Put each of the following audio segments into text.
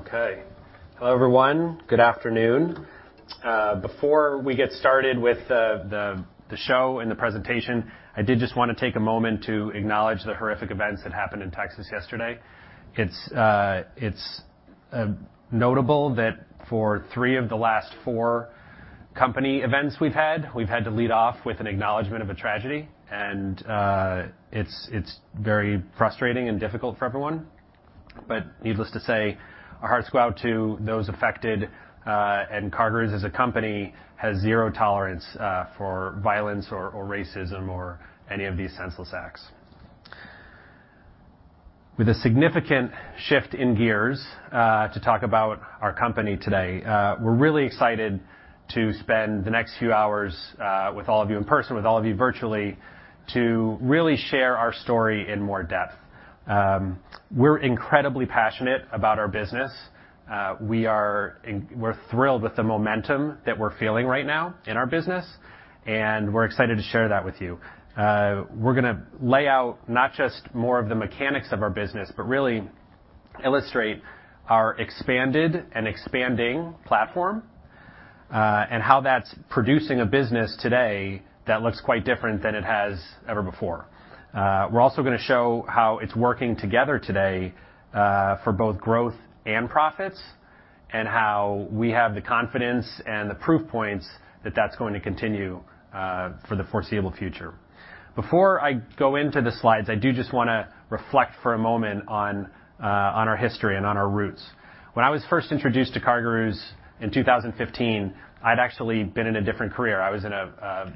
Okay. Hello, everyone. Good afternoon. Before we get started with the show and the presentation, I did just wanna take a moment to acknowledge the horrific events that happened in Texas yesterday. It's notable that for three of the last four company events we've had, we've had to lead off with an acknowledgement of a tragedy. It's very frustrating and difficult for everyone. Needless to say, our hearts go out to those affected, and CarGurus, as a company, has zero tolerance for violence or racism or any of these senseless acts. With a significant shift in gears to talk about our company today, we're really excited to spend the next few hours with all of you in person, with all of you virtually, to really share our story in more depth. We're incredibly passionate about our business. We're thrilled with the momentum that we're feeling right now in our business, and we're excited to share that with you. We're gonna lay out not just more of the mechanics of our business, but really illustrate our expanded and expanding platform, and how that's producing a business today that looks quite different than it has ever before. We're also gonna show how it's working together today, for both growth and profits and how we have the confidence and the proof points that that's going to continue, for the foreseeable future. Before I go into the slides, I do just wanna reflect for a moment on our history and on our roots. When I was first introduced to CarGurus in 2015, I'd actually been in a different career. I was in a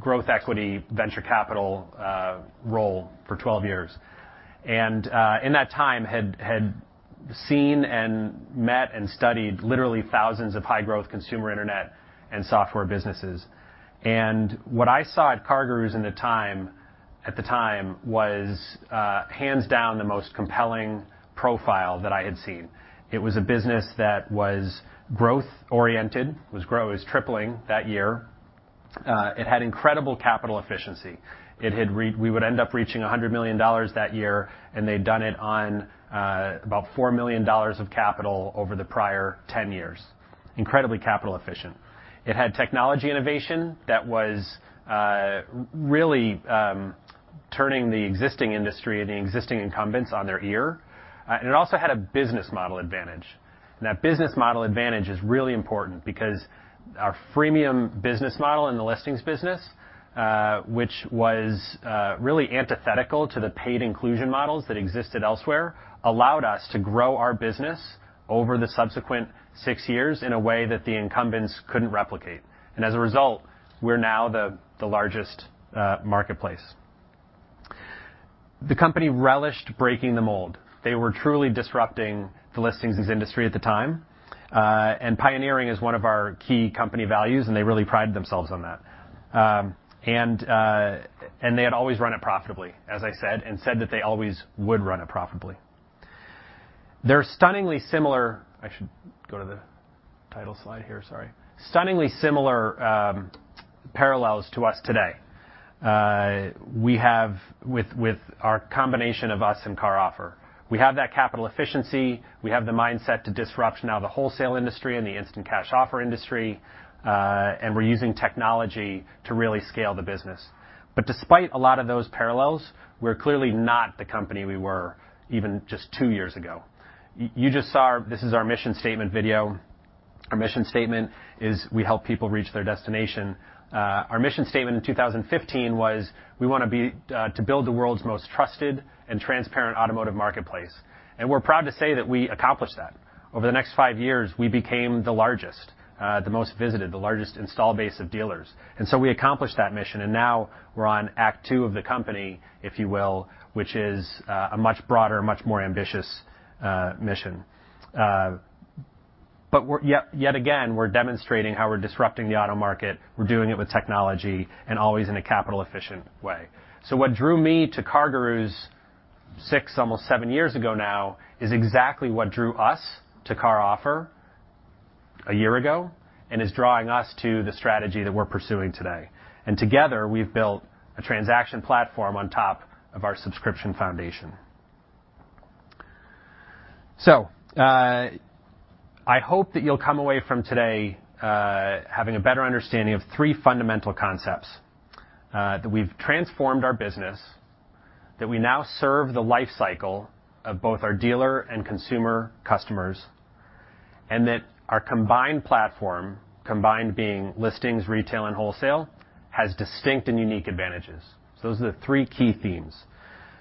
growth equity venture capital role for 12 years. In that time, I had seen and met and studied literally thousands of high growth consumer internet and software businesses. What I saw at CarGurus at the time was hands down the most compelling profile that I had seen. It was a business that was growth oriented. It was tripling that year. It had incredible capital efficiency. We would end up reaching $100 million that year, and they'd done it on about $4 million of capital over the prior 10 years. Incredibly capital efficient. It had technology innovation that was really turning the existing industry and the existing incumbents on their ear, and it also had a business model advantage. That business model advantage is really important because our freemium business model in the listings business, which was really antithetical to the paid inclusion models that existed elsewhere, allowed us to grow our business over the subsequent six years in a way that the incumbents couldn't replicate. As a result, we're now the largest marketplace. The company relished breaking the mold. They were truly disrupting the listings industry at the time. Pioneering is one of our key company values, and they really pride themselves on that. They had always run it profitably, as I said, and said that they always would run it profitably. They're stunningly similar. I should go to the title slide here, sorry. Stunningly similar parallels to us today. We have with our combination of us and CarOffer. We have that capital efficiency. We have the mindset to disrupt now the wholesale industry and the instant cash offer industry, and we're using technology to really scale the business. Despite a lot of those parallels, we're clearly not the company we were even just two years ago. You just saw this is our mission statement video. Our mission statement is we help people reach their destination. Our mission statement in 2015 was, we wanna be to build the world's most trusted and transparent automotive marketplace. We're proud to say that we accomplished that. Over the next five years, we became the largest, the most visited, the largest installed base of dealers. We accomplished that mission, and now we're on act two of the company, if you will, which is a much broader, much more ambitious mission. We're yet again demonstrating how we're disrupting the auto market. We're doing it with technology and always in a capital efficient way. What drew me to CarGurus six, almost seven years ago now is exactly what drew us to CarOffer a year ago and is drawing us to the strategy that we're pursuing today. Together, we've built a transaction platform on top of our subscription foundation. I hope that you'll come away from today, having a better understanding of three fundamental concepts, that we've transformed our business, that we now serve the life cycle of both our dealer and consumer customers, and that our combined platform, combined being listings, retail, and wholesale, has distinct and unique advantages. Those are the three key themes.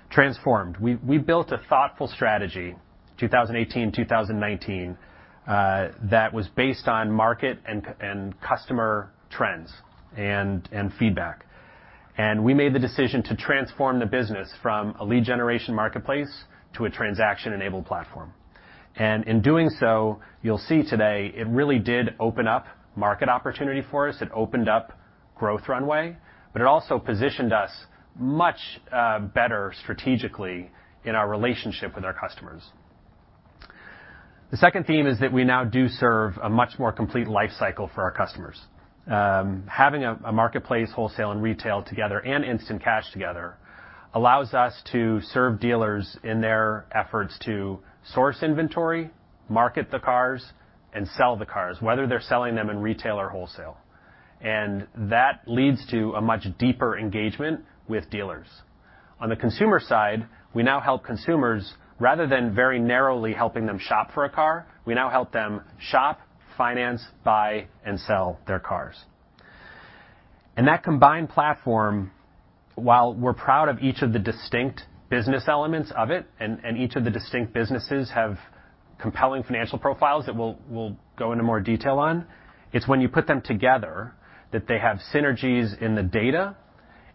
Transformed. We built a thoughtful strategy, 2018, 2019, that was based on market and customer trends and feedback. We made the decision to transform the business from a lead generation marketplace to a transaction-enabled platform. In doing so, you'll see today it really did open up market opportunity for us. It opened up growth runway, but it also positioned us much better strategically in our relationship with our customers. The second theme is that we now do serve a much more complete life cycle for our customers. Having a marketplace wholesale and retail together and instant cash together allows us to serve dealers in their efforts to source inventory, market the cars, and sell the cars, whether they're selling them in retail or wholesale. That leads to a much deeper engagement with dealers. On the consumer side, we now help consumers rather than very narrowly helping them shop for a car. We now help them shop, finance, buy, and sell their cars. That combined platform, while we're proud of each of the distinct business elements of it and each of the distinct businesses have compelling financial profiles that we'll go into more detail on, it's when you put them together that they have synergies in the data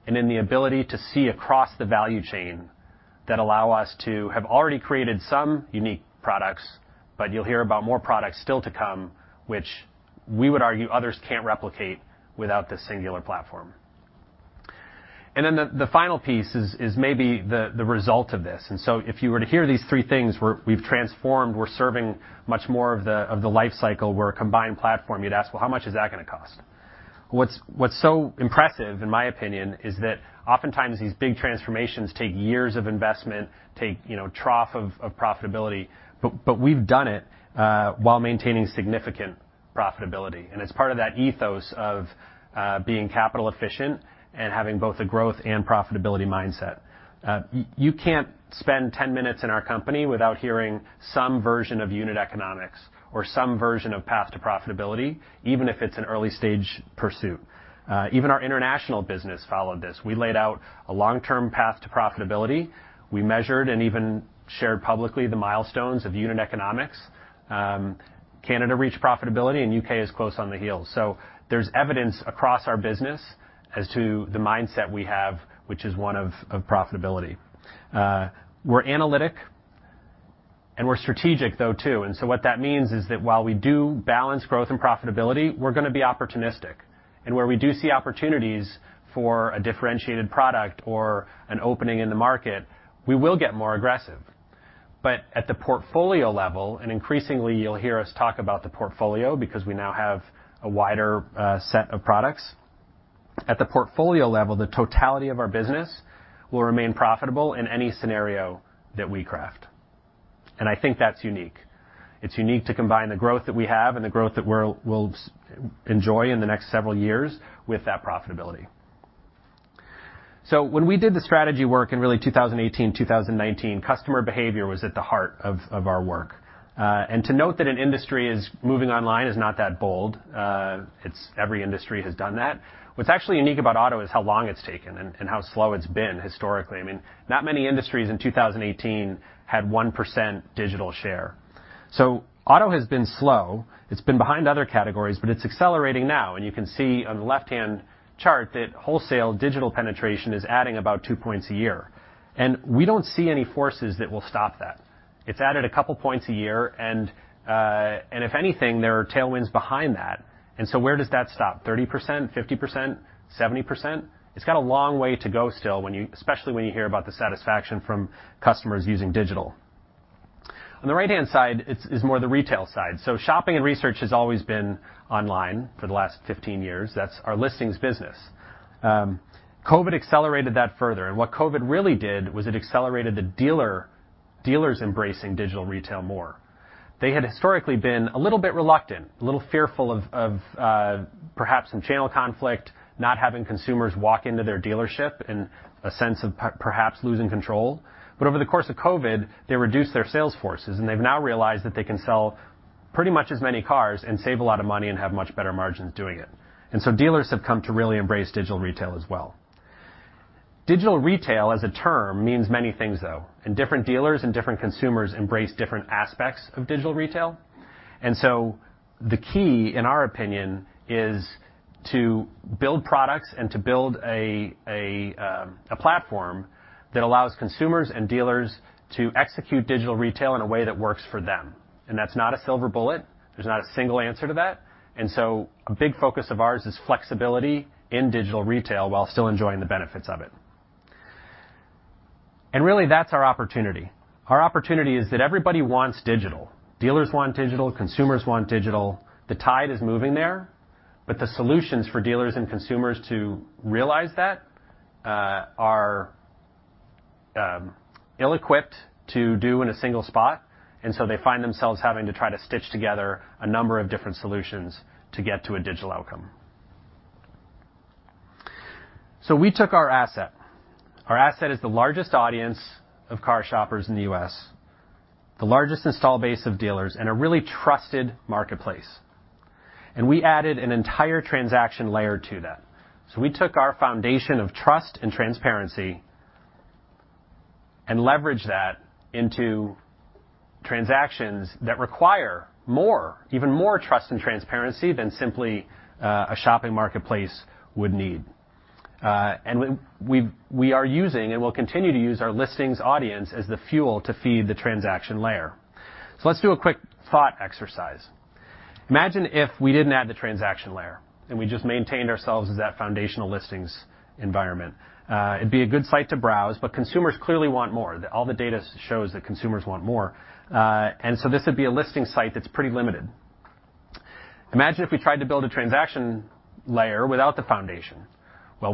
and in the ability to see across the value chain that allow us to have already created some unique products. You'll hear about more products still to come, which we would argue others can't replicate without this singular platform. Then the final piece is maybe the result of this. If you were to hear these three things, we've transformed, we're serving much more of the life cycle. We're a combined platform. You'd ask, "Well, how much is that gonna cost?" What's so impressive in my opinion is that oftentimes these big transformations take years of investment, you know, trough of profitability, but we've done it while maintaining significant profitability, and it's part of that ethos of being capital efficient and having both a growth and profitability mindset. You can't spend 10 minutes in our company without hearing some version of unit economics or some version of path to profitability, even if it's an early stage pursuit. Even our international business followed this. We laid out a long-term path to profitability. We measured and even shared publicly the milestones of unit economics. Canada reached profitability and U.K. is close on the heels. There's evidence across our business as to the mindset we have, which is one of profitability. We're analytic and we're strategic though, too. What that means is that while we do balance growth and profitability, we're gonna be opportunistic. Where we do see opportunities for a differentiated product or an opening in the market, we will get more aggressive. At the portfolio level, and increasingly you'll hear us talk about the portfolio because we now have a wider set of products. At the portfolio level, the totality of our business will remain profitable in any scenario that we craft, and I think that's unique. It's unique to combine the growth that we have and the growth that we'll enjoy in the next several years with that profitability. When we did the strategy work in really 2018, 2019, customer behavior was at the heart of our work. To note that an industry is moving online is not that bold. It's every industry has done that. What's actually unique about auto is how long it's taken and how slow it's been historically. I mean, not many industries in 2018 had 1% digital share. Auto has been slow. It's been behind other categories, but it's accelerating now, and you can see on the left-hand chart that wholesale digital penetration is adding about 2 points a year, and we don't see any forces that will stop that. It's added a couple points a year and if anything, there are tailwinds behind that. Where does that stop? 30%? 50%? 70%? It's got a long way to go still, especially when you hear about the satisfaction from customers using digital. On the right-hand side, it's more the retail side. Shopping and research has always been online for the last 15 years. That's our listings business. COVID accelerated that further, and what COVID really did was it accelerated the dealers embracing digital retail more. They had historically been a little bit reluctant, a little fearful of perhaps some channel conflict, not having consumers walk into their dealership and a sense of perhaps losing control. Over the course of COVID, they reduced their sales forces, and they've now realized that they can sell pretty much as many cars and save a lot of money and have much better margins doing it. Dealers have come to really embrace digital retail as well. Digital retail as a term means many things though, and different dealers and different consumers embrace different aspects of digital retail. The key, in our opinion, is to build products and to build a platform that allows consumers and dealers to execute digital retail in a way that works for them. That's not a silver bullet. There's not a single answer to that. A big focus of ours is flexibility in digital retail while still enjoying the benefits of it. Really, that's our opportunity. Our opportunity is that everybody wants digital. Dealers want digital. Consumers want digital. The tide is moving there, but the solutions for dealers and consumers to realize that are ill-equipped to do in a single spot. They find themselves having to try to stitch together a number of different solutions to get to a digital outcome. We took our asset. Our asset is the largest audience of car shoppers in the U.S., the largest install base of dealers, and a really trusted marketplace, and we added an entire transaction layer to that. We took our foundation of trust and transparency and leveraged that into transactions that require more, even more trust and transparency than simply a shopping marketplace would need. We are using and will continue to use our listings audience as the fuel to feed the transaction layer. Let's do a quick thought exercise. Imagine if we didn't add the transaction layer and we just maintained ourselves as that foundational listings environment. It'd be a good site to browse, but consumers clearly want more. All the data shows that consumers want more. This would be a listing site that's pretty limited. Imagine if we tried to build a transaction layer without the foundation.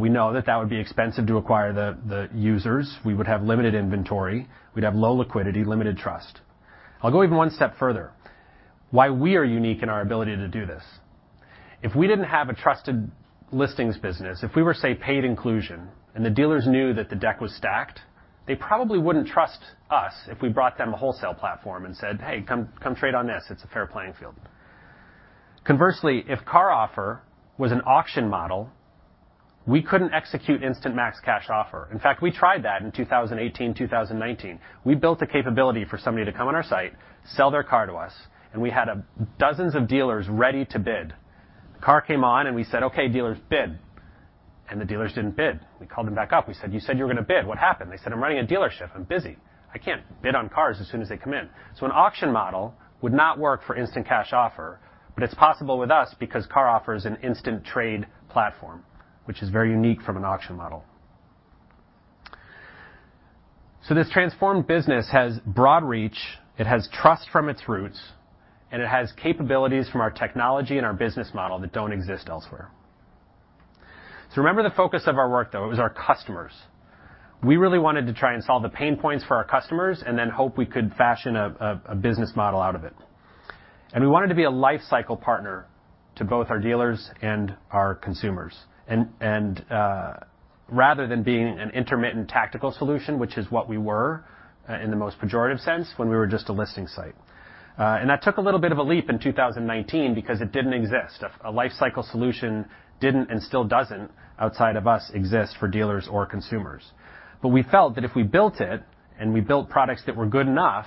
We know that that would be expensive to acquire the users. We would have limited inventory, we'd have low liquidity, limited trust. I'll go even one step further. Why we are unique in our ability to do this. If we didn't have a trusted listings business, if we were, say, paid inclusion, and the dealers knew that the deck was stacked, they probably wouldn't trust us if we brought them a wholesale platform and said, "Hey, come trade on this. It's a fair playing field." Conversely, if CarOffer was an auction model, we couldn't execute Instant Max Cash Offer. In fact, we tried that in 2018, 2019. We built the capability for somebody to come on our site, sell their car to us, and we had dozens of dealers ready to bid. Car came on and we said, "Okay, dealers, bid." The dealers didn't bid. We called them back up. We said, "You said you were gonna bid. What happened?" They said, "I'm running a dealership. I'm busy. I can't bid on cars as soon as they come in." An auction model would not work for instant cash offer, but it's possible with us because CarOffer is an instant trade platform, which is very unique from an auction model. This transformed business has broad reach, it has trust from its roots, and it has capabilities from our technology and our business model that don't exist elsewhere. Remember the focus of our work, though, it was our customers. We really wanted to try and solve the pain points for our customers and then hope we could fashion a business model out of it. We wanted to be a life cycle partner to both our dealers and our consumers, rather than being an intermittent tactical solution, which is what we were in the most pejorative sense when we were just a listing site. That took a little bit of a leap in 2019 because it didn't exist. A life cycle solution didn't and still doesn't, outside of us, exist for dealers or consumers. We felt that if we built it and we built products that were good enough,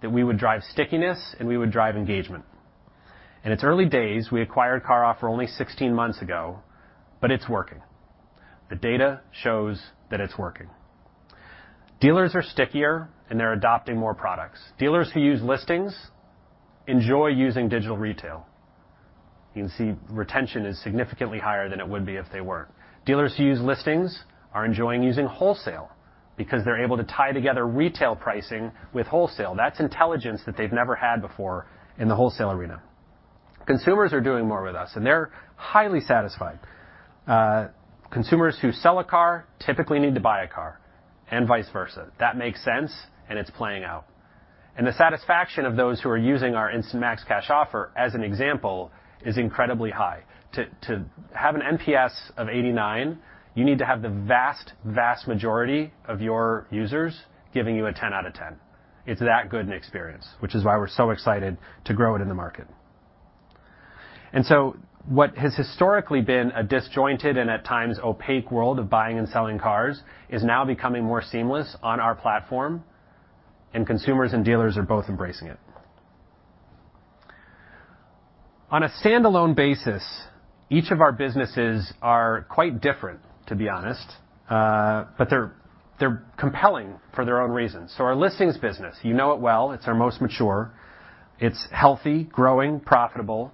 that we would drive stickiness and we would drive engagement. In its early days, we acquired CarOffer only 16 months ago, but it's working. The data shows that it's working. Dealers are stickier, and they're adopting more products. Dealers who use listings enjoy using digital retail. You can see retention is significantly higher than it would be if they weren't. Dealers who use listings are enjoying using wholesale because they're able to tie together retail pricing with wholesale. That's intelligence that they've never had before in the wholesale arena. Consumers are doing more with us, and they're highly satisfied. Consumers who sell a car typically need to buy a car and vice versa. That makes sense, and it's playing out. The satisfaction of those who are using our Instant Max Cash Offer, as an example, is incredibly high. To have an NPS of 89, you need to have the vast majority of your users giving you a 10 out of 10. It's that good an experience, which is why we're so excited to grow it in the market. What has historically been a disjointed and at times opaque world of buying and selling cars is now becoming more seamless on our platform, and consumers and dealers are both embracing it. On a standalone basis, each of our businesses are quite different, to be honest. But they're compelling for their own reasons. Our listings business, you know it well, it's our most mature. It's healthy, growing, profitable.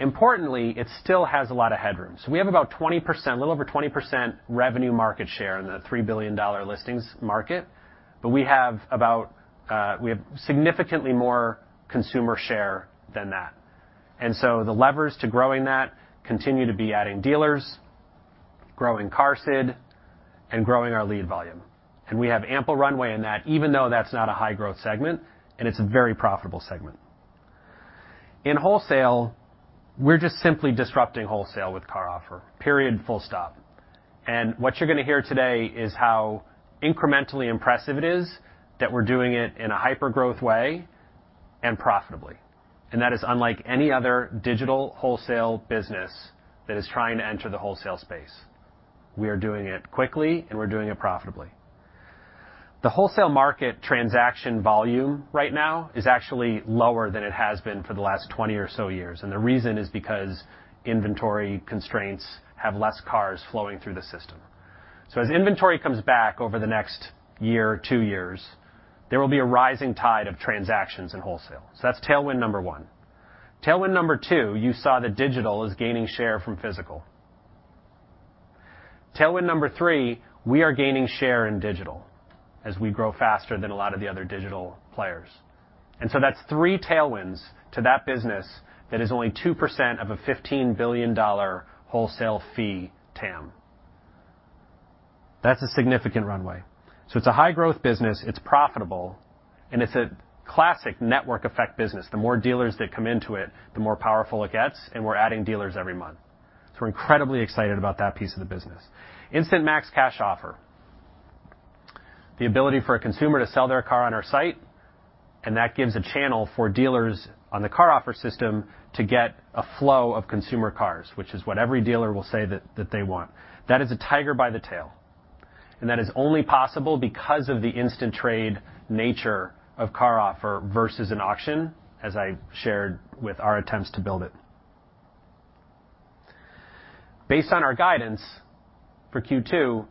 Importantly, it still has a lot of headroom. We have about 20%, a little over 20% revenue market share in the $3 billion listings market, but we have about, we have significantly more consumer share than that. The levers to growing that continue to be adding dealers, growing CarSID, and growing our lead volume. We have ample runway in that, even though that's not a high growth segment, and it's a very profitable segment. In wholesale, we're just simply disrupting wholesale with CarOffer. Period, full stop. What you're gonna hear today is how incrementally impressive it is that we're doing it in a hyper growth way and profitably. That is unlike any other digital wholesale business that is trying to enter the wholesale space. We are doing it quickly, and we're doing it profitably. The wholesale market transaction volume right now is actually lower than it has been for the last 20 or so years, and the reason is because inventory constraints have less cars flowing through the system. As inventory comes back over the next year or two years, there will be a rising tide of transactions in wholesale. That's tailwind number one. Tailwind number two, you saw that digital is gaining share from physical. Tailwind number three, we are gaining share in digital as we grow faster than a lot of the other digital players. That's three tailwinds to that business that is only 2% of a $15 billion wholesale fee TAM. That's a significant runway. It's a high growth business, it's profitable, and it's a classic network effect business. The more dealers that come into it, the more powerful it gets, and we're adding dealers every month. We're incredibly excited about that piece of the business. Instant Max Cash Offer. The ability for a consumer to sell their car on our site, and that gives a channel for dealers on the CarOffer system to get a flow of consumer cars, which is what every dealer will say that they want. That is a tiger by the tail, and that is only possible because of the instant trade nature of CarOffer versus an auction, as I've shared with our attempts to build it. Based on our guidance for Q2,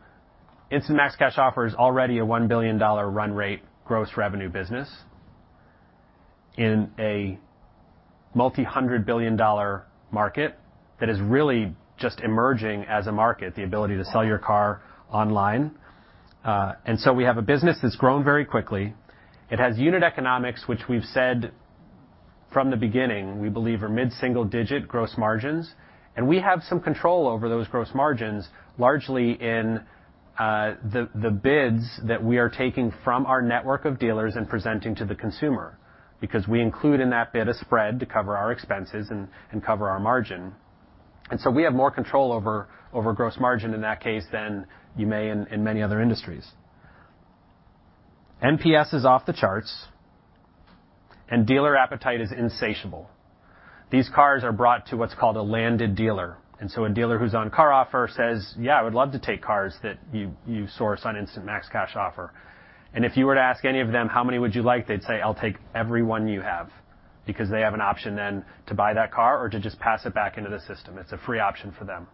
Instant Max Cash Offer is already a $1 billion run rate gross revenue business in a $multi-hundred billion market that is really just emerging as a market, the ability to sell your car online. We have a business that's grown very quickly. It has unit economics, which we've said from the beginning, we believe are mid-single digit gross margins, and we have some control over those gross margins, largely in the bids that we are taking from our network of dealers and presenting to the consumer because we include in that bid a spread to cover our expenses and cover our margin. We have more control over gross margin in that case than you may in many other industries. NPS is off the charts and dealer appetite is insatiable. These cars are brought to what's called a landed dealer. A dealer who's on CarOffer says, "Yeah, I would love to take cars that you source on Instant Max Cash Offer." If you were to ask any of them, how many would you like? They'd say, "I'll take every one you have," because they have an option then to buy that car or to just pass it back into the system. It's a free option for them.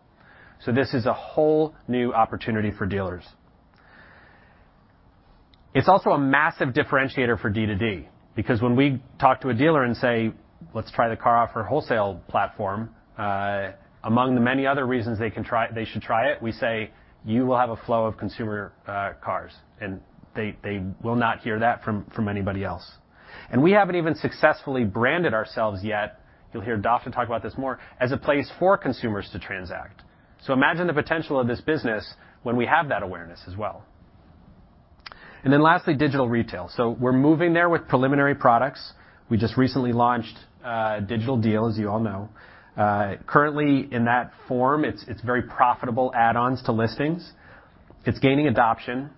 This is a whole new opportunity for dealers. It's also a massive differentiator for D2D because when we talk to a dealer and say, "Let's try the CarOffer wholesale platform," among the many other reasons they should try it, we say, "You will have a flow of consumer cars," and they will not hear that from anybody else. We haven't even successfully branded ourselves yet. You'll hear Dafna often talk about this more, as a place for consumers to transact. Imagine the potential of this business when we have that awareness as well. Then lastly, digital retail. We're moving there with preliminary products. We just recently launched Digital Deal, as you all know. Currently in that form, it's very profitable add-ons to listings. It's gaining adoption.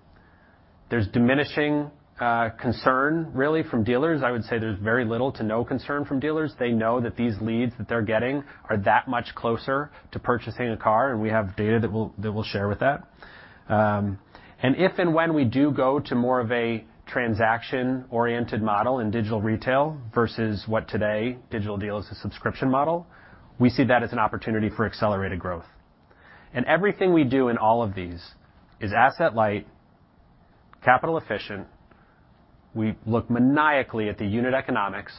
There's diminishing concern really from dealers. I would say there's very little to no concern from dealers. They know that these leads that they're getting are that much closer to purchasing a car, and we have data that we'll share with that. If and when we do go to more of a transaction-oriented model in digital retail versus what today Digital Deal is, a subscription model, we see that as an opportunity for accelerated growth. Everything we do in all of these is asset light, capital efficient. We look maniacally at the unit economics.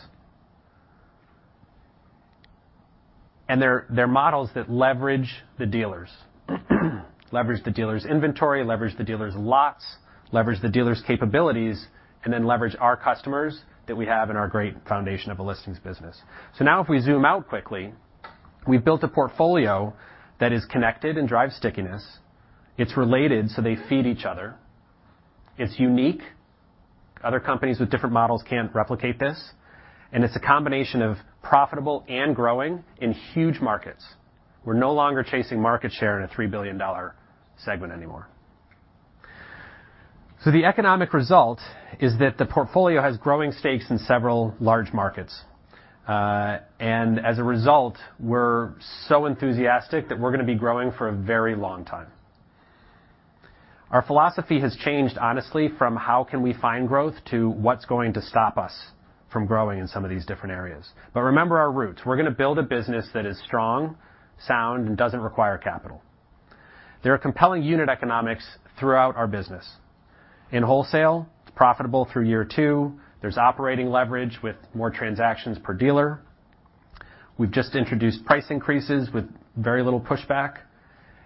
They're models that leverage the dealers, leverage the dealers' inventory, leverage the dealers' lots, leverage the dealers' capabilities, and then leverage our customers that we have in our great foundation of a listings business. Now if we zoom out quickly, we've built a portfolio that is connected and drives stickiness. It's related, so they feed each other. It's unique. Other companies with different models can't replicate this, and it's a combination of profitable and growing in huge markets. We're no longer chasing market share in a $3 billion segment anymore. The economic result is that the portfolio has growing stakes in several large markets. As a result, we're so enthusiastic that we're gonna be growing for a very long time. Our philosophy has changed, honestly from how can we find growth to what's going to stop us from growing in some of these different areas. Remember our roots. We're gonna build a business that is strong, sound, and doesn't require capital. There are compelling unit economics throughout our business. In wholesale, it's profitable through year two. There's operating leverage with more transactions per dealer. We've just introduced price increases with very little pushback,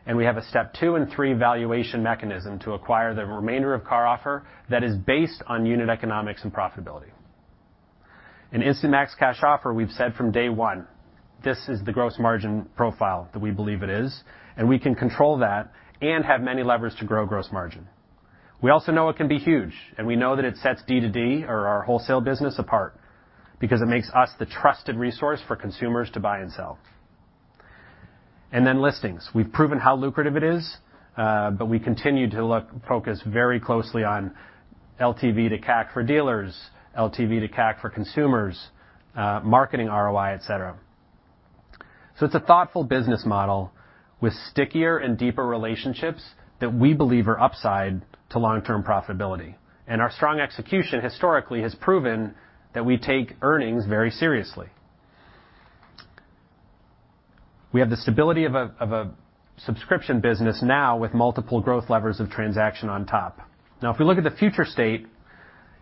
and we have a step 2 and 3 valuation mechanism to acquire the remainder of CarOffer that is based on unit economics and profitability. In Instant Max Cash Offer, we've said from day one, this is the gross margin profile that we believe it is, and we can control that and have many levers to grow gross margin. We also know it can be huge, and we know that it sets D2D or our wholesale business apart because it makes us the trusted resource for consumers to buy and sell. Then listings. We've proven how lucrative it is, but we continue to focus very closely on LTV to CAC for dealers, LTV to CAC for consumers, marketing ROI, et cetera. It's a thoughtful business model with stickier and deeper relationships that we believe are upside to long-term profitability. Our strong execution historically has proven that we take earnings very seriously. We have the stability of a subscription business now with multiple growth levers of transaction on top. Now, if we look at the future state,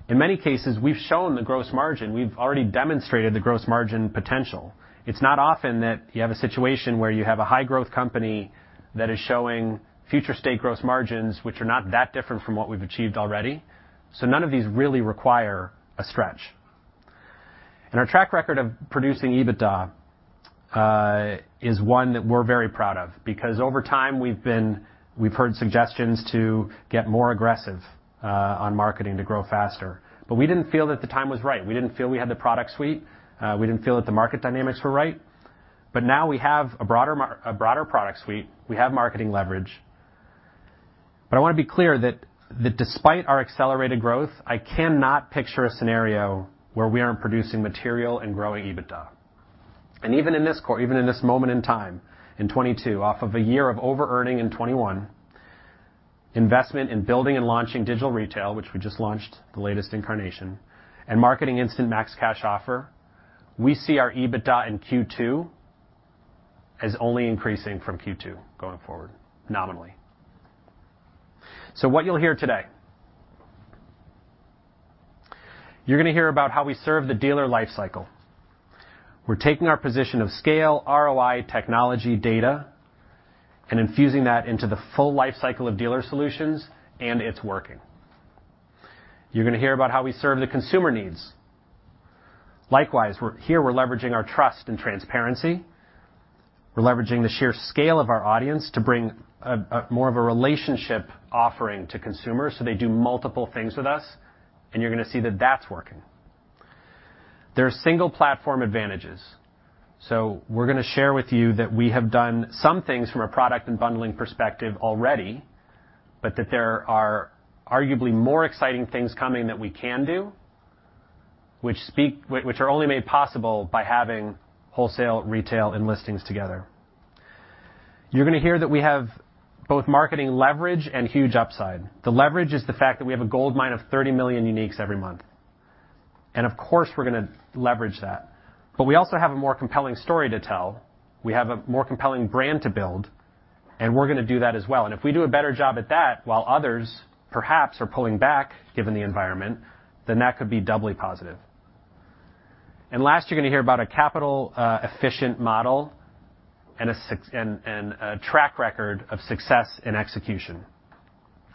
in many cases, we've shown the gross margin. We've already demonstrated the gross margin potential. It's not often that you have a situation where you have a high-growth company that is showing future state gross margins which are not that different from what we've achieved already. None of these really require a stretch. Our track record of producing EBITDA is one that we're very proud of because over time, we've heard suggestions to get more aggressive on marketing to grow faster. We didn't feel that the time was right. We didn't feel we had the product suite. We didn't feel that the market dynamics were right. Now we have a broader product suite. We have marketing leverage. I wanna be clear that despite our accelerated growth, I cannot picture a scenario where we aren't producing material and growing EBITDA. Even in this moment in time, in 2022, off of a year of overearning in 2021, investment in building and launching digital retail, which we just launched the latest incarnation, and marketing Instant Max Cash Offer, we see our EBITDA in Q2 as only increasing from Q2 going forward nominally. What you'll hear today. You're gonna hear about how we serve the dealer life cycle. We're taking our position of scale, ROI, technology, data, and infusing that into the full life cycle of dealer solutions, and it's working. You're gonna hear about how we serve the consumer needs. Likewise, here we're leveraging our trust and transparency. We're leveraging the sheer scale of our audience to bring a more of a relationship offering to consumers so they do multiple things with us, and you're gonna see that that's working. There are single platform advantages. We're gonna share with you that we have done some things from a product and bundling perspective already, but that there are arguably more exciting things coming that we can do which are only made possible by having wholesale, retail, and listings together. You're gonna hear that we have both marketing leverage and huge upside. The leverage is the fact that we have a goldmine of 30 million uniques every month. Of course, we're gonna leverage that. We also have a more compelling story to tell. We have a more compelling brand to build, and we're gonna do that as well. If we do a better job at that while others perhaps are pulling back, given the environment, then that could be doubly positive. Last, you're gonna hear about a capital efficient model and a track record of success and execution.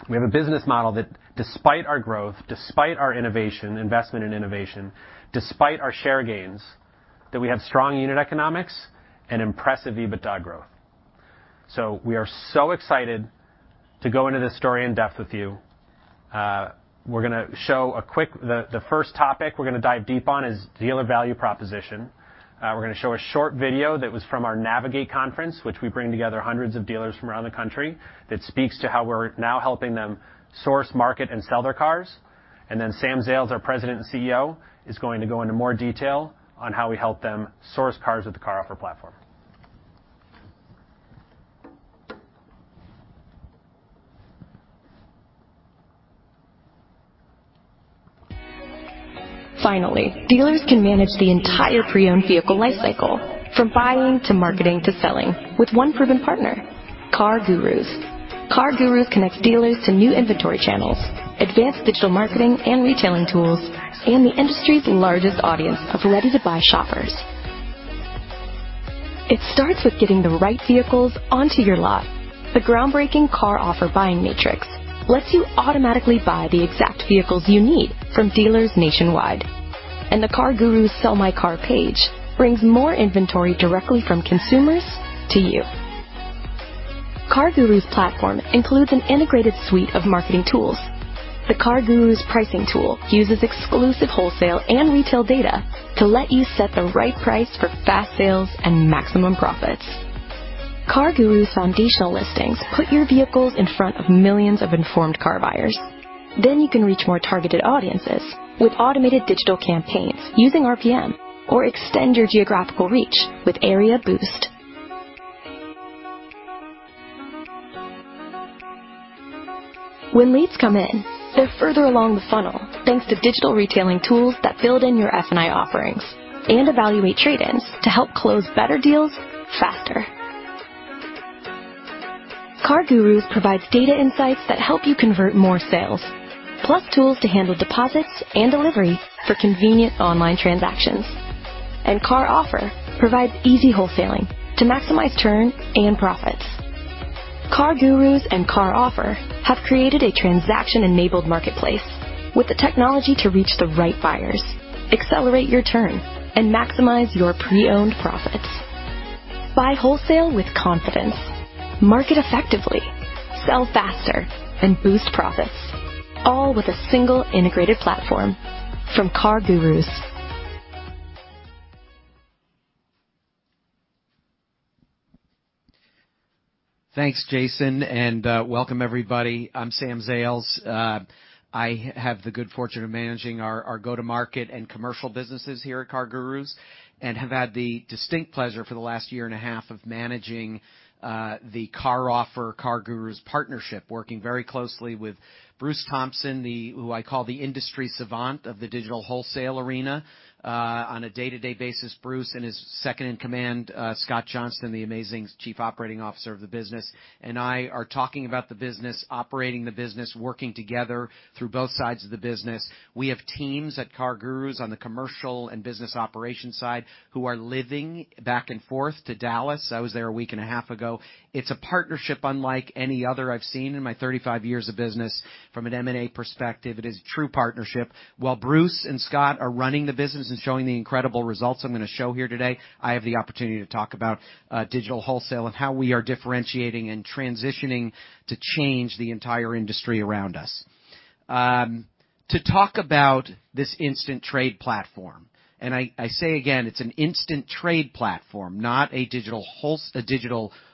We have a business model that despite our growth, despite our innovation, investment in innovation, despite our share gains, that we have strong unit economics and impressive EBITDA growth. We are so excited to go into this story in-depth with you. We're gonna show a quick. The first topic we're gonna dive deep on is dealer value proposition. We're gonna show a short video that was from our Navigate conference, which we bring together hundreds of dealers from around the country that speaks to how we're now helping them source, market, and sell their cars. Sam Zales, our President and COO, is going to go into more detail on how we help them source cars with the CarOffer platform. Finally, dealers can manage the entire pre-owned vehicle lifecycle, from buying to marketing to selling with one proven partner, CarGurus. CarGurus connects dealers to new inventory channels, advanced digital marketing and retailing tools, and the industry's largest audience of ready-to-buy shoppers. It starts with getting the right vehicles onto your lot. The groundbreaking CarOffer buying matrix lets you automatically buy the exact vehicles you need from dealers nationwide. The CarGurus Sell My Car page brings more inventory directly from consumers to you. CarGurus platform includes an integrated suite of marketing tools. The CarGurus pricing tool uses exclusive wholesale and retail data to let you set the right price for fast sales and maximum profits. CarGurus foundational listings put your vehicles in front of millions of informed car buyers. You can reach more targeted audiences with automated digital campaigns using RPM or extend your geographical reach with Area Boost. When leads come in, they're further along the funnel, thanks to digital retailing tools that build in your F&I offerings and evaluate trade-ins to help close better deals faster. CarGurus provides data insights that help you convert more sales, plus tools to handle deposits and deliveries for convenient online transactions. CarOffer provides easy wholesaling to maximize turn and profits. CarGurus and CarOffer have created a transaction-enabled marketplace with the technology to reach the right buyers, accelerate your turn, and maximize your pre-owned profits. Buy wholesale with confidence, market effectively, sell faster, and boost profits, all with a single integrated platform from CarGurus. Thanks, Jason, and welcome everybody. I'm Sam Zales. I have the good fortune of managing our go-to-market and commercial businesses here at CarGurus and have had the distinct pleasure for the last year and a half of managing the CarOffer-CarGurus partnership, working very closely with Bruce Thompson, who I call the industry savant of the digital wholesale arena. On a day-to-day basis, Bruce and his second in command, Scott Johnston, the amazing Chief Operating Officer of the business, and I are talking about the business, operating the business, working together through both sides of the business. We have teams at CarGurus on the commercial and business operations side who are living back and forth to Dallas. I was there a week and a half ago. It's a partnership unlike any other I've seen in my 35 years of business. From an M&A perspective, it is a true partnership. While Bruce and Scott are running the business and showing the incredible results I'm gonna show here today, I have the opportunity to talk about digital wholesale and how we are differentiating and transitioning to change the entire industry around us. To talk about this instant trade platform, and I say again, it's an instant trade platform, not a digital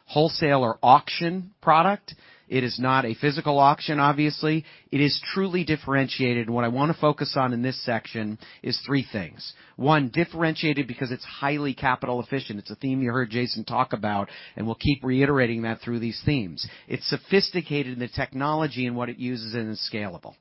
wholesale or auction product. It is not a physical auction, obviously. It is truly differentiated, and what I wanna focus on in this section is three things. One, differentiated because it's highly capital efficient. It's a theme you heard Jason talk about, and we'll keep reiterating that through these themes. It's sophisticated in the technology and what it uses and is scalable.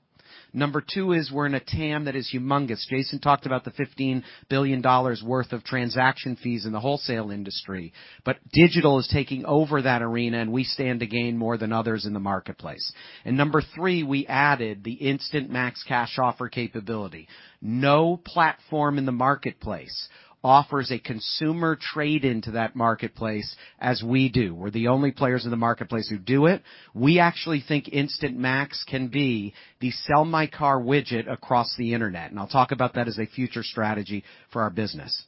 Number two is we're in a TAM that is humongous. Jason talked about the $15 billion worth of transaction fees in the wholesale industry, but digital is taking over that arena, and we stand to gain more than others in the marketplace. Number three, we added the Instant Max Cash Offer capability. No platform in the marketplace offers a consumer trade-in to that marketplace as we do. We're the only players in the marketplace who do it. We actually think Instant Max can be the Sell My Car widget across the Internet, and I'll talk about that as a future strategy for our business.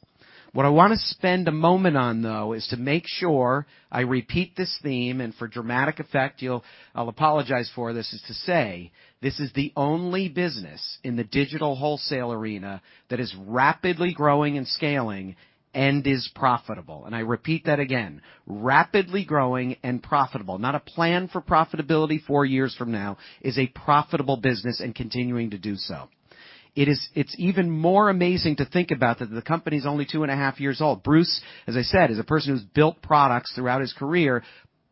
What I want to spend a moment on, though, is to make sure I repeat this theme, and for dramatic effect, I'll apologize for this, is to say, this is the only business in the digital wholesale arena that is rapidly growing and scaling and is profitable. I repeat that again, rapidly growing and profitable. Not a plan for profitability four years from now, is a profitable business and continuing to do so. It's even more amazing to think about that the company is only two and a half years old. Bruce, as I said, is a person who's built products throughout his career,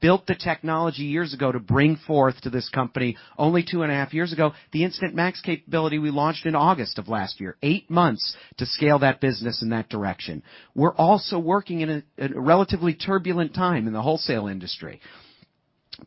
built the technology years ago to bring forth to this company only two and a half years ago. The Instant Max Cash Offer we launched in August of last year, eight months to scale that business in that direction. We're also working in a relatively turbulent time in the wholesale industry.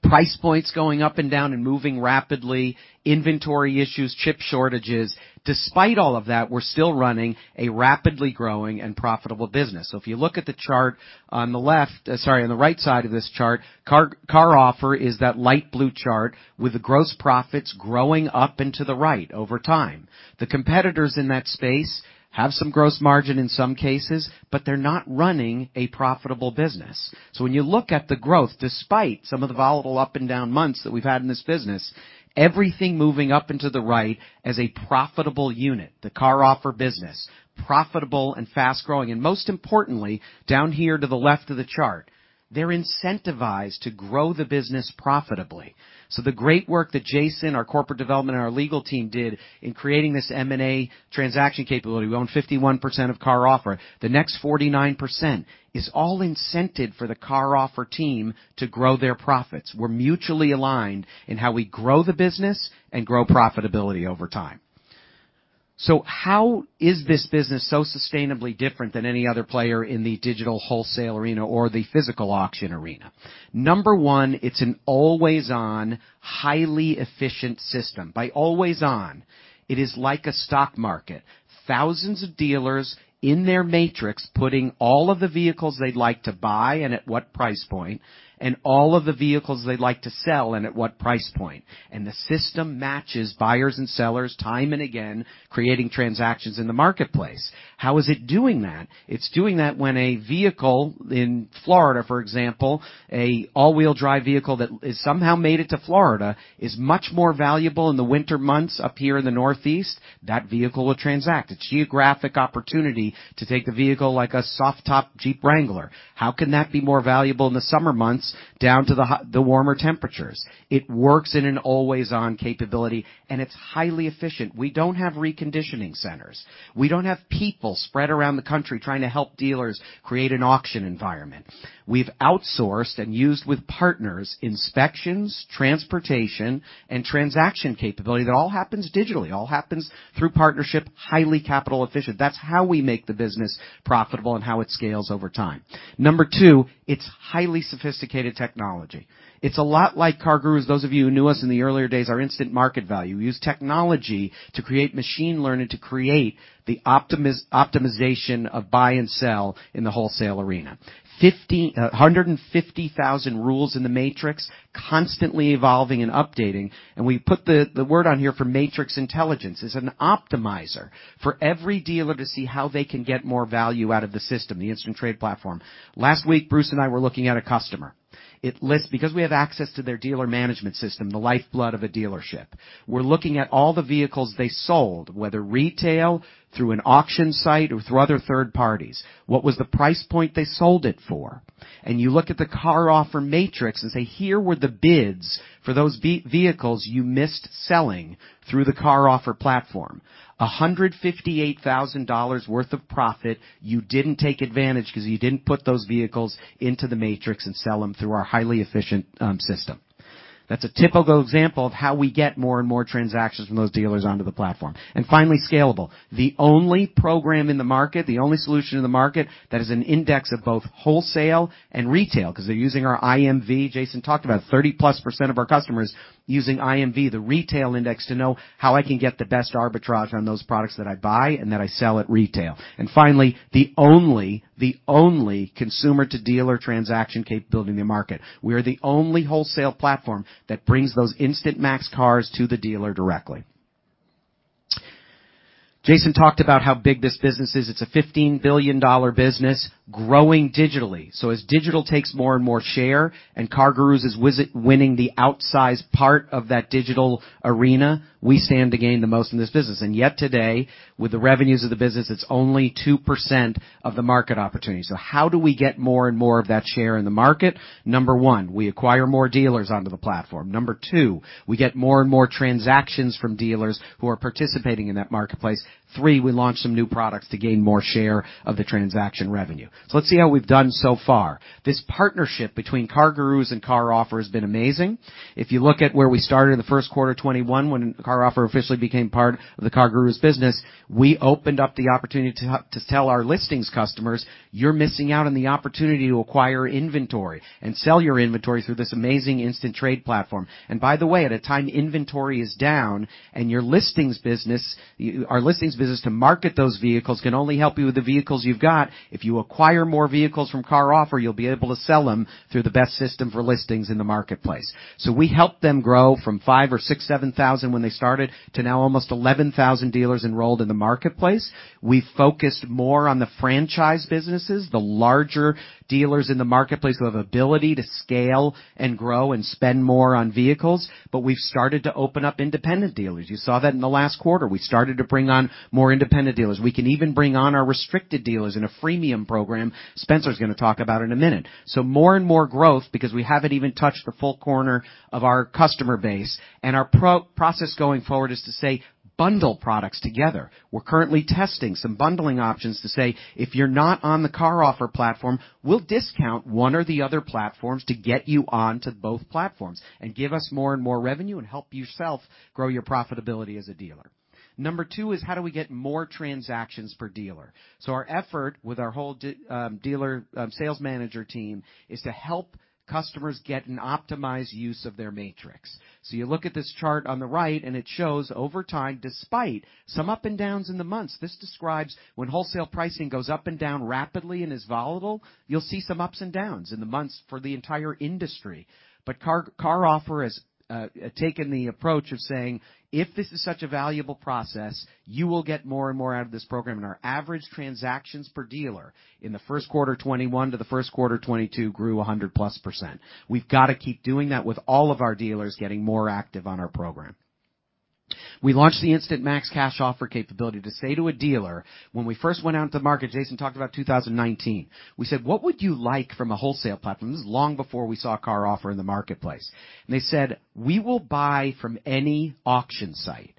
Price points going up and down and moving rapidly. Inventory issues, chip shortages. Despite all of that, we're still running a rapidly growing and profitable business. If you look at the chart on the left, sorry, on the right side of this chart, CarOffer is that light blue chart with the gross profits growing up into the right over time. The competitors in that space have some gross margin in some cases, but they're not running a profitable business. When you look at the growth, despite some of the volatile up and down months that we've had in this business, everything moving up into the right as a profitable unit, the CarOffer business, profitable and fast-growing. Most importantly, down here to the left of the chart, they're incentivized to grow the business profitably. The great work that Jason, our corporate development, and our legal team did in creating this M&A transaction capability. We own 51% of CarOffer. The next 49% is all incented for the CarOffer team to grow their profits. We're mutually aligned in how we grow the business and grow profitability over time. How is this business so sustainably different than any other player in the digital wholesale arena or the physical auction arena? Number one, it's an always-on, highly efficient system. By always on, it is like a stock market. Thousands of dealers in their matrix putting all of the vehicles they'd like to buy and at what price point, and all of the vehicles they'd like to sell and at what price point. The system matches buyers and sellers time and again, creating transactions in the marketplace. How is it doing that? It's doing that when a vehicle in Florida, for example, an all-wheel drive vehicle that has somehow made it to Florida, is much more valuable in the winter months up here in the Northeast. That vehicle will transact. The geographic opportunity to take the vehicle like a soft top Jeep Wrangler. How can that be more valuable in the summer months down to the warmer temperatures? It works in an always-on capability, and it's highly efficient. We don't have reconditioning centers. We don't have people spread around the country trying to help dealers create an auction environment. We've outsourced and used with partners, inspections, transportation, and transaction capability that all happens digitally, all happens through partnership, highly capital efficient. That's how we make the business profitable and how it scales over time. Number two, it's highly sophisticated technology. It's a lot like CarGurus, those of you who knew us in the earlier days, our Instant Market Value. We use technology to create machine learning to create the optimization of buy and sell in the wholesale arena. 150,000 rules in the matrix, constantly evolving and updating. We put the word on here for matrix intelligence. It's an optimizer for every dealer to see how they can get more value out of the system, the instant trade platform. Last week, Bruce and I were looking at a customer. It lists because we have access to their dealer management system, the lifeblood of a dealership. We're looking at all the vehicles they sold, whether retail through an auction site or through other third parties. What was the price point they sold it for? You look at the CarOffer matrix and say, "Here were the bids for those vehicles you missed selling through the CarOffer platform. $158,000 worth of profit you didn't take advantage because you didn't put those vehicles into the matrix and sell them through our highly efficient system." That's a typical example of how we get more and more transactions from those dealers onto the platform. Finally, scalable. The only program in the market, the only solution in the market that is an index of both wholesale and retail because they're using our IMV. Jason talked about 30%+ of our customers using IMV, the retail index, to know how I can get the best arbitrage on those products that I buy and that I sell at retail. Finally, the only consumer-to-dealer transaction capability in the market. We are the only wholesale platform that brings those Instant Max Cash Offer to the dealer directly. Jason talked about how big this business is. It's a $15 billion business growing digitally. As digital takes more and more share, and CarGurus is winning the outsized part of that digital arena, we stand to gain the most in this business. Yet today, with the revenues of the business, it's only 2% of the market opportunity. How do we get more and more of that share in the market? Number one, we acquire more dealers onto the platform. Number two, we get more and more transactions from dealers who are participating in that marketplace. Three, we launch some new products to gain more share of the transaction revenue. Let's see how we've done so far. This partnership between CarGurus and CarOffer has been amazing. If you look at where we started in the first quarter 2021, when CarOffer officially became part of the CarGurus business, we opened up the opportunity to tell our listings customers, "You're missing out on the opportunity to acquire inventory and sell your inventory through this amazing instant trade platform." By the way, at a time inventory is down and your listings business, our listings business to market those vehicles can only help you with the vehicles you've got. If you acquire more vehicles from CarOffer, you'll be able to sell them through the best system for listings in the marketplace. We helped them grow from 5,000 or 6,000, 7,000 when they started to now almost 11,000 dealers enrolled in the marketplace. We focused more on the franchise businesses, the larger dealers in the marketplace who have ability to scale and grow and spend more on vehicles. We've started to open up independent dealers. You saw that in the last quarter. We started to bring on more independent dealers. We can even bring on our restricted dealers in a freemium program Spencer's gonna talk about in a minute. More and more growth because we haven't even touched the full corner of our customer base, and our process going forward is to say, bundle products together. We're currently testing some bundling options to say, "If you're not on the CarOffer platform, we'll discount one or the other platforms to get you onto both platforms and give us more and more revenue and help yourself grow your profitability as a dealer." Number two is how do we get more transactions per dealer? Our effort with our whole dealer sales manager team is to help customers get an optimized use of their matrix. You look at this chart on the right, and it shows over time, despite some ups and downs in the months. This describes when wholesale pricing goes up and down rapidly and is volatile. You'll see some ups and downs in the months for the entire industry. CarOffer has taken the approach of saying, "If this is such a valuable process, you will get more and more out of this program," and our average transactions per dealer in the first quarter 2021 to the first quarter 2022 grew 100%+. We've gotta keep doing that with all of our dealers getting more active on our program. We launched the Instant Max Cash Offer capability to say to a dealer when we first went out to market. Jason talked about 2019. We said, "What would you like from a wholesale platform?" This is long before we saw CarOffer in the marketplace. They said, "We will buy from any auction site,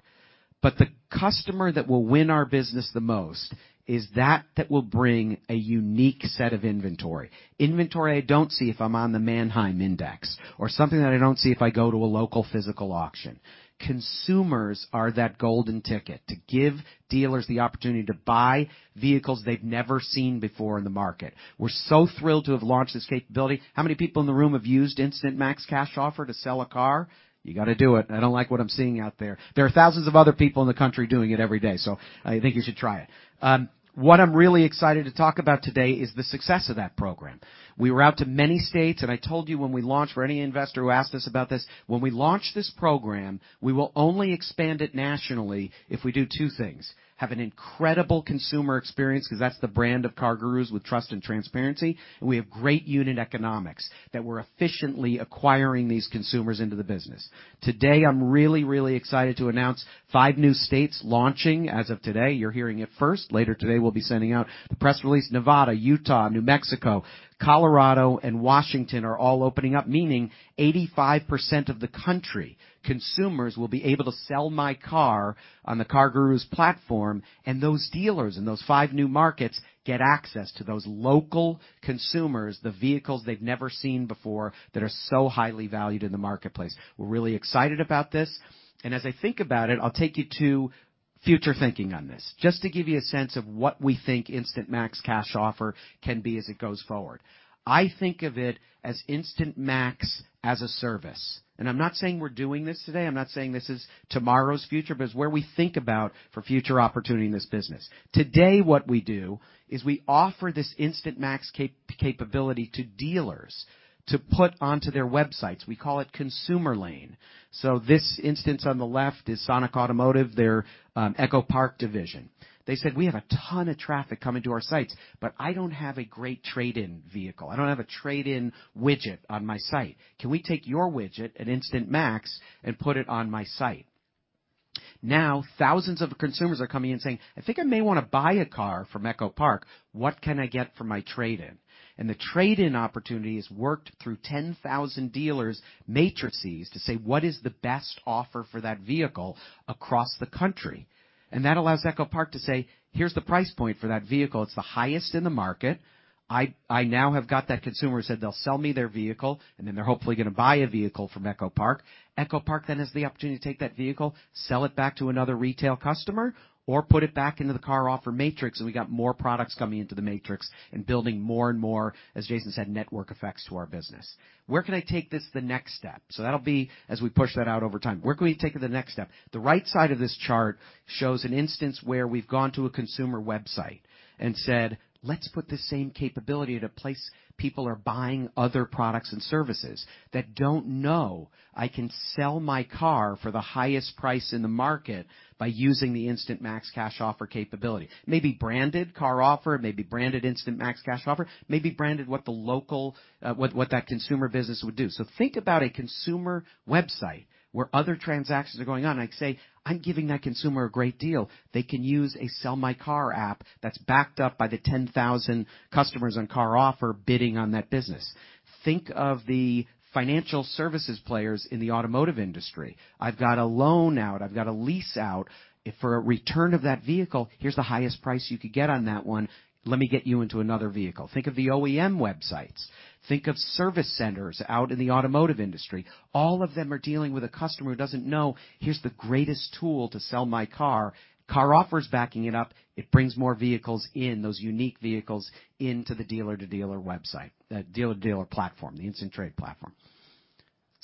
but the customer that will win our business the most is that will bring a unique set of inventory. Inventory I don't see if I'm on the Manheim index or something that I don't see if I go to a local physical auction." Consumers are that golden ticket to give dealers the opportunity to buy vehicles they've never seen before in the market. We're so thrilled to have launched this capability. How many people in the room have used Instant Max Cash Offer to sell a car? You gotta do it. I don't like what I'm seeing out there. There are thousands of other people in the country doing it every day, so I think you should try it. What I'm really excited to talk about today is the success of that program. We were out to many states, and I told you when we launched for any investor who asked us about this, when we launch this program, we will only expand it nationally if we do two things, have an incredible consumer experience, because that's the brand of CarGurus with trust and transparency, and we have great unit economics that we're efficiently acquiring these consumers into the business. Today, I'm really, really excited to announce five new states launching as of today. You're hearing it first. Later today, we'll be sending out the press release. Nevada, Utah, New Mexico, Colorado, and Washington are all opening up, meaning 85% of the country, consumers will be able to Sell My Car on the CarGurus platform, and those dealers in those five new markets get access to those local consumers, the vehicles they've never seen before that are so highly valued in the marketplace. We're really excited about this. As I think about it, I'll take you to future thinking on this. Just to give you a sense of what we think Instant Max Cash Offer can be as it goes forward. I think of it as Instant Max as a service. I'm not saying we're doing this today. I'm not saying this is tomorrow's future, but it's where we think about for future opportunity in this business. Today, what we do is we offer this Instant Max capability to dealers to put onto their websites. We call it ConsumerLane. This instance on the left is Sonic Automotive, their EchoPark division. They said, "We have a ton of traffic coming to our sites, but I don't have a great trade-in vehicle. I don't have a trade-in widget on my site. Can we take your widget at Instant Max and put it on my site?" Now, thousands of consumers are coming in saying, "I think I may wanna buy a car from EchoPark. What can I get for my trade-in?" The trade-in opportunity is worked through 10,000 dealers matrices to say, what is the best offer for that vehicle across the country. That allows EchoPark to say, "Here's the price point for that vehicle. It's the highest in the market. I now have got that consumer said they'll sell me their vehicle, and then they're hopefully gonna buy a vehicle from EchoPark. EchoPark then has the opportunity to take that vehicle, sell it back to another retail customer, or put it back into the CarOffer matrix, and we got more products coming into the matrix and building more and more, as Jason said, network effects to our business. Where can I take this the next step? That'll be as we push that out over time. Where can we take it the next step? The right side of this chart shows an instance where we've gone to a consumer website and said, "Let's put the same capability in places where people are buying other products and services that don't know they can sell their car for the highest price in the market by using the Instant Max Cash Offer capability. Maybe branded CarOffer, maybe branded Instant Max Cash Offer, maybe branded what the local, what that consumer business would do." Think about a consumer website where other transactions are going on. I'd say, "I'm giving that consumer a great deal. They can use a Sell My Car app that's backed up by the 10,000 customers on CarOffer bidding on that business." Think of the financial services players in the automotive industry. I've got a loan out. I've got a lease out. If for a return of that vehicle, here's the highest price you could get on that one. Let me get you into another vehicle. Think of the OEM websites. Think of service centers out in the automotive industry. All of them are dealing with a customer who doesn't know, here's the greatest tool to sell my car. CarOffer is backing it up. It brings more vehicles in, those unique vehicles into the dealer-to-dealer website. That dealer-to-dealer platform, the instant trade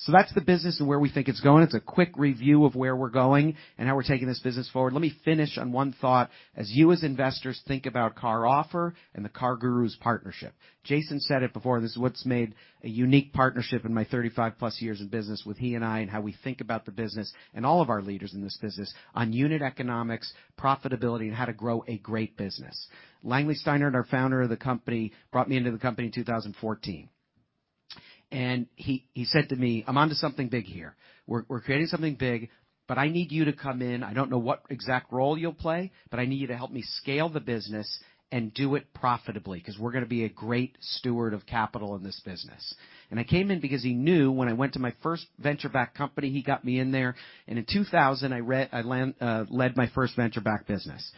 platform. That's the business and where we think it's going. It's a quick review of where we're going and how we're taking this business forward. Let me finish on one thought as you, as investors, think about CarOffer and the CarGurus partnership. Jason said it before, this is what's made a unique partnership in my 35+ years in business with he and I, and how we think about the business and all of our leaders in this business on unit economics, profitability, and how to grow a great business. Langley Steinert, our founder of the company, brought me into the company in 2014. He said to me, "I'm onto something big here. We're creating something big, but I need you to come in. I don't know what exact role you'll play, but I need you to help me scale the business and do it profitably, because we're gonna be a great steward of capital in this business." I came in because he knew when I went to my first venture-backed company, he got me in there. In 2000, I led my first venture-backed business.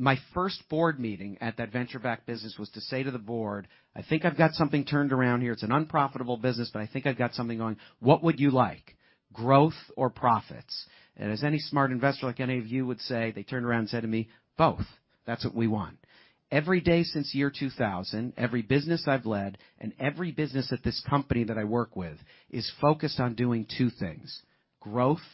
My first board meeting at that venture-backed business was to say to the board, "I think I've got something turned around here. It's an unprofitable business, but I think I've got something going. What would you like? Growth or profits?" As any smart investor, like any of you would say, they turned around and said to me, "Both. That's what we want." Every day since 2000, every business I've led and every business at this company that I work with is focused on doing two things, growth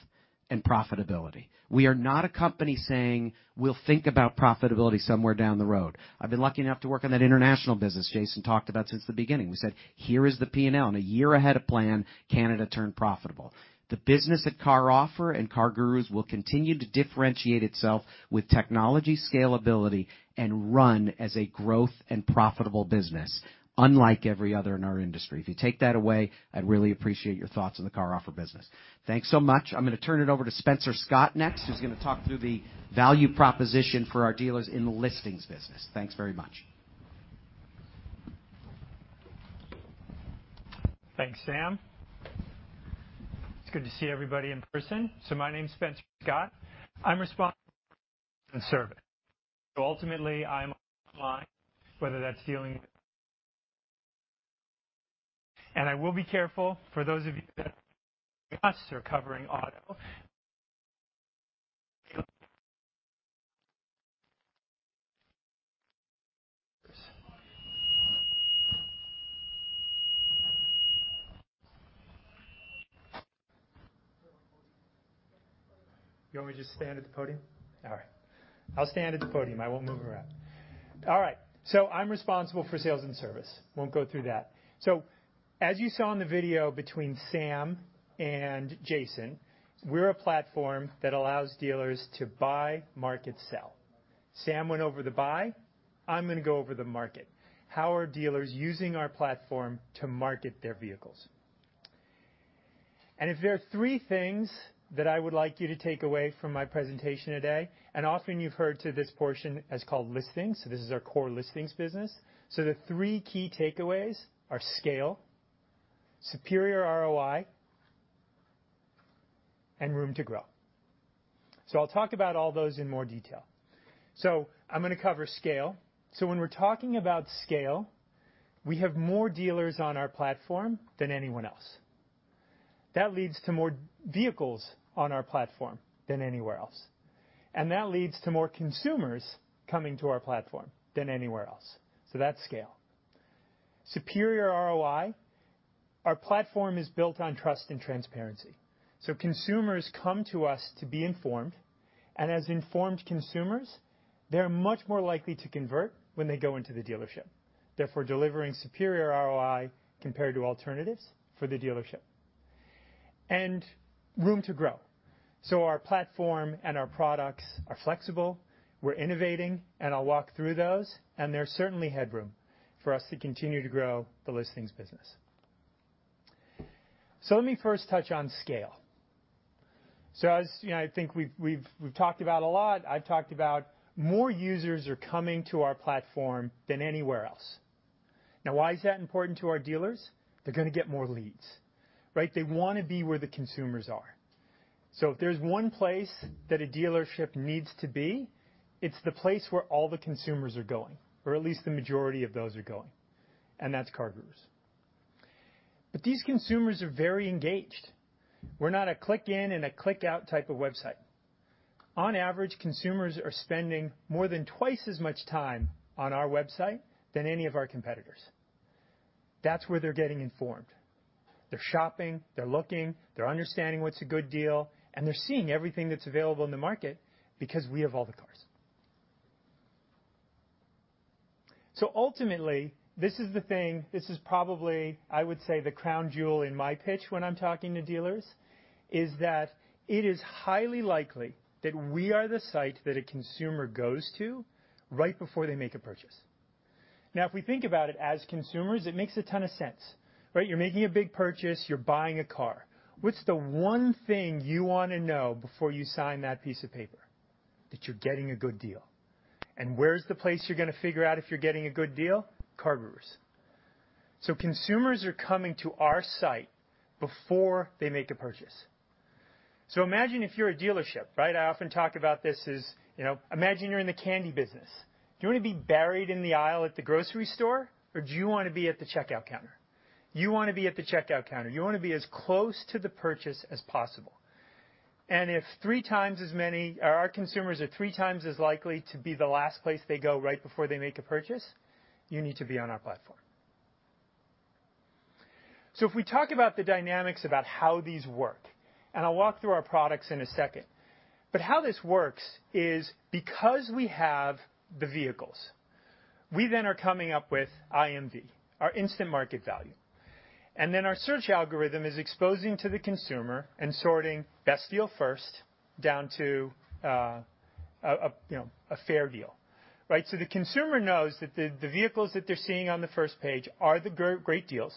and profitability. We are not a company saying, we'll think about profitability somewhere down the road. I've been lucky enough to work on that international business Jason talked about since the beginning. We said, here is the P&L, and a year ahead of plan, Canada turned profitable. The business at CarOffer and CarGurus will continue to differentiate itself with technology scalability and run as a growth and profitable business unlike every other in our industry. If you take that away, I'd really appreciate your thoughts on the CarOffer business. Thanks so much. I'm gonna turn it over to Spencer Scott next, who's gonna talk through the value proposition for our dealers in the listings business. Thanks very much. Thanks, Sam. It's good to see everybody in person. My name's Spencer Scott. Ultimately, I'm online, whether that's digital and I will be careful for those of you that are covering auto. You want me to just stand at the podium? All right. I'll stand at the podium. I won't move around. All right, I'm responsible for sales and service. Won't go through that. As you saw in the video between Sam and Jason, we're a platform that allows dealers to buy, market, sell. Sam went over the buy. I'm gonna go over the market. How are dealers using our platform to market their vehicles? If there are three things that I would like you to take away from my presentation today, and often you've heard this portion called listings. This is our core listings business. The three key takeaways are scale, superior ROI, and room to grow. I'll talk about all those in more detail. I'm gonna cover scale. When we're talking about scale, we have more dealers on our platform than anyone else. That leads to more vehicles on our platform than anywhere else. That leads to more consumers coming to our platform than anywhere else. That's scale. Superior ROI. Our platform is built on trust and transparency. Consumers come to us to be informed. As informed consumers, they're much more likely to convert when they go into the dealership. Therefore, delivering superior ROI compared to alternatives for the dealership. Room to grow. Our platform and our products are flexible. We're innovating, and I'll walk through those. There's certainly headroom for us to continue to grow the listings business. Let me first touch on scale. As you know, I think we've talked about a lot. I've talked about more users are coming to our platform than anywhere else. Now, why is that important to our dealers? They're gonna get more leads, right? They wanna be where the consumers are. If there's one place that a dealership needs to be, it's the place where all the consumers are going, or at least the majority of those are going. That's CarGurus. These consumers are very engaged. We're not a click in and a click out type of website. On average, consumers are spending more than twice as much time on our website than any of our competitors. That's where they're getting informed. They're shopping, they're looking, they're understanding what's a good deal, and they're seeing everything that's available in the market because we have all the cars. Ultimately, this is the thing, this is probably, I would say, the crown jewel in my pitch when I'm talking to dealers, is that it is highly likely that we are the site that a consumer goes to right before they make a purchase. Now, if we think about it as consumers, it makes a ton of sense, right? You're making a big purchase, you're buying a car. What's the one thing you wanna know before you sign that piece of paper? That you're getting a good deal. Where's the place you're gonna figure out if you're getting a good deal? CarGurus. Consumers are coming to our site before they make a purchase. Imagine if you're a dealership, right? I often talk about this as, you know, imagine you're in the candy business. Do you wanna be buried in the aisle at the grocery store or do you wanna be at the checkout counter? You wanna be at the checkout counter. You wanna be as close to the purchase as possible. If our consumers are 3x as likely to be the last place they go right before they make a purchase, you need to be on our platform. If we talk about the dynamics about how these work, and I'll walk through our products in a second. How this works is because we have the vehicles, we then are coming up with IMV, our Instant Market Value. Our search algorithm is exposing to the consumer and sorting best deal first down to, you know, a fair deal, right? The consumer knows that the vehicles that they're seeing on the first page are the great deals.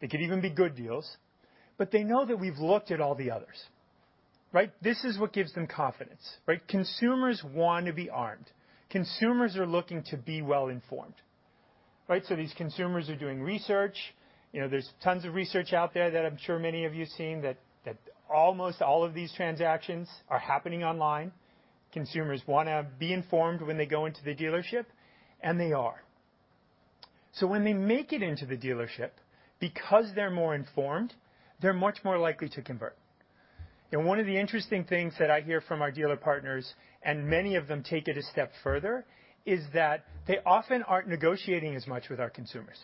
They could even be good deals, but they know that we've looked at all the others, right? This is what gives them confidence, right? Consumers want to be armed. Consumers are looking to be well informed, right? These consumers are doing research. You know, there's tons of research out there that I'm sure many of you have seen that almost all of these transactions are happening online. Consumers wanna be informed when they go into the dealership, and they are. When they make it into the dealership, because they're more informed, they're much more likely to convert. One of the interesting things that I hear from our dealer partners, and many of them take it a step further, is that they often aren't negotiating as much with our consumers.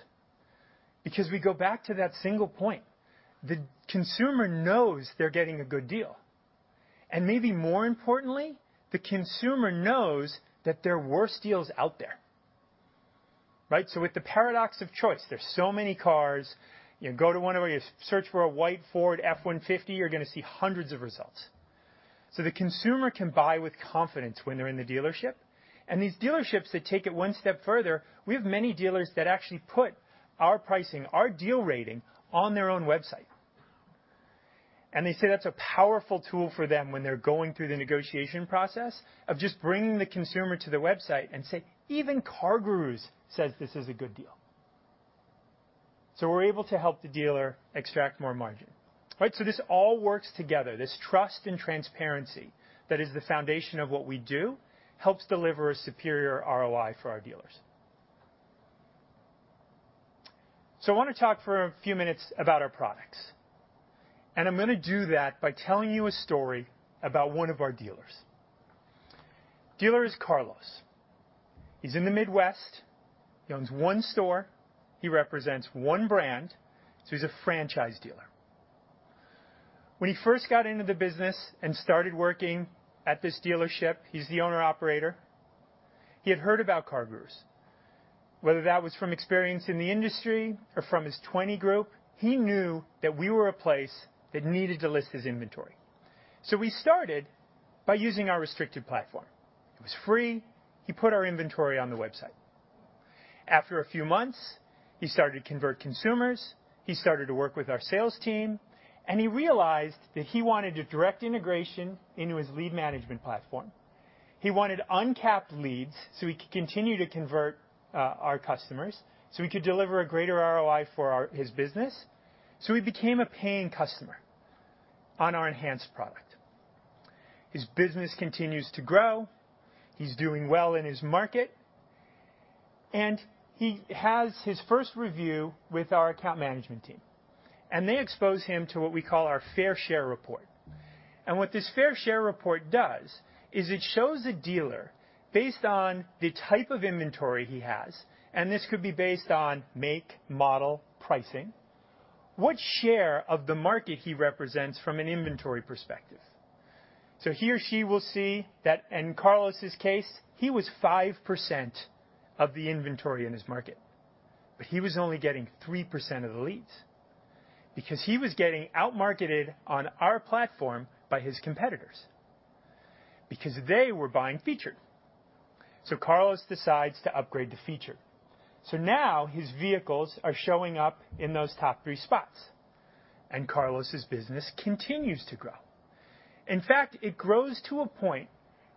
Because we go back to that single point. The consumer knows they're getting a good deal, and maybe more importantly, the consumer knows that there are worse deals out there, right? With the paradox of choice, there's so many cars. You search for a white Ford F-150, you're gonna see hundreds of results. The consumer can buy with confidence when they're in the dealership. These dealerships that take it one step further, we have many dealers that actually put our pricing, our deal rating on their own website. They say that's a powerful tool for them when they're going through the negotiation process of just bringing the consumer to the website and say, "Even CarGurus says this is a good deal." We're able to help the dealer extract more margin, right? This all works together. This trust and transparency, that is the foundation of what we do, helps deliver a superior ROI for our dealers. I wanna talk for a few minutes about our products, and I'm gonna do that by telling you a story about one of our dealers. Dealer is Carlos. He's in the Midwest. He owns one store. He represents one brand, so he's a franchise dealer. When he first got into the business and started working at this dealership, he's the owner-operator, he had heard about CarGurus, whether that was from experience in the industry or from his 20 group, he knew that we were a place that needed to list his inventory. We started by using our restricted platform. It was free. He put our inventory on the website. After a few months, he started to convert consumers, he started to work with our sales team, and he realized that he wanted a direct integration into his lead management platform. He wanted uncapped leads so he could continue to convert our customers, so he could deliver a greater ROI for his business. He became a paying customer on our enhanced product. His business continues to grow. He's doing well in his market, and he has his first review with our account management team. They expose him to what we call our fair share report. What this fair share report does is it shows a dealer based on the type of inventory he has, and this could be based on make, model, pricing. What share of the market he represents from an inventory perspective. He or she will see that in Carlos's case, he was 5% of the inventory in his market, but he was only getting 3% of the leads because he was getting outmarketed on our platform by his competitors because they were buying featured. Carlos decides to upgrade to featured. Now his vehicles are showing up in those top three spots, and Carlos's business continues to grow. In fact, it grows to a point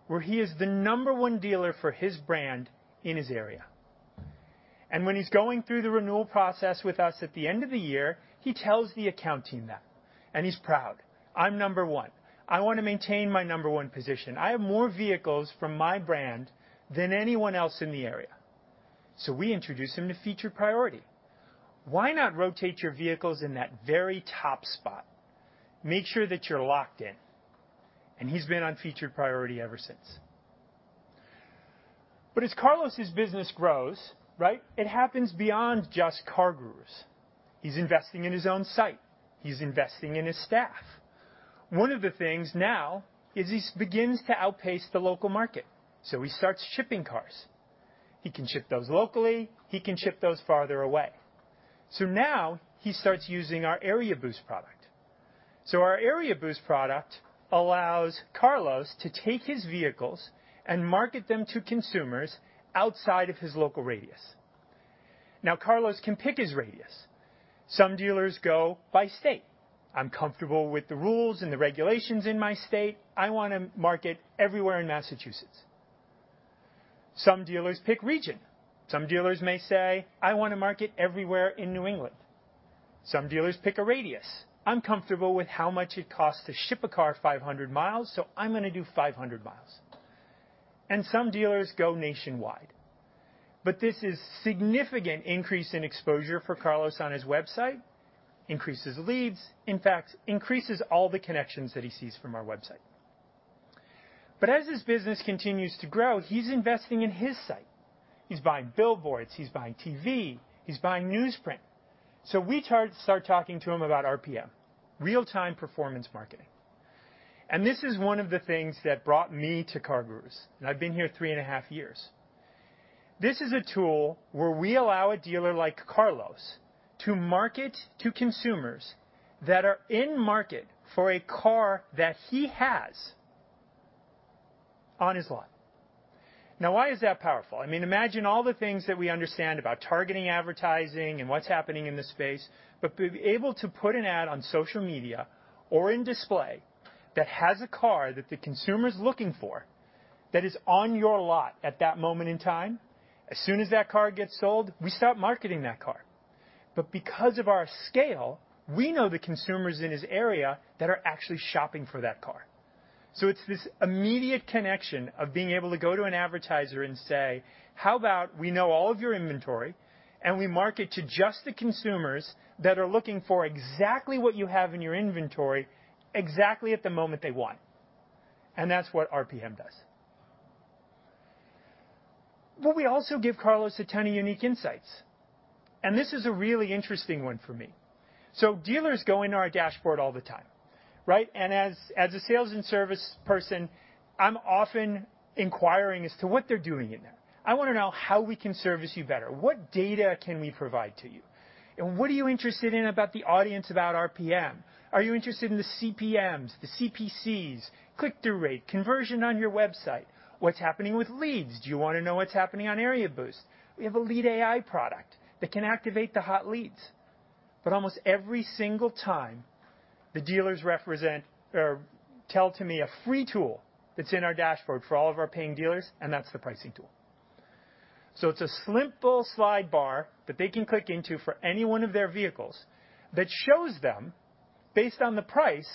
where he is the number one dealer for his brand in his area. When he's going through the renewal process with us at the end of the year, he tells the account team that, and he's proud. "I'm number one. I wanna maintain my number one position. I have more vehicles from my brand than anyone else in the area." We introduce him to Featured Priority. Why not rotate your vehicles in that very top spot, make sure that you're locked in? He's been on Featured Priority ever since. As Carlos's business grows, right, it happens beyond just CarGurus. He's investing in his own site. He's investing in his staff. One of the things now is he begins to outpace the local market, so he starts shipping cars. He can ship those locally, he can ship those farther away. Now he starts using our Area Boost product. Our Area Boost product allows Carlos to take his vehicles and market them to consumers outside of his local radius. Now, Carlos can pick his radius. Some dealers go by state. "I'm comfortable with the rules and the regulations in my state. I wanna market everywhere in Massachusetts." Some dealers pick region. Some dealers may say, "I want to market everywhere in New England." Some dealers pick a radius. "I'm comfortable with how much it costs to ship a car 500 mi, so I'm gonna do 500 mi." Some dealers go nationwide. This is significant increase in exposure for Carlos on his website, increases leads, in fact, increases all the connections that he sees from our website. As his business continues to grow, he's investing in his site. He's buying billboards, he's buying TV, he's buying newsprint. We start talking to him about RPM, Real-time Performance Marketing. This is one of the things that brought me to CarGurus, and I've been here three and a half years. This is a tool where we allow a dealer like Carlos to market to consumers that are in market for a car that he has on his lot. Now, why is that powerful? I mean, imagine all the things that we understand about targeting advertising and what's happening in this space, but be able to put an ad on social media or in display that has a car that the consumer's looking for, that is on your lot at that moment in time. As soon as that car gets sold, we stop marketing that car. Because of our scale, we know the consumers in his area that are actually shopping for that car. It's this immediate connection of being able to go to an advertiser and say, "How about we know all of your inventory, and we market to just the consumers that are looking for exactly what you have in your inventory exactly at the moment they want." That's what RPM does. We also give Carlos a ton of unique insights, and this is a really interesting one for me. Dealers go into our dashboard all the time, right? As a sales and service person, I'm often inquiring as to what they're doing in there. I wanna know how we can service you better, what data can we provide to you, and what are you interested in about the audience, about RPM? Are you interested in the CPMs, the CPCs, click-through rate, conversion on your website? What's happening with leads? Do you wanna know what's happening on Area Boost? We have a lead AI product that can activate the hot leads. Almost every single time the dealers recommend or tell me a free tool that's in our dashboard for all of our paying dealers, and that's the pricing tool. It's a simple slide bar that they can click into for any one of their vehicles that shows them, based on the price,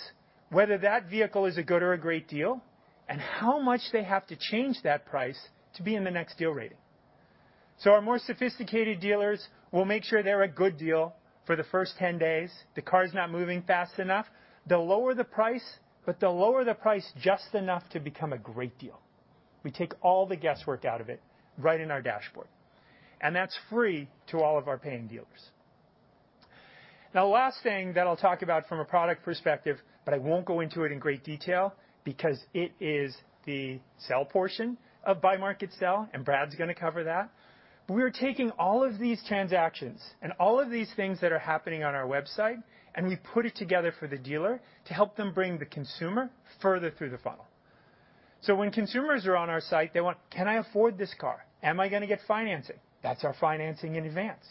whether that vehicle is a good or a great deal, and how much they have to change that price to be in the next deal rating. Our more sophisticated dealers will make sure they're a good deal for the first 10 days. The car's not moving fast enough, they'll lower the price, but they'll lower the price just enough to become a great deal. We take all the guesswork out of it right in our dashboard, and that's free to all of our paying dealers. Now, last thing that I'll talk about from a product perspective, but I won't go into it in great detail because it is the sell portion of buy, market, sell, and Brad's gonna cover that. We're taking all of these transactions and all of these things that are happening on our website, and we put it together for the dealer to help them bring the consumer further through the funnel. When consumers are on our site, they want, "Can I afford this car? Am I gonna get financing?" That's our Finance in Advance.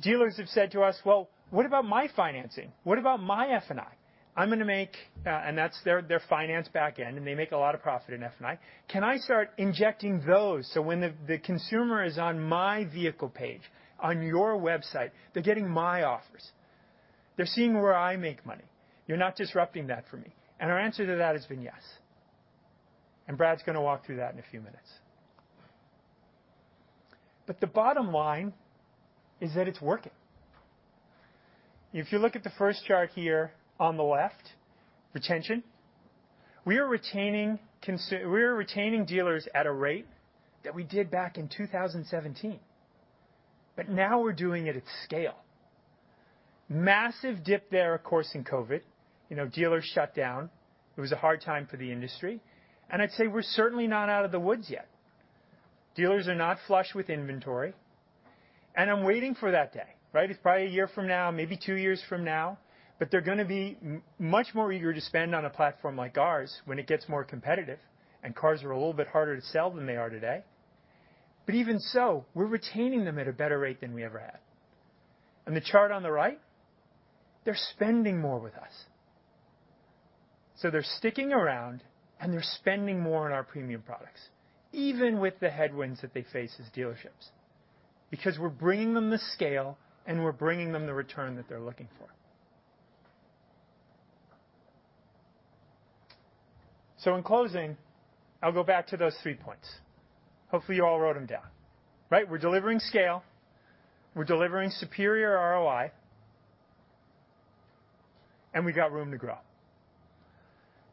Dealers have said to us, "Well, what about my financing? What about my F&I? I'm gonna make..." and that's their finance backend, and they make a lot of profit in F&I. "Can I start injecting those so when the consumer is on my vehicle page on your website, they're getting my offers. They're seeing where I make money. You're not disrupting that for me." Our answer to that has been yes. Brad's gonna walk through that in a few minutes. The bottom line is that it's working. If you look at the first chart here on the left, retention, we are retaining dealers at a rate that we did back in 2017, but now we're doing it at scale. Massive dip there, of course, in COVID. Dealers shut down. It was a hard time for the industry, and I'd say we're certainly not out of the woods yet. Dealers are not flush with inventory, and I'm waiting for that day, right? It's probably a year from now, maybe two years from now, but they're gonna be much more eager to spend on a platform like ours when it gets more competitive and cars are a little bit harder to sell than they are today. Even so, we're retaining them at a better rate than we ever have. The chart on the right, they're spending more with us. They're sticking around, and they're spending more on our premium products, even with the headwinds that they face as dealerships, because we're bringing them the scale, and we're bringing them the return that they're looking for. In closing, I'll go back to those three points. Hopefully, you all wrote them down. Right? We're delivering scale, we're delivering superior ROI, and we've got room to grow,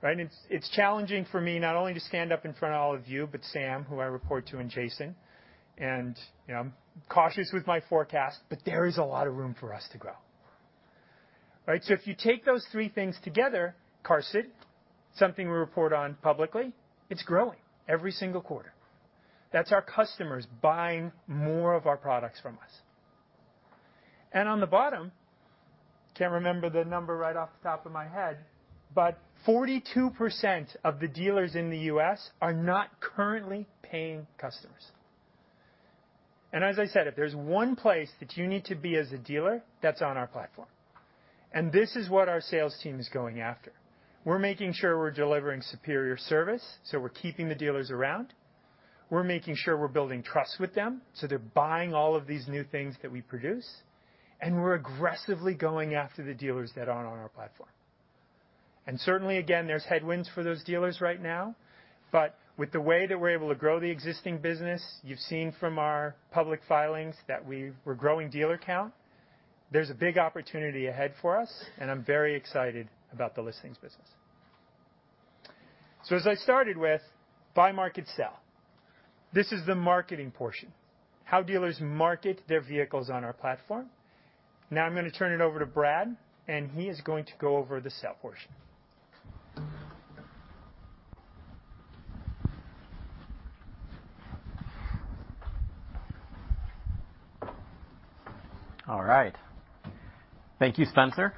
right? It's challenging for me not only to stand up in front of all of you, but Sam, who I report to, and Jason, and, you know, I'm cautious with my forecast, but there is a lot of room for us to grow. Right? If you take those three things together, CarSID, something we report on publicly, it's growing every single quarter. That's our customers buying more of our products from us. On the bottom, can't remember the number right off the top of my head, but 42% of the dealers in the U.S. are not currently paying customers. As I said, if there's one place that you need to be as a dealer, that's on our platform, and this is what our sales team is going after. We're making sure we're delivering superior service, so we're keeping the dealers around. We're making sure we're building trust with them, so they're buying all of these new things that we produce, and we're aggressively going after the dealers that aren't on our platform. Certainly, again, there's headwinds for those dealers right now, but with the way that we're able to grow the existing business, you've seen from our public filings that we're growing dealer count. There's a big opportunity ahead for us, and I'm very excited about the listings business. As I started with buy, market, sell. This is the marketing portion, how dealers market their vehicles on our platform. Now I'm gonna turn it over to Brad Rosenfeld, and he is going to go over the sell portion. All right. Thank you, Spencer.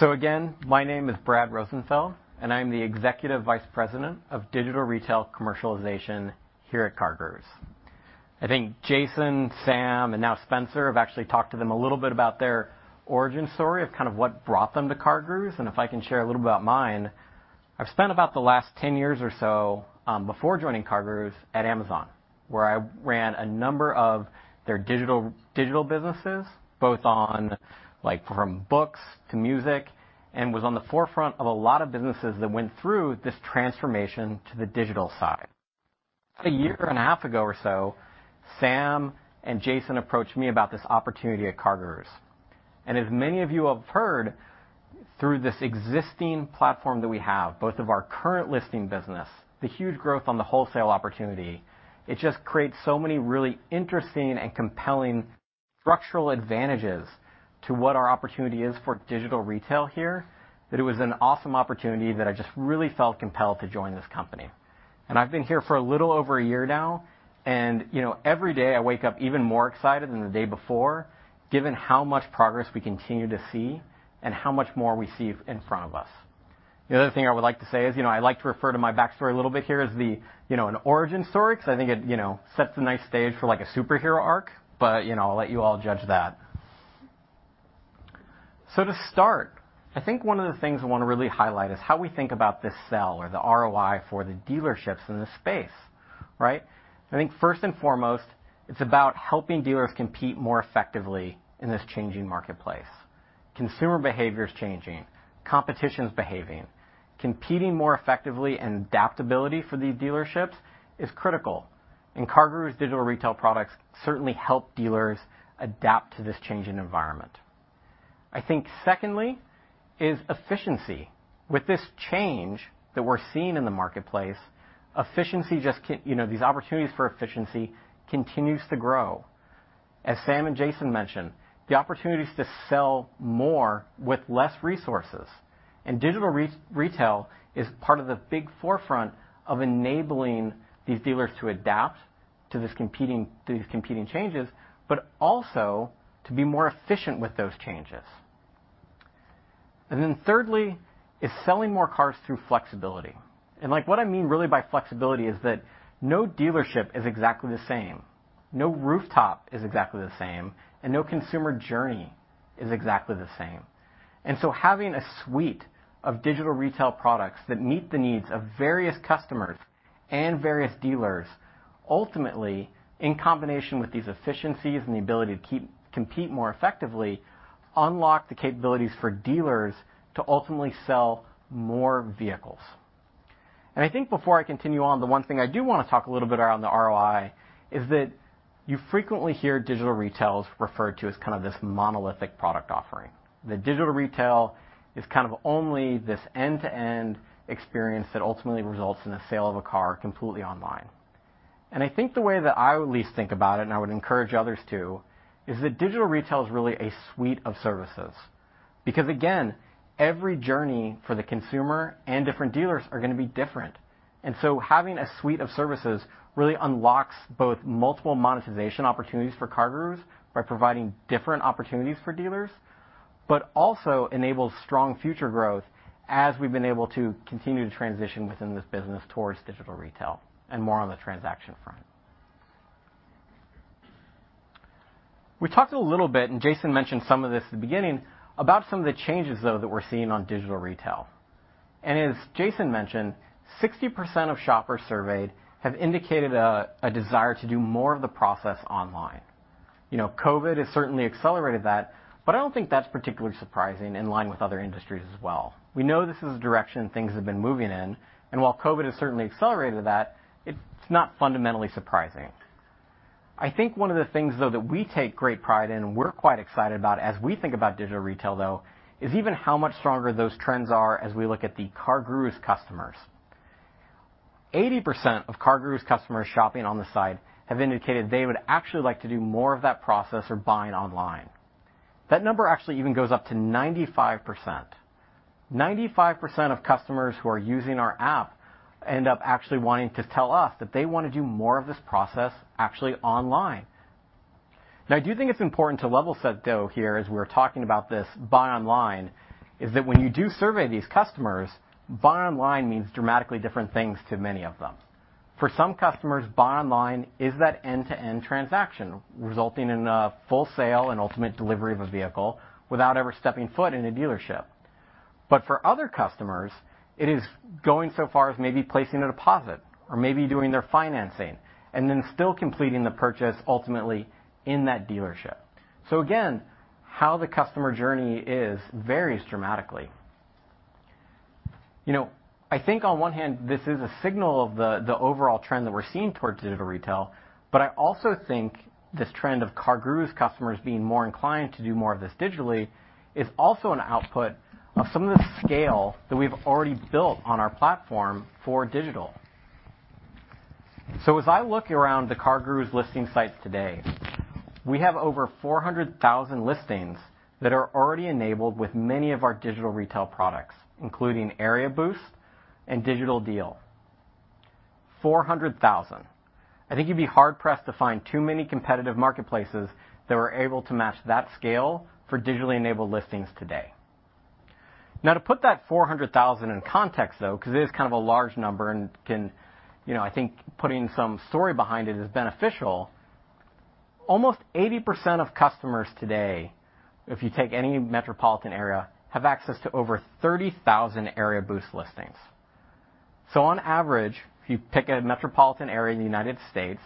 Again, my name is Brad Rosenfeld, and I'm the Executive Vice President of Digital Retail Commercialization here at CarGurus. I think Jason, Sam, and now Spencer have actually talked to them a little bit about their origin story of kind of what brought them to CarGurus, and if I can share a little about mine. I've spent about the last 10 years or so before joining CarGurus at Amazon, where I ran a number of their digital businesses, both online from books to music, and was on the forefront of a lot of businesses that went through this transformation to the digital side. A year and a half ago or so, Sam and Jason approached me about this opportunity at CarGurus. As many of you have heard through this existing platform that we have, both of our current listing business, the huge growth on the wholesale opportunity, it just creates so many really interesting and compelling structural advantages to what our opportunity is for digital retail here, that it was an awesome opportunity that I just really felt compelled to join this company. I've been here for a little over a year now, and, you know, every day, I wake up even more excited than the day before, given how much progress we continue to see and how much more we see in front of us. The other thing I would like to say is, you know, I like to refer to my backstory a little bit here as the, you know, an origin story because I think it, you know, sets a nice stage for like a superhero arc, but, you know, I'll let you all judge that. To start, I think one of the things I wanna really highlight is how we think about this sell or the ROI for the dealerships in this space, right? I think first and foremost, it's about helping dealers compete more effectively in this changing marketplace. Consumer behavior is changing. Competition is behaving. Competing more effectively and adaptability for these dealerships is critical, and CarGurus digital retail products certainly help dealers adapt to this changing environment. I think secondly is efficiency. With this change that we're seeing in the marketplace, efficiency you know, these opportunities for efficiency continues to grow. As Sam and Jason mentioned, the opportunities to sell more with less resources, and digital retail is part of the big forefront of enabling these dealers to adapt to these competing changes, but also to be more efficient with those changes. Thirdly, is selling more cars through flexibility. Like what I mean really by flexibility is that no dealership is exactly the same, no rooftop is exactly the same, and no consumer journey is exactly the same. Having a suite of digital retail products that meet the needs of various customers and various dealers, ultimately, in combination with these efficiencies and the ability to keep competing more effectively, unlock the capabilities for dealers to ultimately sell more vehicles. I think before I continue on, the one thing I do wanna talk a little bit around the ROI is that you frequently hear digital retails referred to as kind of this monolithic product offering. The digital retail is kind of only this end-to-end experience that ultimately results in the sale of a car completely online. I think the way that I would at least think about it, and I would encourage others too, is that digital retail is really a suite of services. Because again, every journey for the consumer and different dealers are gonna be different. Having a suite of services really unlocks both multiple monetization opportunities for CarGurus by providing different opportunities for dealers, but also enables strong future growth as we've been able to continue to transition within this business towards digital retail and more on the transaction front. We talked a little bit, and Jason mentioned some of this at the beginning, about some of the changes though that we're seeing on digital retail. As Jason mentioned, 60% of shoppers surveyed have indicated a desire to do more of the process online. You know, COVID has certainly accelerated that, but I don't think that's particularly surprising in line with other industries as well. We know this is the direction things have been moving in, and while COVID has certainly accelerated that, it's not fundamentally surprising. I think one of the things though that we take great pride in, we're quite excited about as we think about digital retail, though, is even how much stronger those trends are as we look at the CarGurus customers. 80% of CarGurus customers shopping on the site have indicated they would actually like to do more of that process of buying online. That number actually even goes up to 95%. 95% of customers who are using our app end up actually wanting to tell us that they wanna do more of this process actually online. Now, I do think it's important to level set though here as we're talking about this buy online is that when you survey these customers, buy online means dramatically different things to many of them. For some customers, buy online is that end-to-end transaction, resulting in a full sale and ultimate delivery of a vehicle without ever stepping foot in a dealership. For other customers, it is going so far as maybe placing a deposit or maybe doing their financing and then still completing the purchase ultimately in that dealership. Again, how the customer journey is varies dramatically. You know, I think on one hand, this is a signal of the overall trend that we're seeing towards digital retail, but I also think this trend of CarGurus customers being more inclined to do more of this digitally is also an output of some of the scale that we've already built on our platform for digital. As I look around the CarGurus listing sites today, we have over 400,000 listings that are already enabled with many of our digital retail products, including Area Boost and Digital Deal. 400,000. I think you'd be hard pressed to find too many competitive marketplaces that were able to match that scale for digitally enabled listings today. Now, to put that 400,000 in context, though, 'cause it is kind of a large number and can, you know, I think putting some story behind it is beneficial. Almost 80% of customers today, if you take any metropolitan area, have access to over 30,000 Area Boost listings. On average, if you pick a metropolitan area in the United States,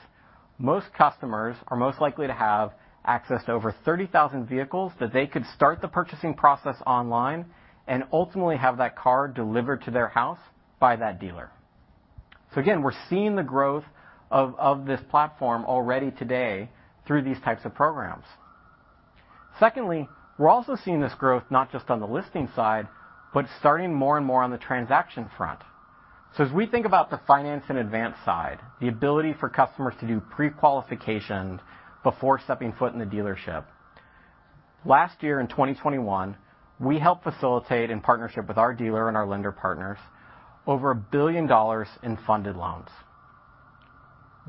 most customers are most likely to have access to over 30,000 vehicles that they could start the purchasing process online and ultimately have that car delivered to their house by that dealer. Again, we're seeing the growth of this platform already today through these types of programs. Secondly, we're also seeing this growth not just on the listing side, but starting more and more on the transaction front. As we think about the Finance in Advance side, the ability for customers to do prequalification before stepping foot in the dealership. Last year in 2021, we helped facilitate in partnership with our dealer and our lender partners over $1 billion in funded loans.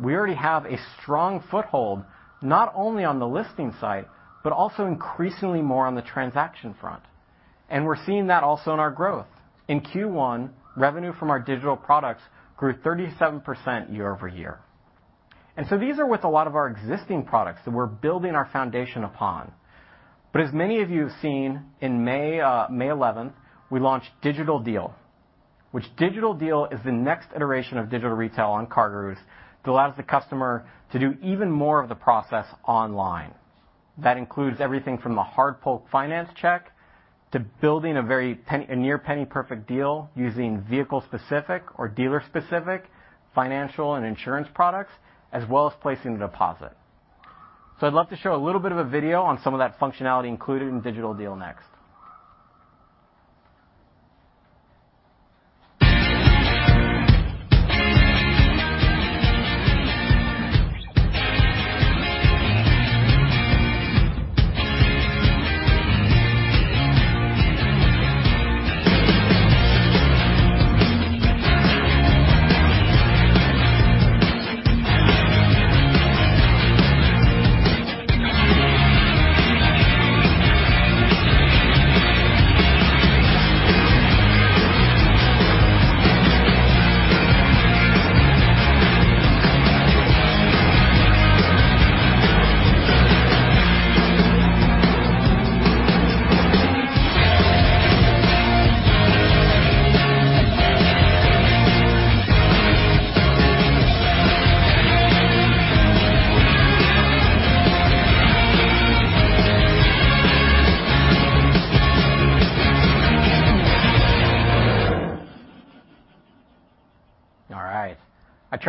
We already have a strong foothold, not only on the listing side, but also increasingly more on the transaction front, and we're seeing that also in our growth. In Q1, revenue from our digital products grew 37% year-over-year. These are with a lot of our existing products that we're building our foundation upon. As many of you have seen in May 11th, we launched Digital Deal, which Digital Deal is the next iteration of digital retail on CarGurus that allows the customer to do even more of the process online. That includes everything from the hard pull finance check to building a near penny perfect deal using vehicle specific or dealer specific financial and insurance products, as well as placing the deposit. I'd love to show a little bit of a video on some of that functionality included in Digital Deal next.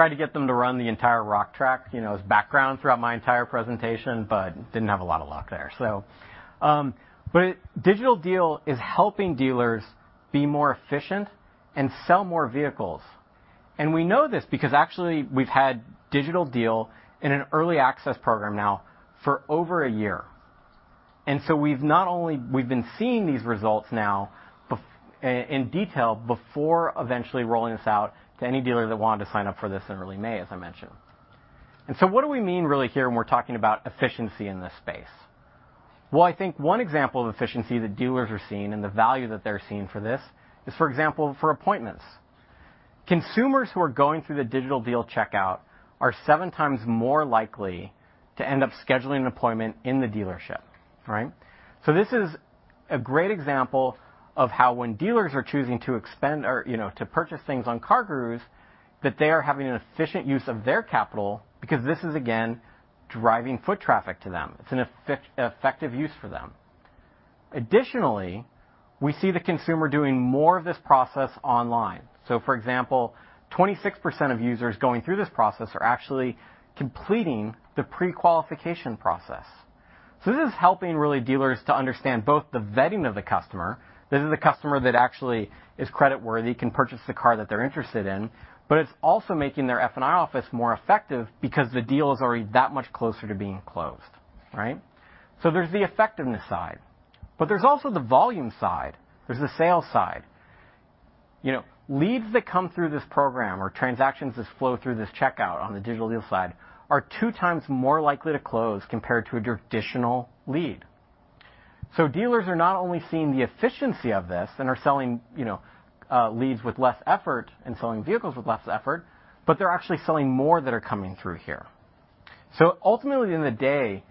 All right. I tried to get them to run the entire rock track, you know, as background throughout my entire presentation, but didn't have a lot of luck there. Digital Deal is helping dealers be more efficient and sell more vehicles. We know this because actually we've had Digital Deal in an early access program now for over a year. We've been seeing these results now, in detail before eventually rolling this out to any dealer that wanted to sign up for this in early May, as I mentioned. What do we mean really here when we're talking about efficiency in this space? Well, I think one example of efficiency that dealers are seeing and the value that they're seeing for this is, for example, for appointments. Consumers who are going through the Digital Deal checkout are 7x more likely to end up scheduling an appointment in the dealership, right? This is a great example of how when dealers are choosing to expend or, you know, to purchase things on CarGurus, that they are having an efficient use of their capital because this is again driving foot traffic to them. It's an effective use for them. Additionally, we see the consumer doing more of this process online. For example, 26% of users going through this process are actually completing the prequalification process. This is helping really dealers to understand both the vetting of the customer. This is the customer that actually is creditworthy, can purchase the car that they're interested in, but it's also making their F&I office more effective because the deal is already that much closer to being closed, right? There's the effectiveness side, but there's also the volume side, there's the sales side. You know, leads that come through this program or transactions that flow through this checkout on the Digital Deal side are two times more likely to close compared to a traditional lead. Dealers are not only seeing the efficiency of this and are selling, you know, leads with less effort and selling vehicles with less effort, but they're actually selling more that are coming through here. Ultimately, at the end of the day,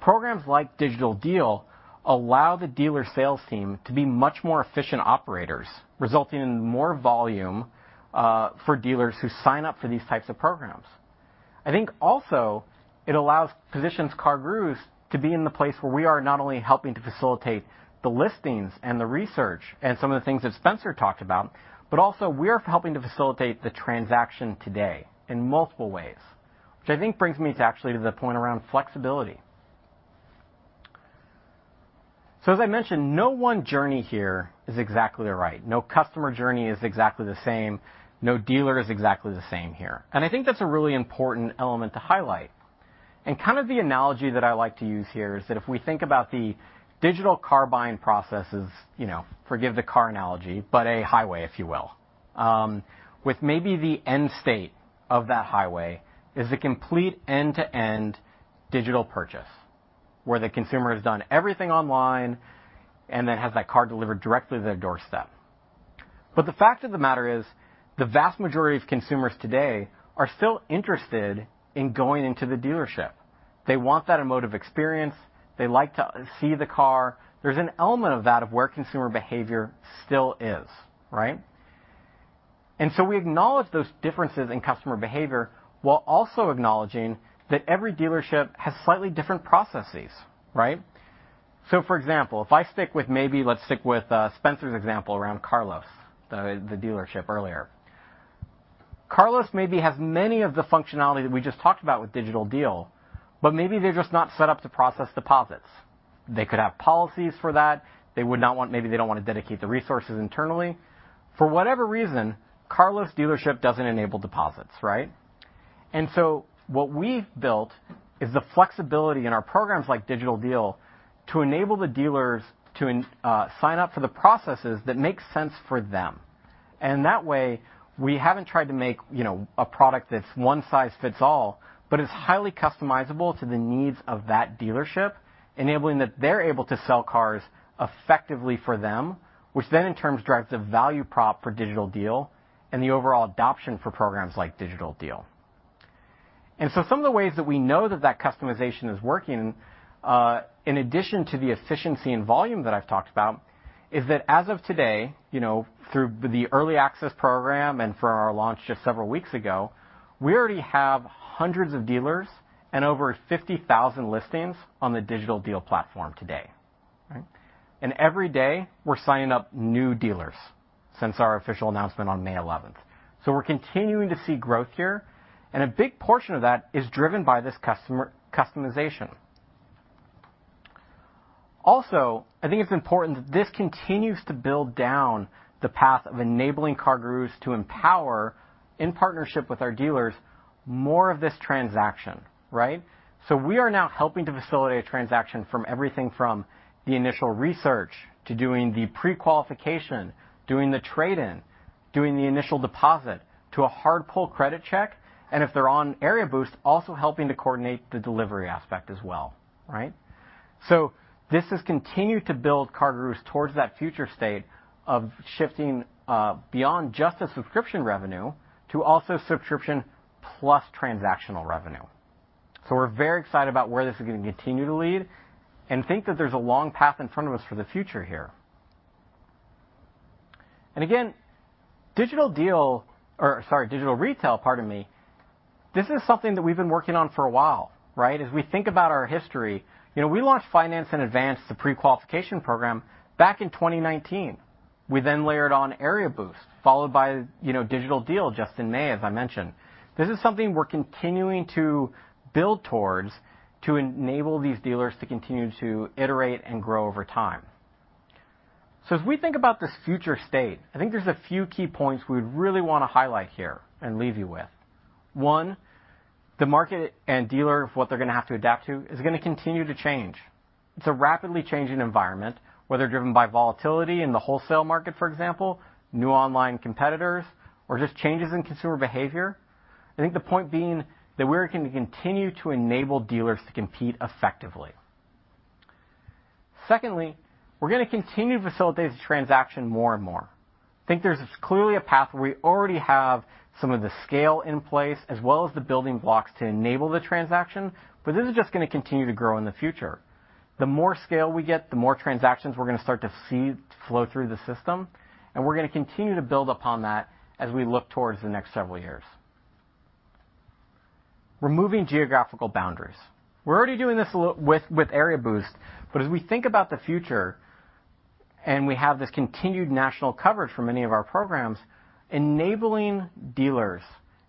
programs like Digital Deal allow the dealer sales team to be much more efficient operators, resulting in more volume for dealers who sign up for these types of programs. I think also it allows positioning CarGurus to be in the place where we are not only helping to facilitate the listings and the research and some of the things that Spencer talked about, but also we're helping to facilitate the transaction today in multiple ways, which I think brings me to actually to the point around flexibility. As I mentioned, no one journey here is exactly right. No customer journey is exactly the same. No dealer is exactly the same here. I think that's a really important element to highlight. Kind of the analogy that I like to use here is that if we think about the digital car buying process is, you know, forgive the car analogy, but a highway, if you will, with maybe the end state of that highway is a complete end-to-end digital purchase where the consumer has done everything online and then has that car delivered directly to their doorstep. But the fact of the matter is the vast majority of consumers today are still interested in going into the dealership. They want that emotive experience. They like to see the car. There's an element of that of where consumer behavior still is, right? We acknowledge those differences in customer behavior while also acknowledging that every dealership has slightly different processes, right? For example, if I stick with Spencer's example around Carlos, the dealership earlier. Carlos maybe has many of the functionality that we just talked about with Digital Deal, but maybe they're just not set up to process deposits. They could have policies for that. They would not want to dedicate the resources internally. For whatever reason, Carlos dealership doesn't enable deposits, right? What we've built is the flexibility in our programs like Digital Deal to enable the dealers to sign up for the processes that make sense for them. That way, we haven't tried to make, you know, a product that's one size fits all, but it's highly customizable to the needs of that dealership, enabling that they're able to sell cars effectively for them, which then in turn drives a value prop for Digital Deal and the overall adoption for programs like Digital Deal. Some of the ways that we know that that customization is working, in addition to the efficiency and volume that I've talked about is that as of today, you know, through the early access program and for our launch just several weeks ago, we already have hundreds of dealers and over 50,000 listings on the Digital Deal platform today, right? Every day, we're signing up new dealers since our official announcement on May 11th. We're continuing to see growth here, and a big portion of that is driven by this customer customization. Also, I think it's important that this continues to build down the path of enabling CarGurus to empower, in partnership with our dealers, more of this transaction, right? We are now helping to facilitate a transaction from everything from the initial research to doing the prequalification, doing the trade-in, doing the initial deposit to a hard pull credit check, and if they're on Area Boost, also helping to coordinate the delivery aspect as well, right? This has continued to build CarGurus towards that future state of shifting beyond just a subscription revenue to also subscription plus transactional revenue. We're very excited about where this is going to continue to lead and think that there's a long path in front of us for the future here. Again, Digital Deal, or sorry, Digital Retail, pardon me, this is something that we've been working on for a while, right? As we think about our history, you know, we launched Finance in Advance, the prequalification program back in 2019. We then layered on Area Boost, followed by, you know, Digital Deal just in May, as I mentioned. This is something we're continuing to build towards to enable these dealers to continue to iterate and grow over time. As we think about this future state, I think there's a few key points we'd really wanna highlight here and leave you with. One, the market and dealer of what they're gonna have to adapt to is gonna continue to change. It's a rapidly changing environment, whether driven by volatility in the wholesale market, for example, new online competitors, or just changes in consumer behavior. I think the point being that we're going to continue to enable dealers to compete effectively. Secondly, we're gonna continue to facilitate the transaction more and more. I think there's clearly a path where we already have some of the scale in place as well as the building blocks to enable the transaction, but this is just gonna continue to grow in the future. The more scale we get, the more transactions we're gonna start to see flow through the system, and we're gonna continue to build upon that as we look towards the next several years. Removing geographical boundaries. We're already doing this a little with Area Boost. As we think about the future, and we have this continued national coverage for many of our programs, enabling dealers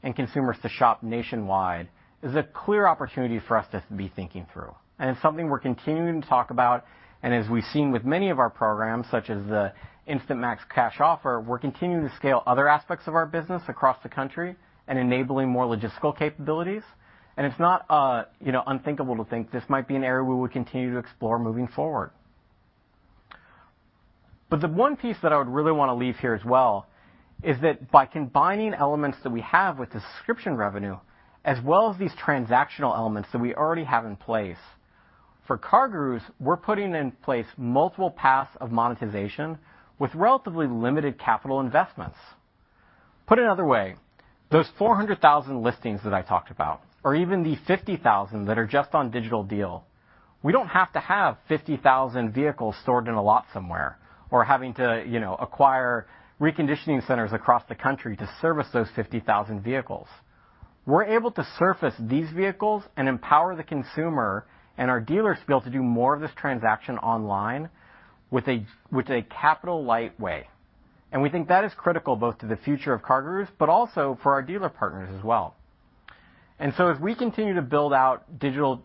and consumers to shop nationwide is a clear opportunity for us to be thinking through. It's something we're continuing to talk about. As we've seen with many of our programs, such as the Instant Max Cash Offer, we're continuing to scale other aspects of our business across the country and enabling more logistical capabilities. It's not, you know, unthinkable to think this might be an area we would continue to explore moving forward. The one piece that I would really want to leave here as well is that by combining elements that we have with the subscription revenue, as well as these transactional elements that we already have in place, for CarGurus, we're putting in place multiple paths of monetization with relatively limited capital investments. Put another way, those 400,000 listings that I talked about, or even the 50,000 that are just on Digital Deal, we don't have to have 50,000 vehicles stored in a lot somewhere or having to, you know, acquire reconditioning centers across the country to service those 50,000 vehicles. We're able to surface these vehicles and empower the consumer and our dealers to be able to do more of this transaction online with a capital light way. We think that is critical both to the future of CarGurus, but also for our dealer partners as well. We continue to build out digital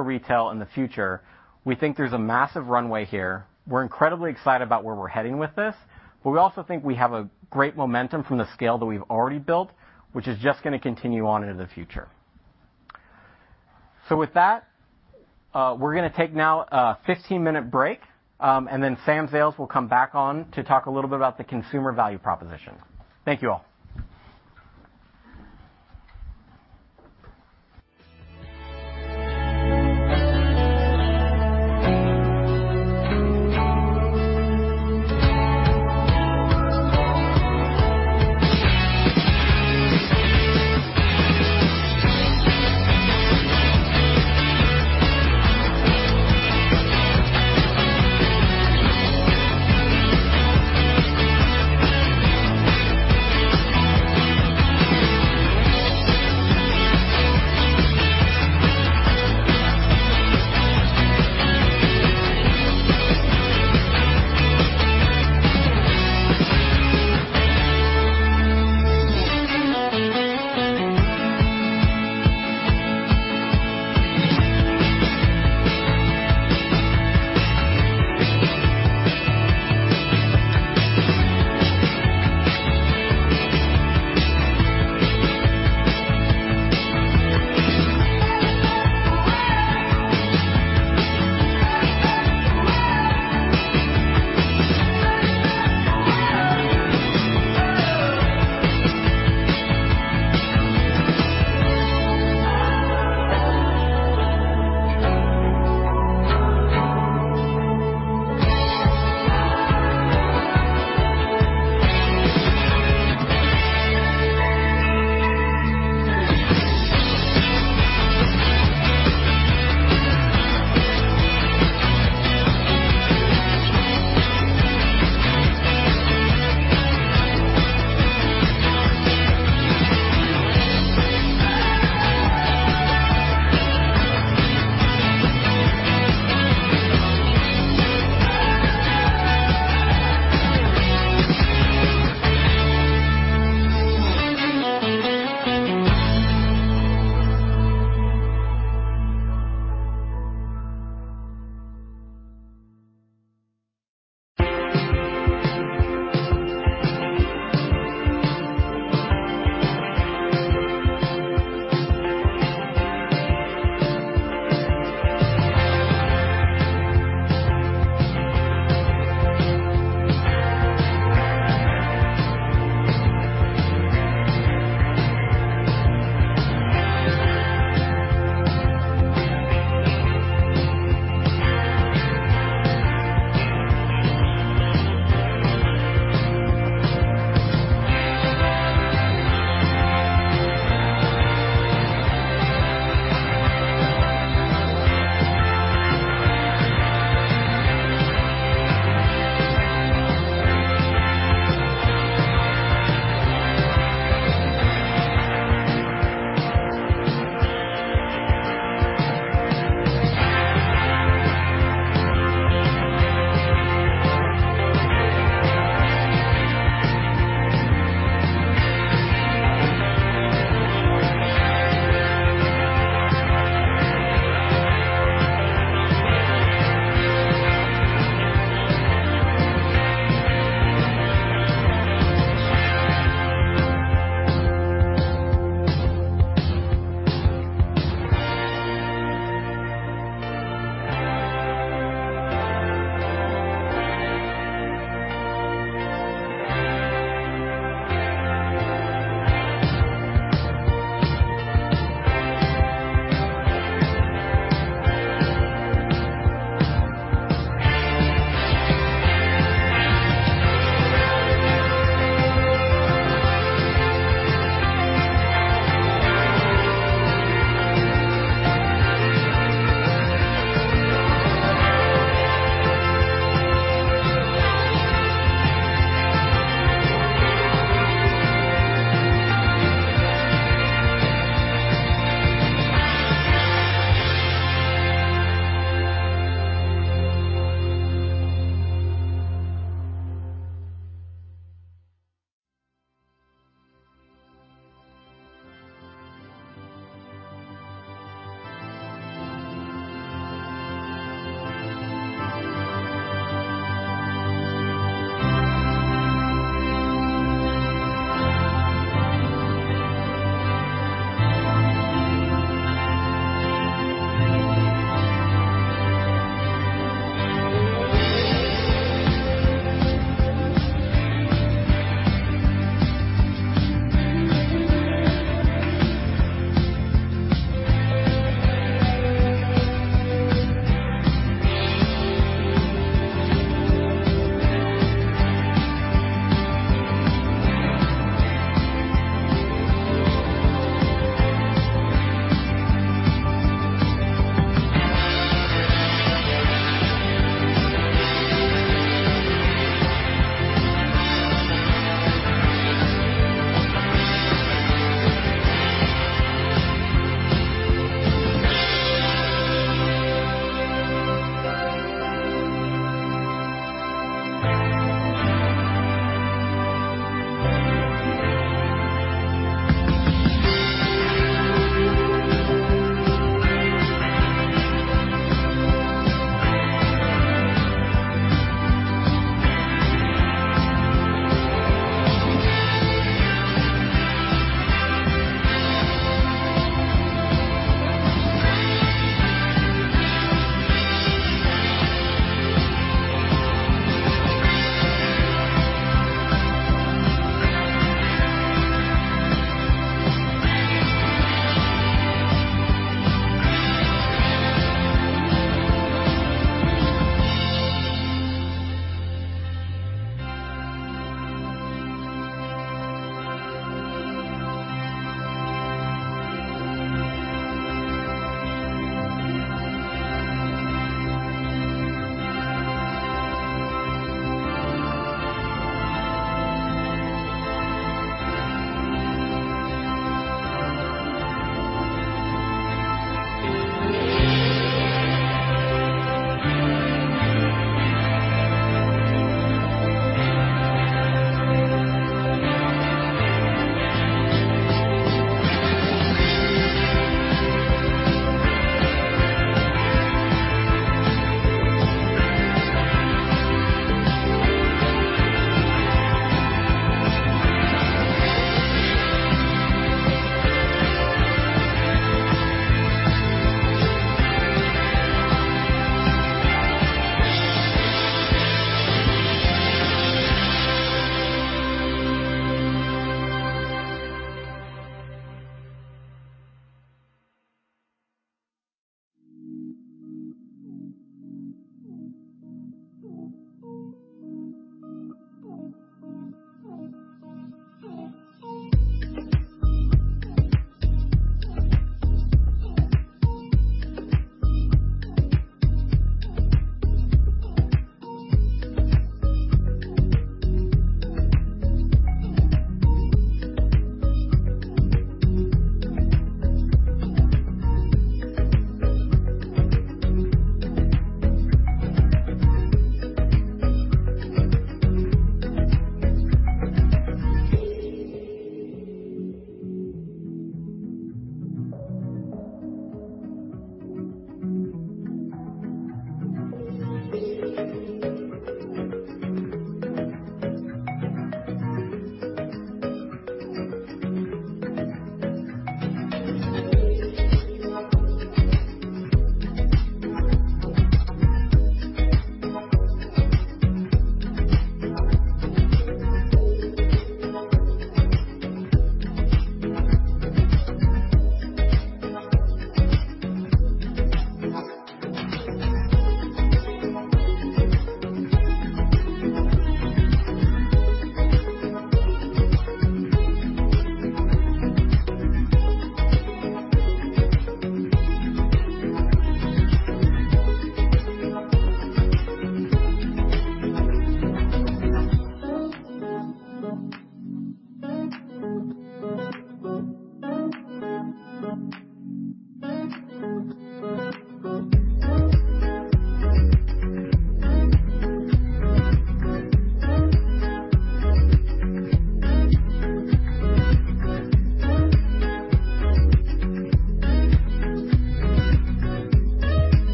retail in the future, we think there's a massive runway here. We're incredibly excited about where we're heading with this, but we also think we have a great momentum from the scale that we've already built, which is just gonna continue on into the future. With that, we're gonna take now a 15-minute break, and then Sam Zales will come back on to talk a little bit about the consumer value proposition. Thank you all.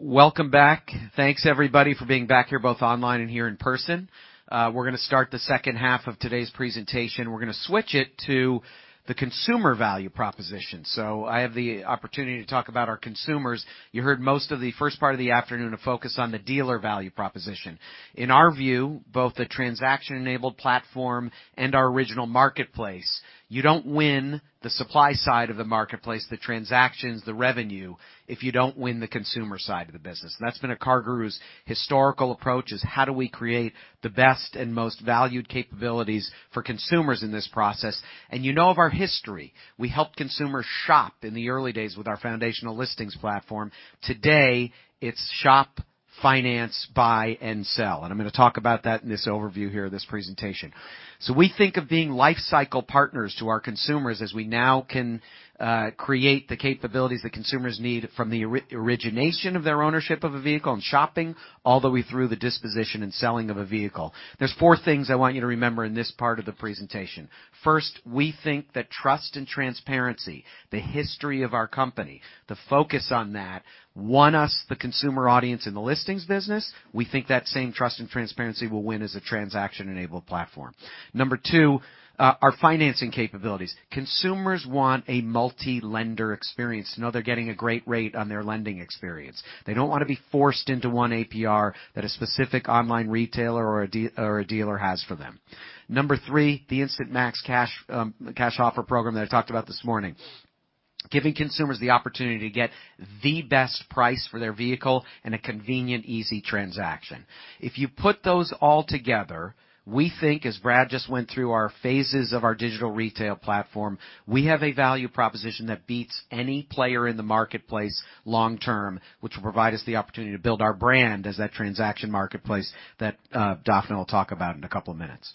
Welcome back. Thanks everybody for being back here, both online and here in person. We're gonna start the second half of today's presentation. We're gonna switch it to the consumer value proposition. I have the opportunity to talk about our consumers. You heard most of the first part of the afternoon a focus on the dealer value proposition. In our view, both the transaction-enabled platform and our original marketplace, you don't win the supply side of the marketplace, the transactions, the revenue, if you don't win the consumer side of the business. That's been CarGurus' historical approach, is how do we create the best and most valued capabilities for consumers in this process? You know of our history. We helped consumers shop in the early days with our foundational listings platform. Today, it's shop, finance, buy, and sell. I'm gonna talk about that in this overview here of this presentation. We think of being lifecycle partners to our consumers as we now can create the capabilities that consumers need from the origination of their ownership of a vehicle and shopping all the way through the disposition and selling of a vehicle. There's four things I want you to remember in this part of the presentation. First, we think that trust and transparency, the history of our company, the focus on that won us the consumer audience in the listings business. We think that same trust and transparency will win as a transaction-enabled platform. Number two, our financing capabilities. Consumers want a multi-lender experience to know they're getting a great rate on their lending experience. They don't wanna be forced into one APR that a specific online retailer or a dealer has for them. Number three, the Instant Max Cash cash offer program that I talked about this morning, giving consumers the opportunity to get the best price for their vehicle in a convenient, easy transaction. If you put those all together, we think, as Brad just went through our phases of our digital retail platform, we have a value proposition that beats any player in the marketplace long term, which will provide us the opportunity to build our brand as that transaction marketplace that Dafna will talk about in a couple of minutes.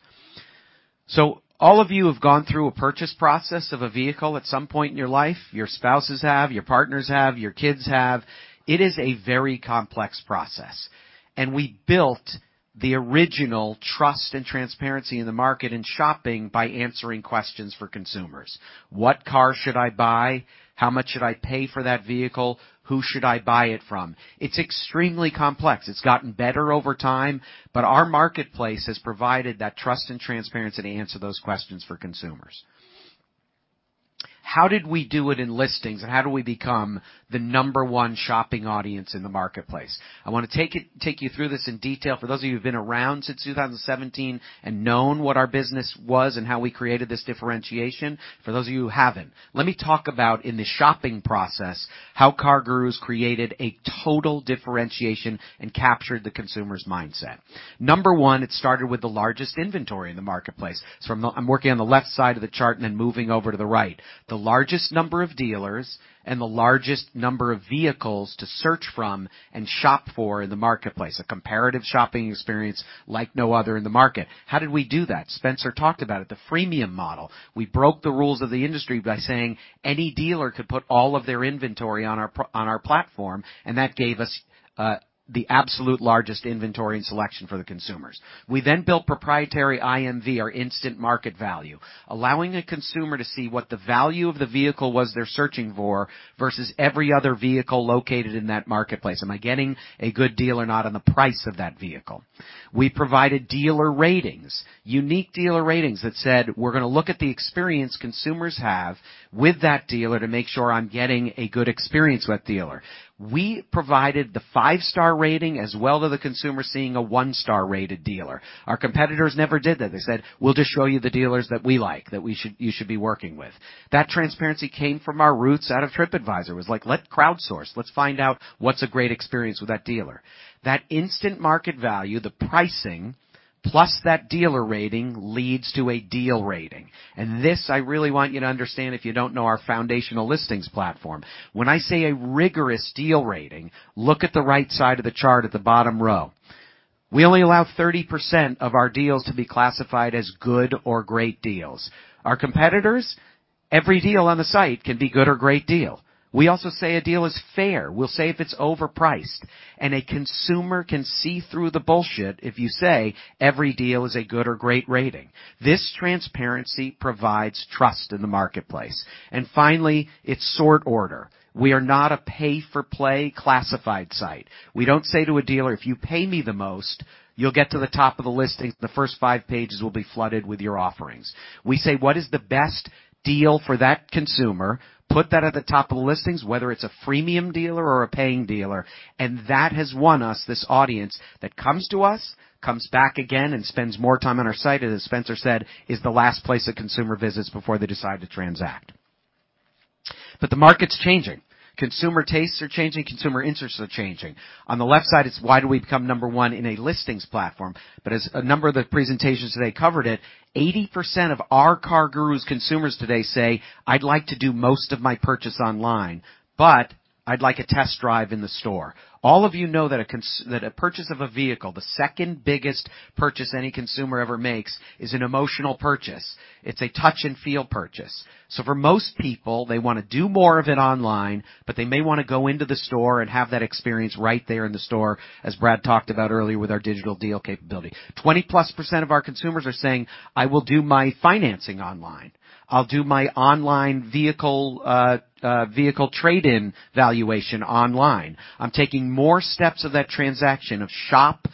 All of you have gone through a purchase process of a vehicle at some point in your life. Your spouses have, your partners have, your kids have. It is a very complex process, and we built the original trust and transparency in the market and shopping by answering questions for consumers. What car should I buy? How much should I pay for that vehicle? Who should I buy it from? It's extremely complex. It's gotten better over time, but our marketplace has provided that trust and transparency to answer those questions for consumers. How did we do it in listings and how do we become the number one shopping audience in the marketplace? I want to take you through this in detail. For those of you who've been around since 2017 and known what our business was and how we created this differentiation. For those of you who haven't, let me talk about in the shopping process, how CarGurus created a total differentiation and captured the consumer's mindset. Number one, it started with the largest inventory in the marketplace. I'm working on the left side of the chart and then moving over to the right. The largest number of dealers and the largest number of vehicles to search from and shop for in the marketplace. A comparative shopping experience like no other in the market. How did we do that? Spencer talked about it, the freemium model. We broke the rules of the industry by saying any dealer could put all of their inventory on our platform, and that gave us the absolute largest inventory and selection for the consumers. We then built proprietary IMV, our Instant Market Value, allowing a consumer to see what the value of the vehicle was they're searching for versus every other vehicle located in that marketplace. Am I getting a good deal or not on the price of that vehicle? We provided dealer ratings, unique dealer ratings that said, we're going to look at the experience consumers have with that dealer to make sure I'm getting a good experience with dealer. We provided the five-star rating as well to the consumer seeing a one-star rated dealer. Our competitors never did that. They said, "We'll just show you the dealers that we like, you should be working with." That transparency came from our roots out of TripAdvisor, was like, let's crowdsource. Let's find out what's a great experience with that dealer. That Instant Market Value, the pricing plus that dealer rating leads to a deal rating. This I really want you to understand if you don't know our foundational listings platform. When I say a rigorous deal rating, look at the right side of the chart at the bottom row. We only allow 30% of our deals to be classified as good or great deals. Our competitors, every deal on the site can be good or great deal. We also say a deal is fair. We'll say if it's overpriced and a consumer can see through the bullshit if you say every deal is a good or great rating. This transparency provides trust in the marketplace. Finally, it's sort order. We are not a pay-for-play classified site. We don't say to a dealer, "If you pay me the most, you'll get to the top of the listing. The first five pages will be flooded with your offerings." We say, "What is the best deal for that consumer? Put that at the top of the listings, whether it's a freemium dealer or a paying dealer." That has won us this audience that comes to us, comes back again, and spends more time on our site. As Spencer said, it is the last place a consumer visits before they decide to transact. The market's changing. Consumer tastes are changing. Consumer interests are changing. On the left side, it's why do we become number one in a listings platform? As a number of the presentations today covered it, 80% of our CarGurus consumers today say, "I'd like to do most of my purchase online, but I'd like a test drive in the store." All of you know that a purchase of a vehicle, the second biggest purchase any consumer ever makes, is an emotional purchase. It's a touch and feel purchase. For most people, they want to do more of it online, but they may want to go into the store and have that experience right there in the store, as Brad talked about earlier with our Digital Deal capability. 20%+ of our consumers are saying, "I will do my financing online. I'll do my online vehicle trade-in valuation online. I'm taking more steps of that transaction of shop,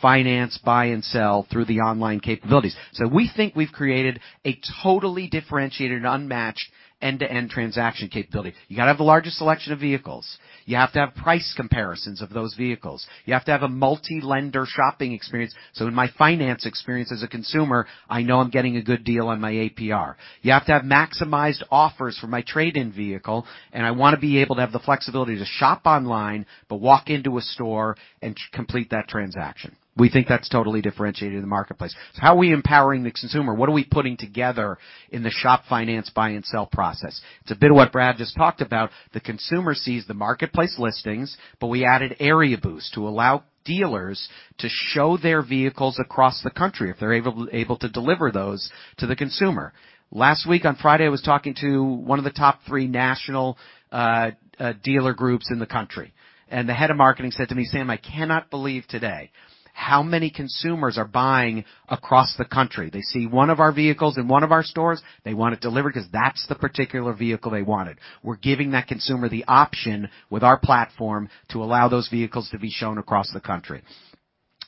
finance, buy, and sell through the online capabilities." We think we've created a totally differentiated and unmatched end-to-end transaction capability. You got to have the largest selection of vehicles. You have to have price comparisons of those vehicles. You have to have a multi-lender shopping experience. In my finance experience as a consumer, I know I'm getting a good deal on my APR. You have to have maximized offers for my trade-in vehicle, and I want to be able to have the flexibility to shop online, but walk into a store and complete that transaction. We think that's totally differentiating the marketplace. How are we empowering the consumer? What are we putting together in the shop, finance, buy and sell process? It's a bit of what Brad just talked about. The consumer sees the marketplace listings, but we added Area Boost to allow dealers to show their vehicles across the country if they're able to deliver those to the consumer. Last week on Friday, I was talking to one of the top three national dealer groups in the country, and the head of marketing said to me, "Sam, I cannot believe today how many consumers are buying across the country. They see one of our vehicles in one of our stores. They want it delivered because that's the particular vehicle they wanted." We're giving that consumer the option with our platform to allow those vehicles to be shown across the country.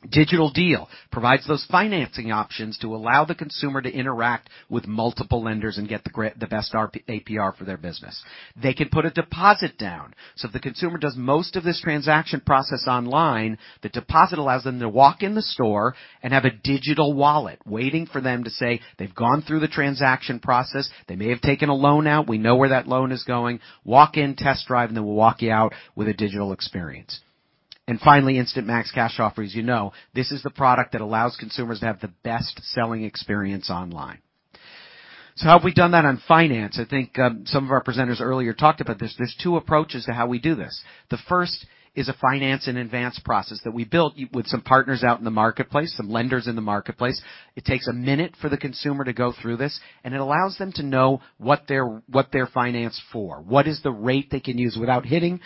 Digital Deal provides those financing options to allow the consumer to interact with multiple lenders and get the best APR for their business. They can put a deposit down. So if the consumer does most of this transaction process online, the deposit allows them to walk in the store and have a digital wallet waiting for them to see they've gone through the transaction process. They may have taken a loan out. We know where that loan is going. Walk in, test drive, and then we'll walk you out with a digital experience. Finally, Instant Max Cash Offer. You know, this is the product that allows consumers to have the best selling experience online. How have we done that on finance? I think some of our presenters earlier talked about this. There's two approaches to how we do this. The first is a Finance in Advance process that we built with some partners out in the marketplace, some lenders in the marketplace. It takes a minute for the consumer to go through this, and it allows them to know what they're financed for. What is the rate they can use without hitting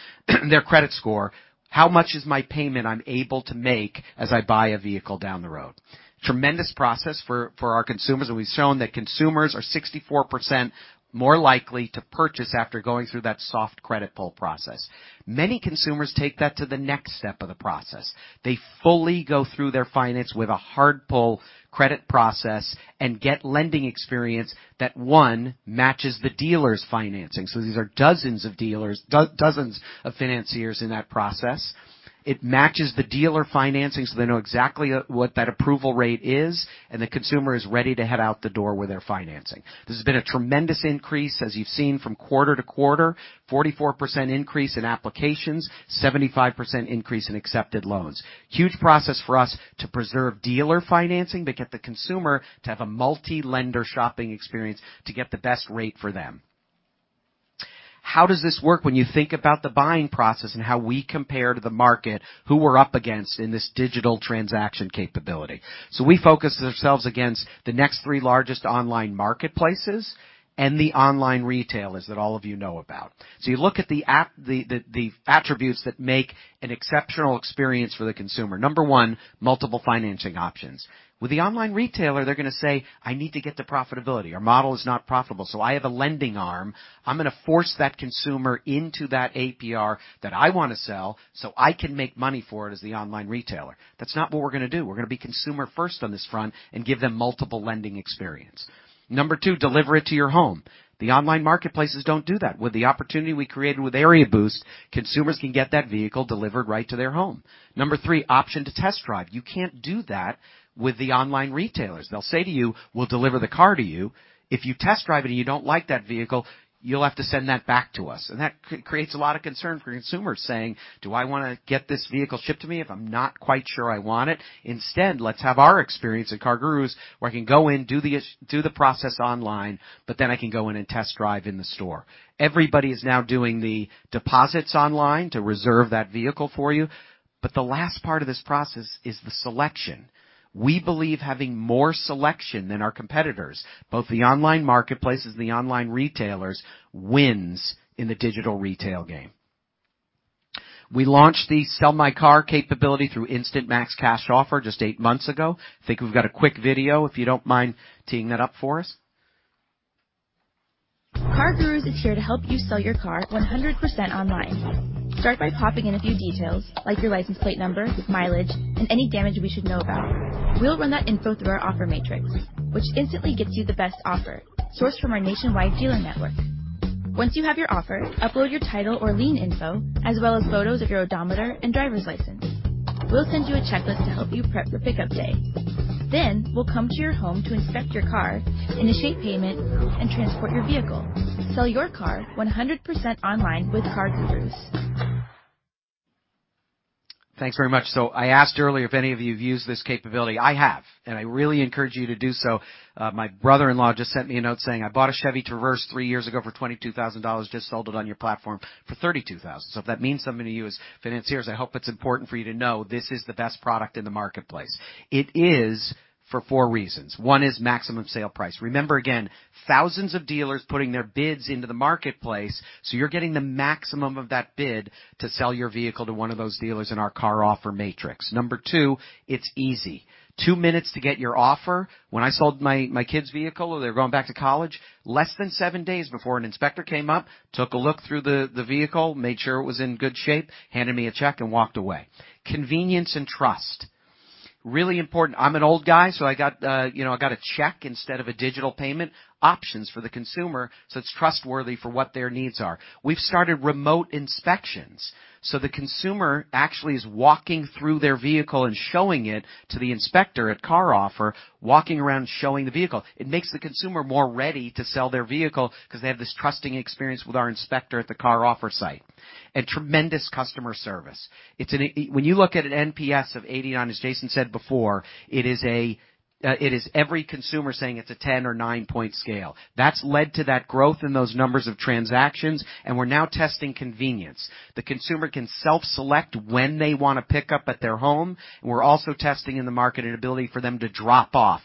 their credit score? How much is my payment I'm able to make as I buy a vehicle down the road? Tremendous process for our consumers, and we've shown that consumers are 64% more likely to purchase after going through that soft credit pull process. Many consumers take that to the next step of the process. They fully go through their finance with a hard pull credit process and get lending experience that, one, matches the dealer's financing. These are dozens of dealers, dozens of financiers in that process. It matches the dealer financing, so they know exactly what that approval rate is, and the consumer is ready to head out the door with their financing. This has been a tremendous increase, as you've seen from quarter-to-quarter. 44% increase in applications, 75% increase in accepted loans. Huge process for us to preserve dealer financing to get the consumer to have a multi-lender shopping experience to get the best rate for them. How does this work when you think about the buying process and how we compare to the market who we're up against in this digital transaction capability? We focus ourselves against the next three largest online marketplaces and the online retailers that all of you know about. You look at the attributes that make an exceptional experience for the consumer. Number one, multiple financing options. With the online retailer, they're gonna say, "I need to get to profitability. Our model is not profitable, so I have a lending arm. I'm gonna force that consumer into that APR that I wanna sell, so I can make money for it as the online retailer." That's not what we're gonna do. We're gonna be consumer first on this front and give them multiple lending experience. Number two, deliver it to your home. The online marketplaces don't do that. With the opportunity we created with Area Boost, consumers can get that vehicle delivered right to their home. Number three, option to test drive. You can't do that with the online retailers. They'll say to you, "We'll deliver the car to you. If you test drive it and you don't like that vehicle, you'll have to send that back to us." That creates a lot of concern for consumers, saying, "Do I wanna get this vehicle shipped to me if I'm not quite sure I want it?" Instead, let's have our experience at CarGurus, where I can go in, do the process online, but then I can go in and test drive in the store. Everybody is now doing the deposits online to reserve that vehicle for you, but the last part of this process is the selection. We believe having more selection than our competitors, both the online marketplaces and the online retailers, wins in the digital retail game. We launched the Sell My Car capability through Instant Max Cash Offer just eight months ago. I think we've got a quick video, if you don't mind teeing that up for us. CarGurus is here to help you sell your car 100% online. Start by popping in a few details, like your license plate number, mileage, and any damage we should know about. We'll run that info through our offer matrix, which instantly gets you the best offer sourced from our nationwide dealer network. Once you have your offer, upload your title or lien info, as well as photos of your odometer and driver's license. We'll send you a checklist to help you prep for pickup day. We'll come to your home to inspect your car, initiate payment, and transport your vehicle. Sell your car 100% online with CarGurus. Thanks very much. I asked earlier if any of you have used this capability. I have, and I really encourage you to do so. My brother-in-law just sent me a note saying, "I bought a Chevy Traverse three years ago for $22,000. Just sold it on your platform for $32,000." If that means something to you as financiers, I hope it's important for you to know this is the best product in the marketplace. It is for four reasons. One is maximum sale price. Remember, again, thousands of dealers putting their bids into the marketplace, so you're getting the maximum of that bid to sell your vehicle to one of those dealers in our CarOffer matrix. Number two, it's easy. Two minutes to get your offer. When I sold my kids' vehicle when they were going back to college, less than seven days before an inspector came up, took a look through the vehicle, made sure it was in good shape, handed me a check, and walked away. Convenience and trust. Really important. I'm an old guy, so I got, you know, I got a check instead of a digital payment. Options for the consumer, so it's trustworthy for what their needs are. We've started remote inspections, so the consumer actually is walking through their vehicle and showing it to the inspector at CarOffer, walking around showing the vehicle. It makes the consumer more ready to sell their vehicle because they have this trusting experience with our inspector at the CarOffer site. Tremendous customer service. When you look at an NPS of 89, as Jason said before, it is every consumer saying it's a 10 or 9-point scale. That's led to that growth in those numbers of transactions, and we're now testing convenience. The consumer can self-select when they wanna pick up at their home. We're also testing in the market an ability for them to drop off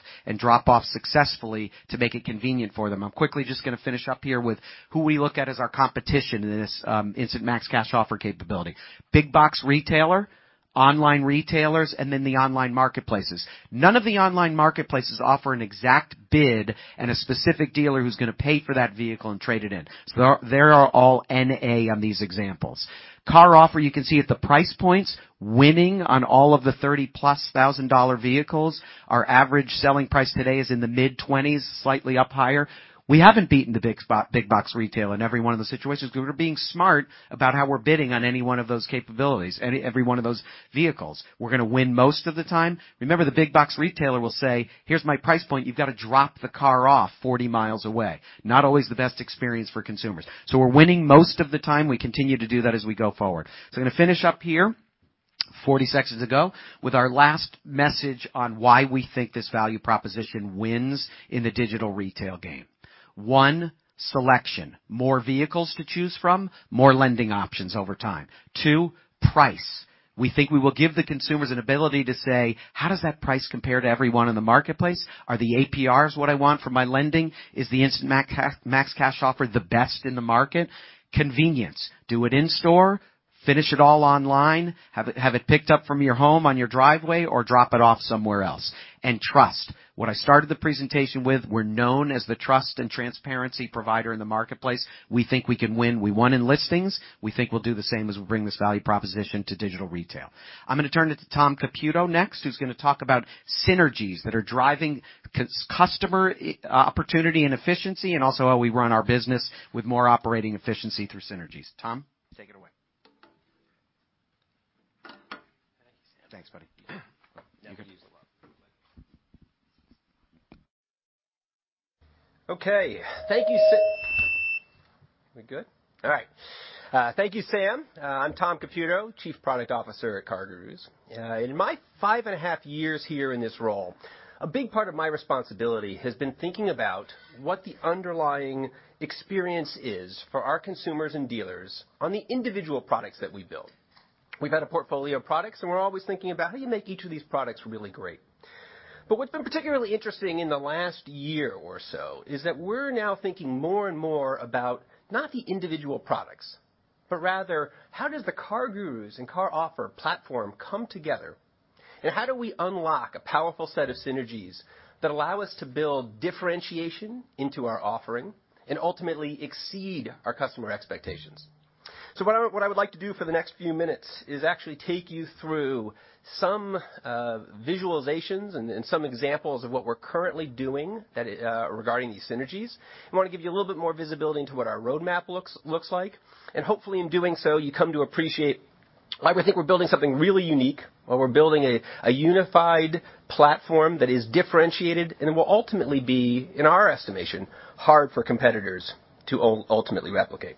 successfully to make it convenient for them. I'm quickly just gonna finish up here with who we look at as our competition in this Instant Max Cash Offer capability. Big box retailer, online retailers, and then the online marketplaces. None of the online marketplaces offer an exact bid and a specific dealer who's gonna pay for that vehicle and trade it in. They are all N/A on these examples. CarOffer, you can see at the price points, winning on all of the $30,000+ vehicles. Our average selling price today is in the mid-$20,000s, slightly up higher. We haven't beaten the big box retailer in every one of the situations. We're being smart about how we're bidding on any one of those capabilities, any, every one of those vehicles. We're gonna win most of the time. Remember, the big box retailer will say, "Here's my price point. You've got to drop the car off 40 mi away." Not always the best experience for consumers. We're winning most of the time. We continue to do that as we go forward. I'm gonna finish up here, 40 seconds to go, with our last message on why we think this value proposition wins in the digital retail game. One, selection. More vehicles to choose from, more lending options over time. Two, price. We think we will give the consumers an ability to say, "How does that price compare to everyone in the marketplace? Are the APRs what I want for my lending? Is the Instant Max Cash Offer the best in the market?" Convenience. Do it in store, finish it all online, have it picked up from your home on your driveway, or drop it off somewhere else. Trust. What I started the presentation with, we're known as the trust and transparency provider in the marketplace. We think we can win. We won in listings. We think we'll do the same as we bring this value proposition to digital retail. I'm gonna turn it to Tom Caputo next, who's gonna talk about synergies that are driving customer opportunity and efficiency and also how we run our business with more operating efficiency through synergies. Tom, take it away. Thank you, Sam. Thanks, buddy. You good? No issues at all. Okay. We good? All right. Thank you, Sam. I'm Tom Caputo, Chief Product Officer at CarGurus. In my five and a half years here in this role, a big part of my responsibility has been thinking about what the underlying experience is for our consumers and dealers on the individual products that we build. We've had a portfolio of products, and we're always thinking about how do you make each of these products really great. What's been particularly interesting in the last year or so is that we're now thinking more and more about not the individual products, but rather how does the CarGurus and CarOffer platform come together, and how do we unlock a powerful set of synergies that allow us to build differentiation into our offering and ultimately exceed our customer expectations. What I would like to do for the next few minutes is actually take you through some visualizations and some examples of what we're currently doing that regarding these synergies. I want to give you a little bit more visibility into what our roadmap looks like. Hopefully in doing so, you come to appreciate why we think we're building something really unique while we're building a unified platform that is differentiated and will ultimately be, in our estimation, hard for competitors to ultimately replicate.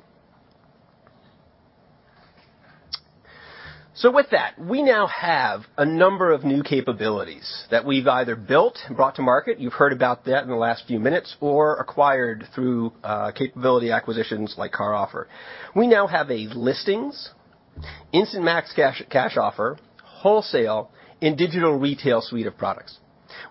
With that, we now have a number of new capabilities that we've either built and brought to market, you've heard about that in the last few minutes, or acquired through capability acquisitions like CarOffer. We now have a Listings, Instant Max Cash Offer, Wholesale, and Digital Retail suite of products.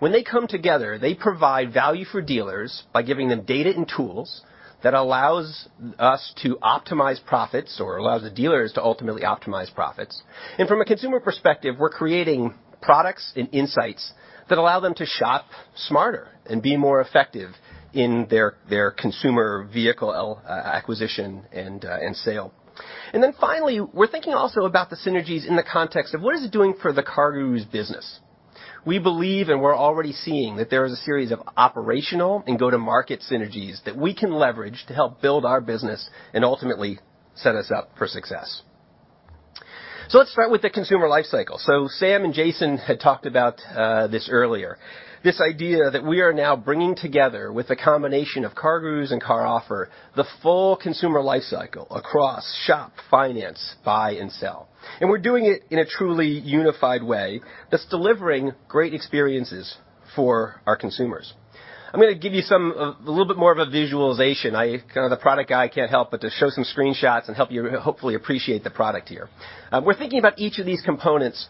When they come together, they provide value for dealers by giving them data and tools that allows us to optimize profits or allows the dealers to ultimately optimize profits. From a consumer perspective, we're creating products and insights that allow them to shop smarter and be more effective in their consumer vehicle acquisition and sale. Finally, we're thinking also about the synergies in the context of what is it doing for the CarGurus business. We believe, and we're already seeing that there is a series of operational and go-to-market synergies that we can leverage to help build our business and ultimately set us up for success. Let's start with the consumer lifecycle. Sam and Jason had talked about this earlier, this idea that we are now bringing together with a combination of CarGurus and CarOffer, the full consumer lifecycle across shop, finance, buy, and sell. We're doing it in a truly unified way that's delivering great experiences for our consumers. I'm gonna give you a little bit more of a visualization. I kind of the product guy, can't help but to show some screenshots and help you hopefully appreciate the product here. We're thinking about each of these components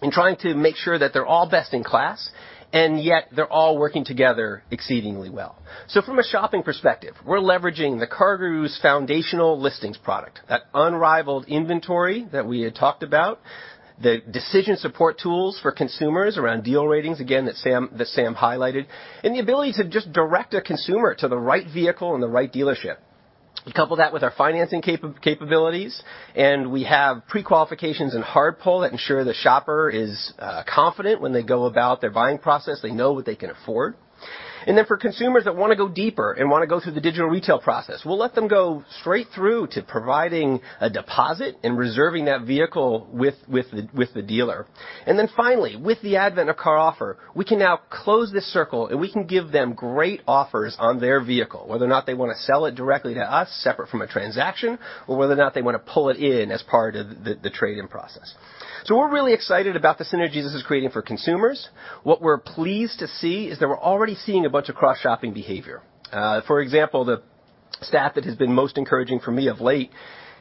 and trying to make sure that they're all best in class, and yet they're all working together exceedingly well. From a shopping perspective, we're leveraging the CarGurus foundational listings product, that unrivaled inventory that we had talked about, the decision support tools for consumers around deal ratings, again, that Sam highlighted, and the ability to just direct a consumer to the right vehicle and the right dealership. Couple that with our financing capabilities, and we have pre-qualifications and hard pull that ensure the shopper is confident when they go about their buying process, they know what they can afford. Then for consumers that wanna go deeper and wanna go through the digital retail process, we'll let them go straight through to providing a deposit and reserving that vehicle with the dealer. Then finally, with the advent of CarOffer, we can now close this circle, and we can give them great offers on their vehicle, whether or not they want to sell it directly to us separate from a transaction or whether or not they want to pull it in as part of the trade-in process. We're really excited about the synergies this is creating for consumers. What we're pleased to see is that we're already seeing a bunch of cross-shopping behavior. For example, the stat that has been most encouraging for me of late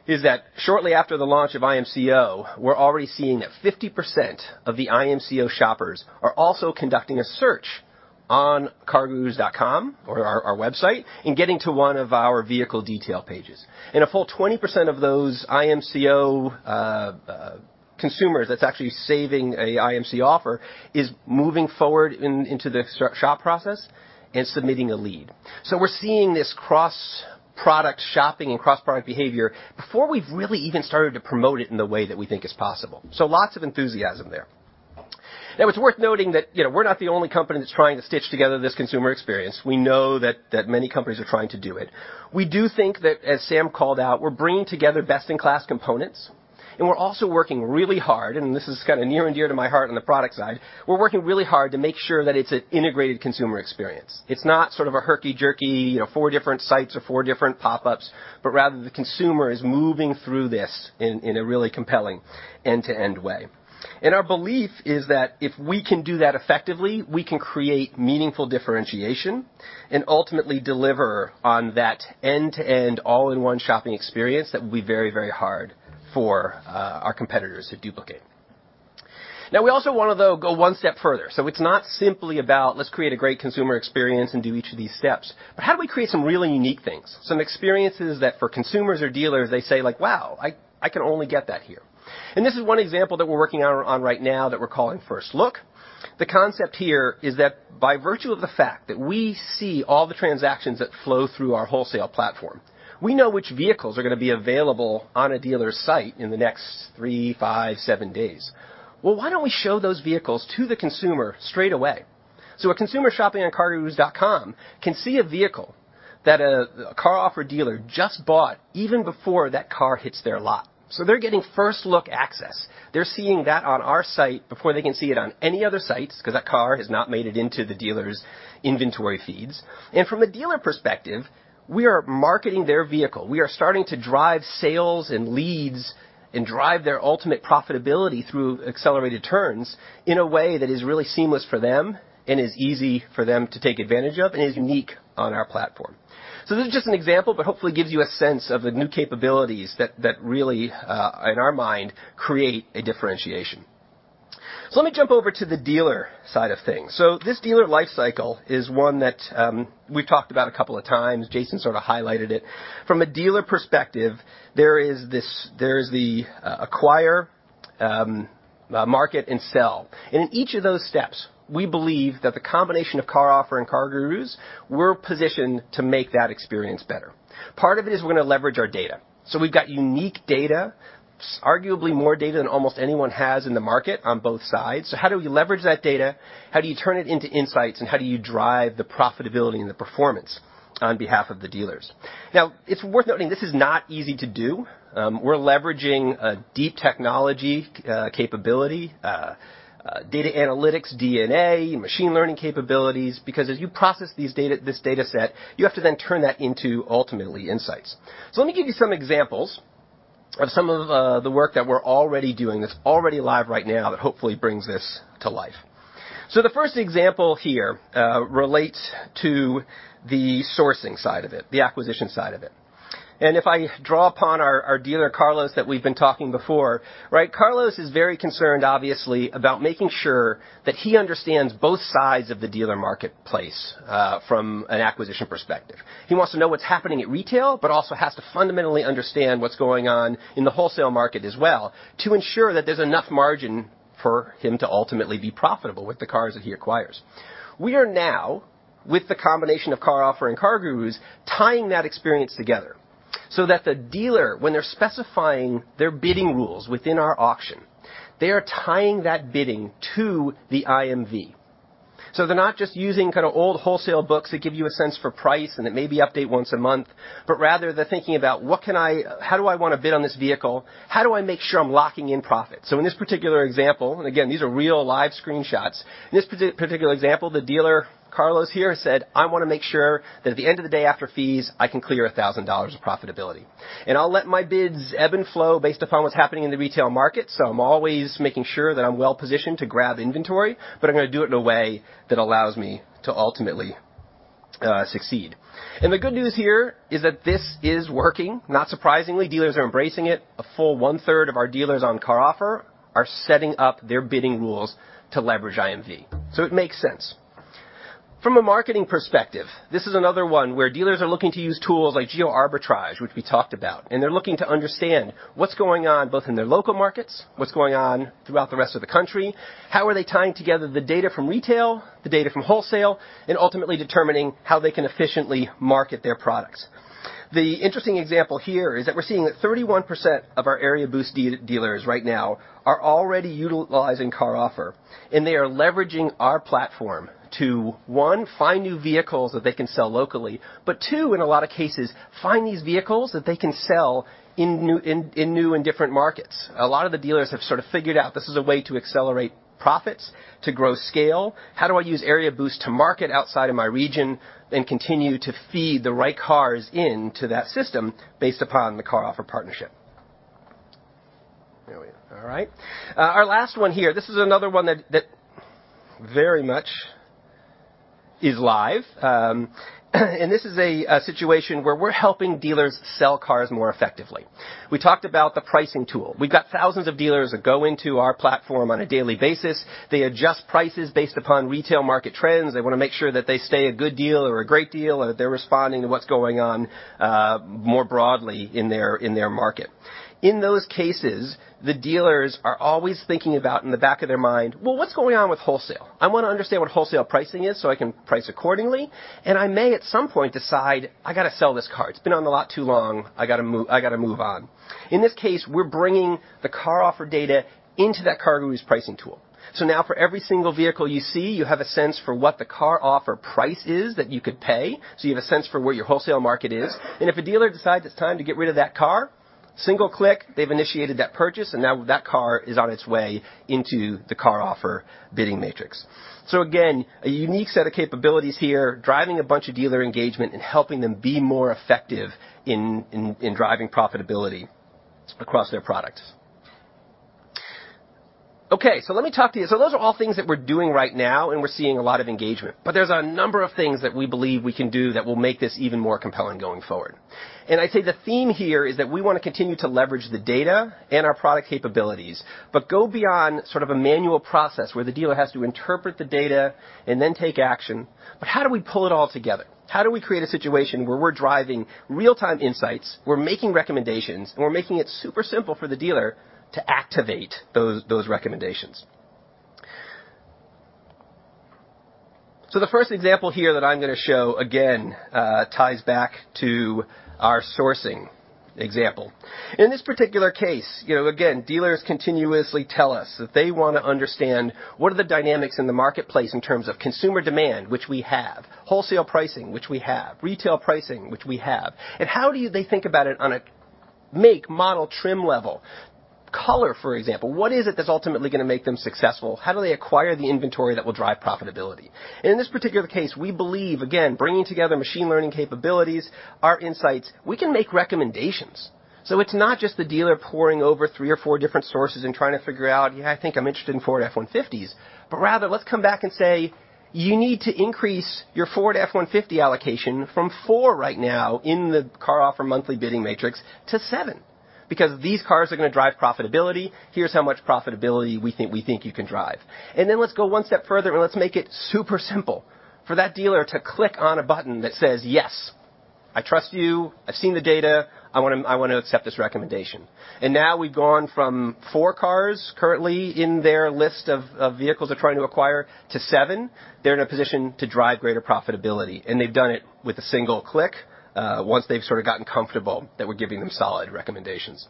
is that shortly after the launch of IMCO, we're already seeing that 50% of the IMCO shoppers are also conducting a search on CarGurus.com or our website and getting to one of our vehicle detail pages. A full 20% of those IMCO consumers that's actually saving a IMC Offer is moving forward into the shop process and submitting a lead. We're seeing this cross-product shopping and cross-product behavior before we've really even started to promote it in the way that we think is possible. Lots of enthusiasm there. Now, it's worth noting that, you know, we're not the only company that's trying to stitch together this consumer experience. We know that many companies are trying to do it. We do think that, as Sam called out, we're bringing together best-in-class components, and we're also working really hard, and this is kind of near and dear to my heart on the product side, we're working really hard to make sure that it's an integrated consumer experience. It's not sort of a herky-jerky, you know, four different sites or four different pop-ups, but rather the consumer is moving through this in a really compelling end-to-end way. Our belief is that if we can do that effectively, we can create meaningful differentiation and ultimately deliver on that end-to-end all-in-one shopping experience that will be very, very hard for our competitors to duplicate. Now, we also wanna though go one step further. It's not simply about let's create a great consumer experience and do each of these steps. How do we create some really unique things? Some experiences that for consumers or dealers, they say like, "Wow, I can only get that here." This is one example that we're working on right now that we're calling First Look. The concept here is that by virtue of the fact that we see all the transactions that flow through our wholesale platform, we know which vehicles are gonna be available on a dealer's site in the next three, five, seven days. Well, why don't we show those vehicles to the consumer straight away? So a consumer shopping on cargurus.com can see a vehicle that a CarOffer dealer just bought even before that car hits their lot. So they're getting First Look access. They're seeing that on our site before they can see it on any other sites 'cause that car has not made it into the dealer's inventory feeds. From a dealer perspective, we are marketing their vehicle. We are starting to drive sales and leads and drive their ultimate profitability through accelerated turns in a way that is really seamless for them and is easy for them to take advantage of and is unique on our platform. This is just an example, but hopefully gives you a sense of the new capabilities that really, in our mind, create a differentiation. Let me jump over to the dealer side of things. This dealer lifecycle is one that we've talked about a couple of times. Jason sort of highlighted it. From a dealer perspective, there is the acquire, market, and sell. In each of those steps, we believe that the combination of CarOffer and CarGurus, we're positioned to make that experience better. Part of it is we're gonna leverage our data. We've got unique data, arguably more data than almost anyone has in the market on both sides. How do we leverage that data? How do you turn it into insights? How do you drive the profitability and the performance on behalf of the dealers? Now, it's worth noting this is not easy to do. We're leveraging a deep technology capability, data analytics DNA, machine learning capabilities, because as you process this data set, you have to then turn that into ultimately insights. Let me give you some examples of some of the work that we're already doing that's already live right now that hopefully brings this to life. The first example here relates to the sourcing side of it, the acquisition side of it. If I draw upon our dealer, Carlos, that we've been talking before, right? Carlos is very concerned, obviously, about making sure that he understands both sides of the dealer marketplace, from an acquisition perspective. He wants to know what's happening at retail, but also has to fundamentally understand what's going on in the wholesale market as well to ensure that there's enough margin for him to ultimately be profitable with the cars that he acquires. We are now, with the combination of CarOffer and CarGurus, tying that experience together so that the dealer, when they're specifying their bidding rules within our auction, they are tying that bidding to the IMV. They're not just using kinda old wholesale books that give you a sense for price and that maybe update once a month, but rather they're thinking about, how do I wanna bid on this vehicle? How do I make sure I'm locking in profit? In this particular example, and again, these are real live screenshots. In this particular example, the dealer, Carlos here, said, "I wanna make sure that at the end of the day after fees, I can clear $1,000 of profitability. And I'll let my bids ebb and flow based upon what's happening in the retail market. So I'm always making sure that I'm well positioned to grab inventory, but I'm gonna do it in a way that allows me to ultimately succeed." The good news here is that this is working. Not surprisingly, dealers are embracing it. A full 1/3 of our dealers on CarOffer are setting up their bidding rules to leverage IMV. It makes sense. From a marketing perspective, this is another one where dealers are looking to use tools like Geoarbitrage, which we talked about, and they're looking to understand what's going on both in their local markets, what's going on throughout the rest of the country. How are they tying together the data from retail, the data from wholesale, and ultimately determining how they can efficiently market their products. The interesting example here is that we're seeing that 31% of our Area Boost dealers right now are already utilizing CarOffer, and they are leveraging our platform to, one, find new vehicles that they can sell locally. Two, in a lot of cases, find these vehicles that they can sell in new and different markets. A lot of the dealers have sort of figured out this is a way to accelerate profits, to grow scale. How do I use Area Boost to market outside of my region and continue to feed the right cars into that system based upon the CarOffer partnership? There we are. All right. Our last one here, this is another one that very much is live. And this is a situation where we're helping dealers sell cars more effectively. We talked about the pricing tool. We've got thousands of dealers that go into our platform on a daily basis. They adjust prices based upon retail market trends. They wanna make sure that they stay a good deal or a great deal, or they're responding to what's going on more broadly in their market. In those cases, the dealers are always thinking about, in the back of their mind, "Well, what's going on with wholesale? I wanna understand what wholesale pricing is so I can price accordingly. I may at some point decide I gotta sell this car. It's been on the lot too long. I gotta move on." In this case, we're bringing the CarOffer data into that CarGurus pricing tool. Now for every single vehicle you see, you have a sense for what the CarOffer price is that you could pay. You have a sense for where your wholesale market is. If a dealer decides it's time to get rid of that car, single click, they've initiated that purchase, and now that car is on its way into the CarOffer bidding matrix. Again, a unique set of capabilities here, driving a bunch of dealer engagement and helping them be more effective in driving profitability across their products. Okay, let me talk to you. Those are all things that we're doing right now, and we're seeing a lot of engagement. There's a number of things that we believe we can do that will make this even more compelling going forward. I'd say the theme here is that we wanna continue to leverage the data and our product capabilities, but go beyond sort of a manual process where the dealer has to interpret the data and then take action. How do we pull it all together? How do we create a situation where we're driving real-time insights, we're making recommendations, and we're making it super simple for the dealer to activate those recommendations? The first example here that I'm gonna show again ties back to our sourcing example. In this particular case, you know, again, dealers continuously tell us that they want to understand what are the dynamics in the marketplace in terms of consumer demand, which we have, wholesale pricing, which we have, retail pricing, which we have, and how they think about it on a make, model, trim level. Color, for example. What is it that's ultimately gonna make them successful? How do they acquire the inventory that will drive profitability? In this particular case, we believe, again, bringing together machine learning capabilities, our insights, we can make recommendations. It's not just the dealer poring over three or four different sources and trying to figure out, "Yeah, I think I'm interested in Ford F-150s." Rather, let's come back and say, "You need to increase your Ford F-150 allocation from four right now in the CarOffer monthly bidding matrix to seven, because these cars are gonna drive profitability. Here's how much profitability we think you can drive." Then let's go one step further and let's make it super simple for that dealer to click on a button that says, "Yes. I trust you. I've seen the data. I wanna accept this recommendation." Now we've gone from four cars currently in their list of vehicles they're trying to acquire to seven. They're in a position to drive greater profitability, and they've done it with a single click, once they've sort of gotten comfortable that we're giving them solid recommendations.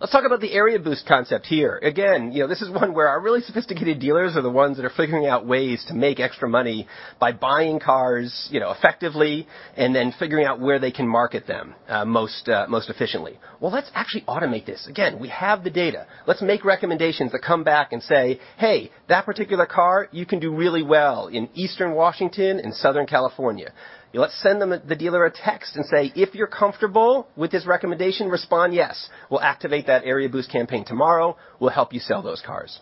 Let's talk about the Area Boost concept here. Again, you know, this is one where our really sophisticated dealers are the ones that are figuring out ways to make extra money by buying cars, you know, effectively, and then figuring out where they can market them most efficiently. Well, let's actually automate this. Again, we have the data. Let's make recommendations that come back and say, "Hey, that particular car, you can do really well in Eastern Washington and Southern California." Let's send the dealer a text and say, "If you're comfortable with this recommendation, respond yes. We'll activate that Area Boost campaign tomorrow. We'll help you sell those cars.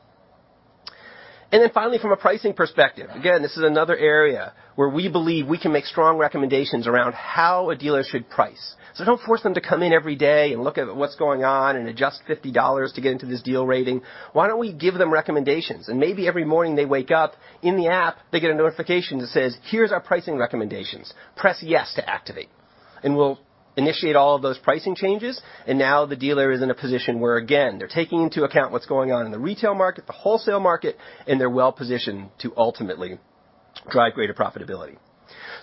Then finally, from a pricing perspective, again, this is another area where we believe we can make strong recommendations around how a dealer should price. Don't force them to come in every day and look at what's going on and adjust $50 to get into this deal rating. Why don't we give them recommendations? Maybe every morning they wake up, in the app, they get a notification that says, "Here's our pricing recommendations. Press yes to activate." We'll initiate all of those pricing changes, and now the dealer is in a position where, again, they're taking into account what's going on in the retail market, the wholesale market, and they're well positioned to ultimately drive greater profitability.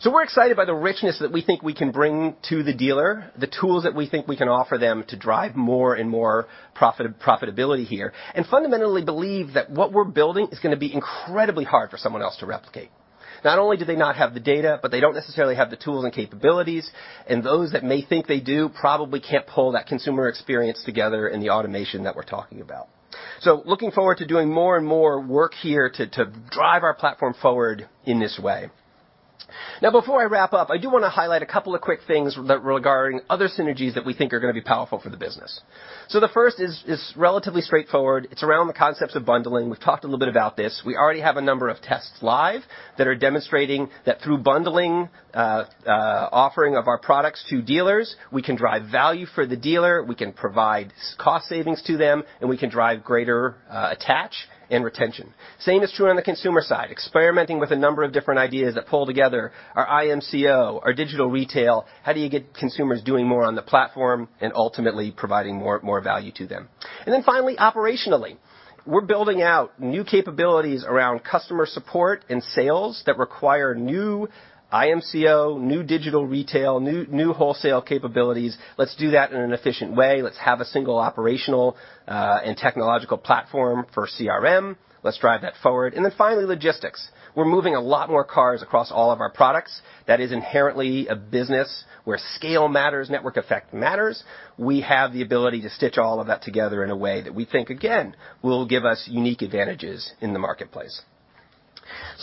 We're excited by the richness that we think we can bring to the dealer, the tools that we think we can offer them to drive more and more profitability here, and fundamentally believe that what we're building is gonna be incredibly hard for someone else to replicate. Not only do they not have the data, but they don't necessarily have the tools and capabilities, and those that may think they do probably can't pull that consumer experience together in the automation that we're talking about. Looking forward to doing more and more work here to drive our platform forward in this way. Now before I wrap up, I do wanna highlight a couple of quick things regarding other synergies that we think are gonna be powerful for the business. The first is relatively straightforward. It's around the concepts of bundling. We've talked a little bit about this. We already have a number of tests live that are demonstrating that through bundling, offering of our products to dealers, we can drive value for the dealer, we can provide cost savings to them, and we can drive greater attach and retention. Same is true on the consumer side, experimenting with a number of different ideas that pull together our IMCO, our digital retail. How do you get consumers doing more on the platform and ultimately providing more value to them? Finally, operationally, we're building out new capabilities around customer support and sales that require new IMCO, new digital retail, new wholesale capabilities. Let's do that in an efficient way. Let's have a single operational and technological platform for CRM. Let's drive that forward. Finally, logistics. We're moving a lot more cars across all of our products. That is inherently a business where scale matters, network effect matters. We have the ability to stitch all of that together in a way that we think, again, will give us unique advantages in the marketplace.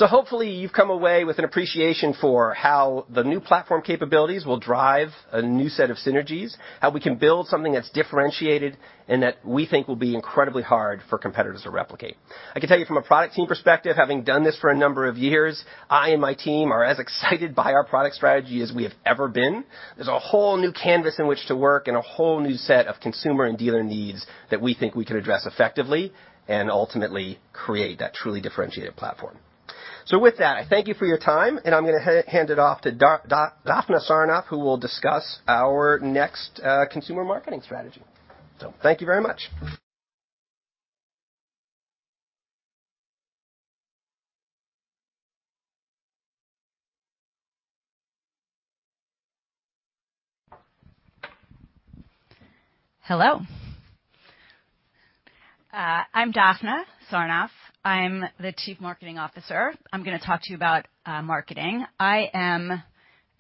Hopefully you've come away with an appreciation for how the new platform capabilities will drive a new set of synergies, how we can build something that's differentiated and that we think will be incredibly hard for competitors to replicate. I can tell you from a product team perspective, having done this for a number of years, I and my team are as excited by our product strategy as we have ever been. There's a whole new canvas in which to work and a whole new set of consumer and dealer needs that we think we can address effectively and ultimately create that truly differentiated platform. With that, I thank you for your time, and I'm gonna hand it off to Dafna Sarnoff, who will discuss our next consumer marketing strategy. Thank you very much. Hello. I'm Dafna Sarnoff. I'm the Chief Marketing Officer. I'm gonna talk to you about marketing. I am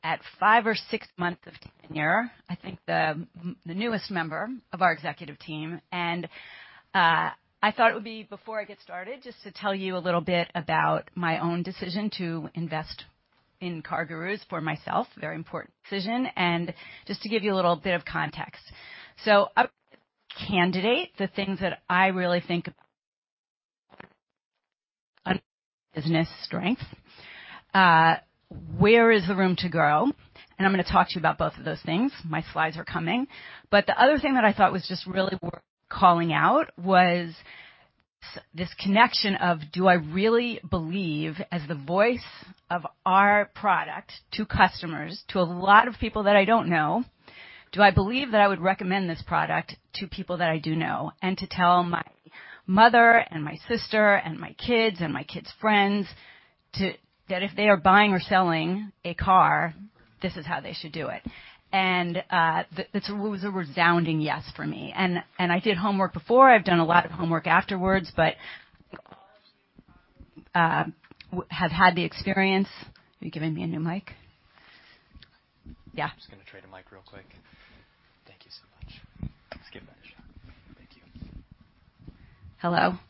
at five or six months of tenure, I think the newest member of our executive team. I thought it would be, before I get started, just to tell you a little bit about my own decision to invest in CarGurus for myself, very important decision, and just to give you a little bit of context. As a candidate, the things that I really think of business strength, where is the room to grow? I'm gonna talk to you about both of those things. My slides are coming. The other thing that I thought was just really worth calling out was this connection of, do I really believe as the voice of our product to customers, to a lot of people that I don't know, do I believe that I would recommend this product to people that I do know and to tell my mother and my sister and my kids and my kids' friends that if they are buying or selling a car, this is how they should do it. It was a resounding yes for me. I did homework before. I've done a lot of homework afterwards, but we have had the experience. Are you giving me a new mic? Yeah. I'm just gonna trade a mic real quick. Thank you so much. Let's give that a shot. Thank you. Hello.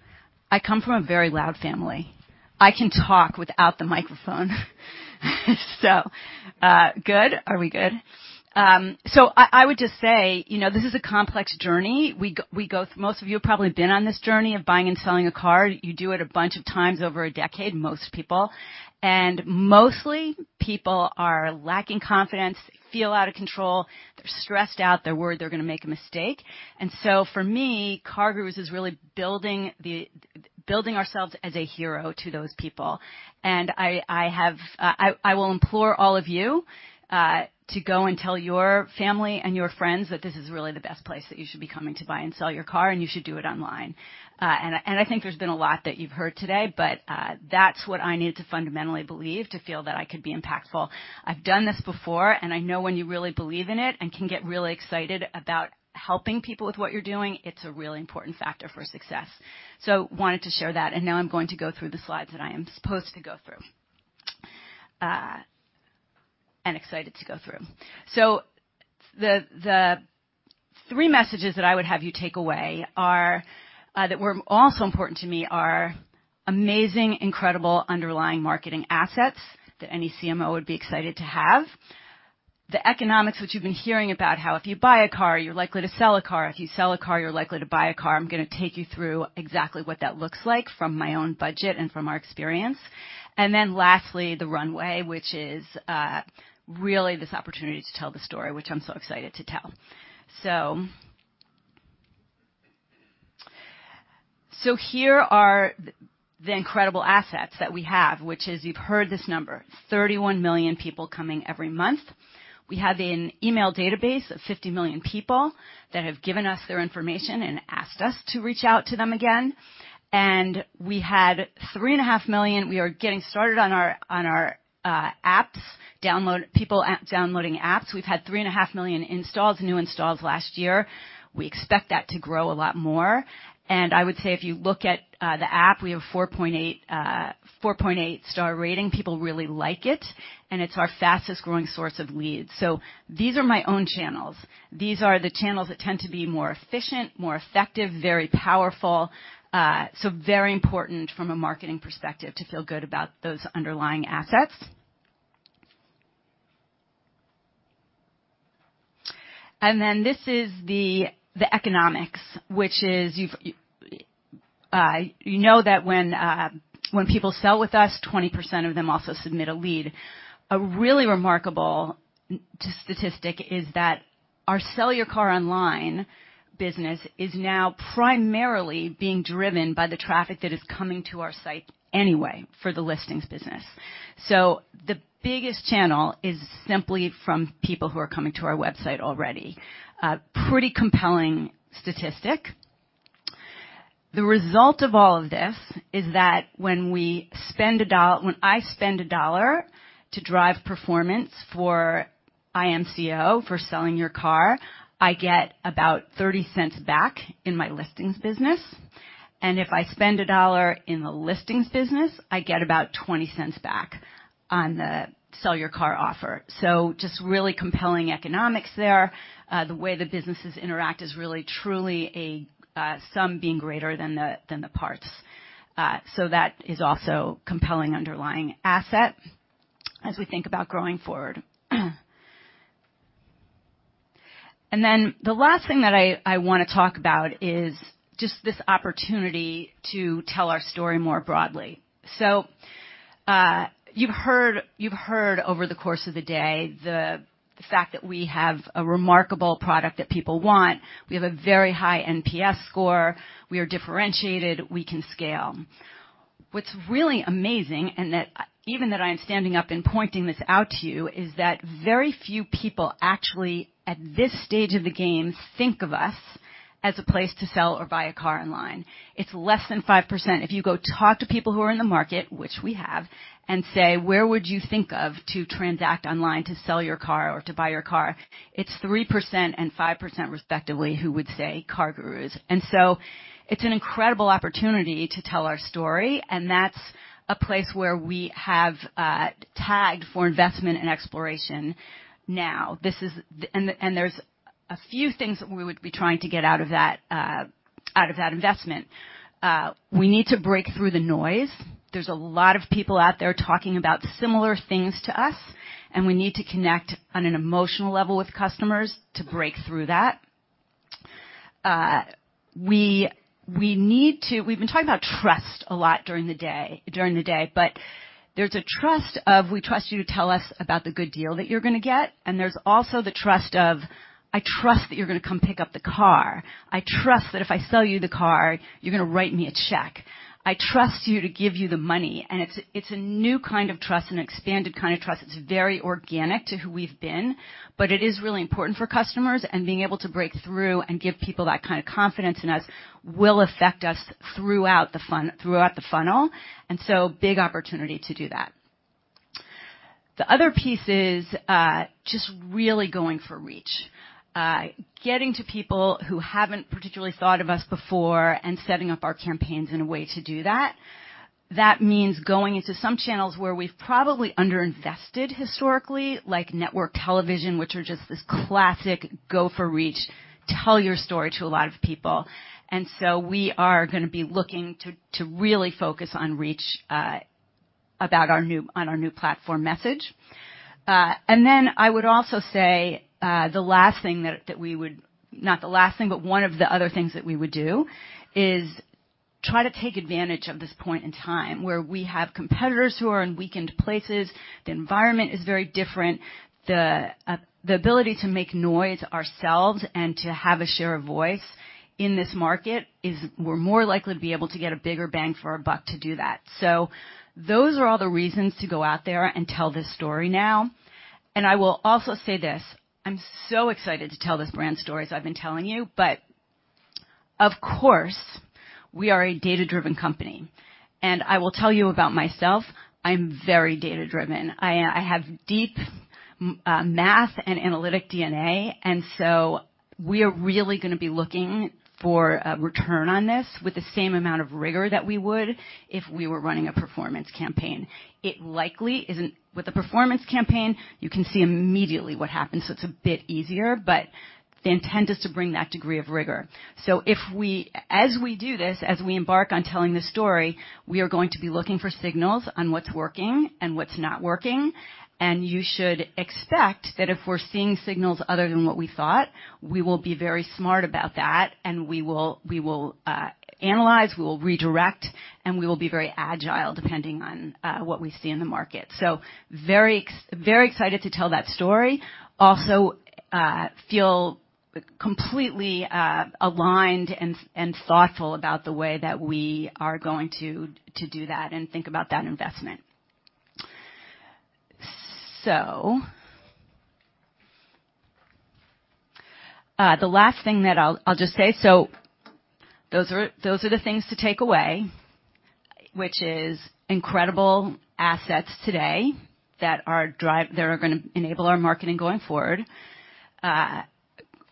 I come from a very loud family. I can talk without the microphone. Good. Are we good? I would just say, you know, this is a complex journey. Most of you have probably been on this journey of buying and selling a car. You do it a bunch of times over a decade, most people. Mostly, people are lacking confidence, feel out of control, they're stressed out, they're worried they're gonna make a mistake. For me, CarGurus is really building ourselves as a hero to those people. I will implore all of you to go and tell your family and your friends that this is really the best place that you should be coming to buy and sell your car, and you should do it online. I think there's been a lot that you've heard today, but that's what I needed to fundamentally believe to feel that I could be impactful. I've done this before, and I know when you really believe in it and can get really excited about helping people with what you're doing, it's a really important factor for success. Wanted to share that, and now I'm going to go through the slides that I am supposed to go through, excited to go through. The three messages that I would have you take away are that were also important to me are amazing, incredible underlying marketing assets that any CMO would be excited to have. The economics which you've been hearing about, how if you buy a car, you're likely to sell a car. If you sell a car, you're likely to buy a car. I'm gonna take you through exactly what that looks like from my own budget and from our experience. Lastly, the runway, which is really this opportunity to tell the story, which I'm so excited to tell. Here are the incredible assets that we have, which is, you've heard this number, 31 million people coming every month. We have an email database of 50 million people that have given us their information and asked us to reach out to them again. We had 3.5 million. We are getting started on our apps. People are downloading apps. We've had 3.5 million installs, new installs last year. We expect that to grow a lot more. I would say if you look at the app, we have 4.8 star rating. People really like it, and it's our fastest growing source of leads. These are my own channels. These are the channels that tend to be more efficient, more effective, very powerful. It is very important from a marketing perspective to feel good about those underlying assets. This is the economics, which is you know that when people sell with us, 20% of them also submit a lead. A really remarkable statistic is that our sell your car online business is now primarily being driven by the traffic that is coming to our site anyway for the listings business. The biggest channel is simply from people who are coming to our website already. Pretty compelling statistic. The result of all of this is that when I spend $1 to drive performance for IMCO, for selling your car, I get about $0.30 back in my listings business. If I spend $1 in the listings business, I get about $0.20 back on the sell your car offer. Just really compelling economics there. The way the businesses interact is really, truly a sum being greater than the parts. That is also compelling underlying asset as we think about growing forward. Then the last thing that I wanna talk about is just this opportunity to tell our story more broadly. You've heard over the course of the day the fact that we have a remarkable product that people want. We have a very high NPS score. We are differentiated. We can scale. What's really amazing, and that even that I'm standing up and pointing this out to you, is that very few people actually, at this stage of the game, think of us as a place to sell or buy a car online. It's less than 5%. If you go talk to people who are in the market, which we have, and say, "Where would you think of to transact online to sell your car or to buy your car?" It's 3% and 5% respectively who would say CarGurus. It's an incredible opportunity to tell our story, and that's a place where we have tagged for investment and exploration now. There's a few things that we would be trying to get out of that, out of that investment. We need to break through the noise. There's a lot of people out there talking about similar things to us, and we need to connect on an emotional level with customers to break through that. We've been talking about trust a lot during the day, but there's a trust of we trust you to tell us about the good deal that you're gonna get, and there's also the trust of I trust that you're gonna come pick up the car. I trust that if I sell you the car, you're gonna write me a check. I trust you to give you the money, and it's a new kind of trust and expanded kind of trust. It's very organic to who we've been, but it is really important for customers and being able to break through and give people that kind of confidence in us will affect us throughout the funnel, and so big opportunity to do that. The other piece is just really going for reach, getting to people who haven't particularly thought of us before and setting up our campaigns in a way to do that. That means going into some channels where we've probably underinvested historically, like network television, which are just this classic go for reach, tell your story to a lot of people. We are gonna be looking to really focus on reach about our new platform message. I would also say the last thing that we would. Not the last thing, but one of the other things that we would do is try to take advantage of this point in time where we have competitors who are in weakened places, the environment is very different. The ability to make noise ourselves and to have a share of voice in this market is we're more likely to be able to get a bigger bang for our buck to do that. Those are all the reasons to go out there and tell this story now. I will also say this, I'm so excited to tell this brand story as I've been telling you, but of course, we are a data-driven company, and I will tell you about myself, I'm very data-driven. I have deep math and analytic DNA, so we are really gonna be looking for a return on this with the same amount of rigor that we would if we were running a performance campaign. It likely isn't. With a performance campaign, you can see immediately what happens, so it's a bit easier, but the intent is to bring that degree of rigor. If we do this, as we embark on telling this story, we are going to be looking for signals on what's working and what's not working. You should expect that if we're seeing signals other than what we thought, we will be very smart about that, and we will analyze, we will redirect, and we will be very agile depending on what we see in the market. Very excited to tell that story. Also, feel completely aligned and thoughtful about the way that we are going to do that and think about that investment. The last thing that I'll just say, those are the things to take away, which is incredible assets today that are gonna enable our marketing going forward.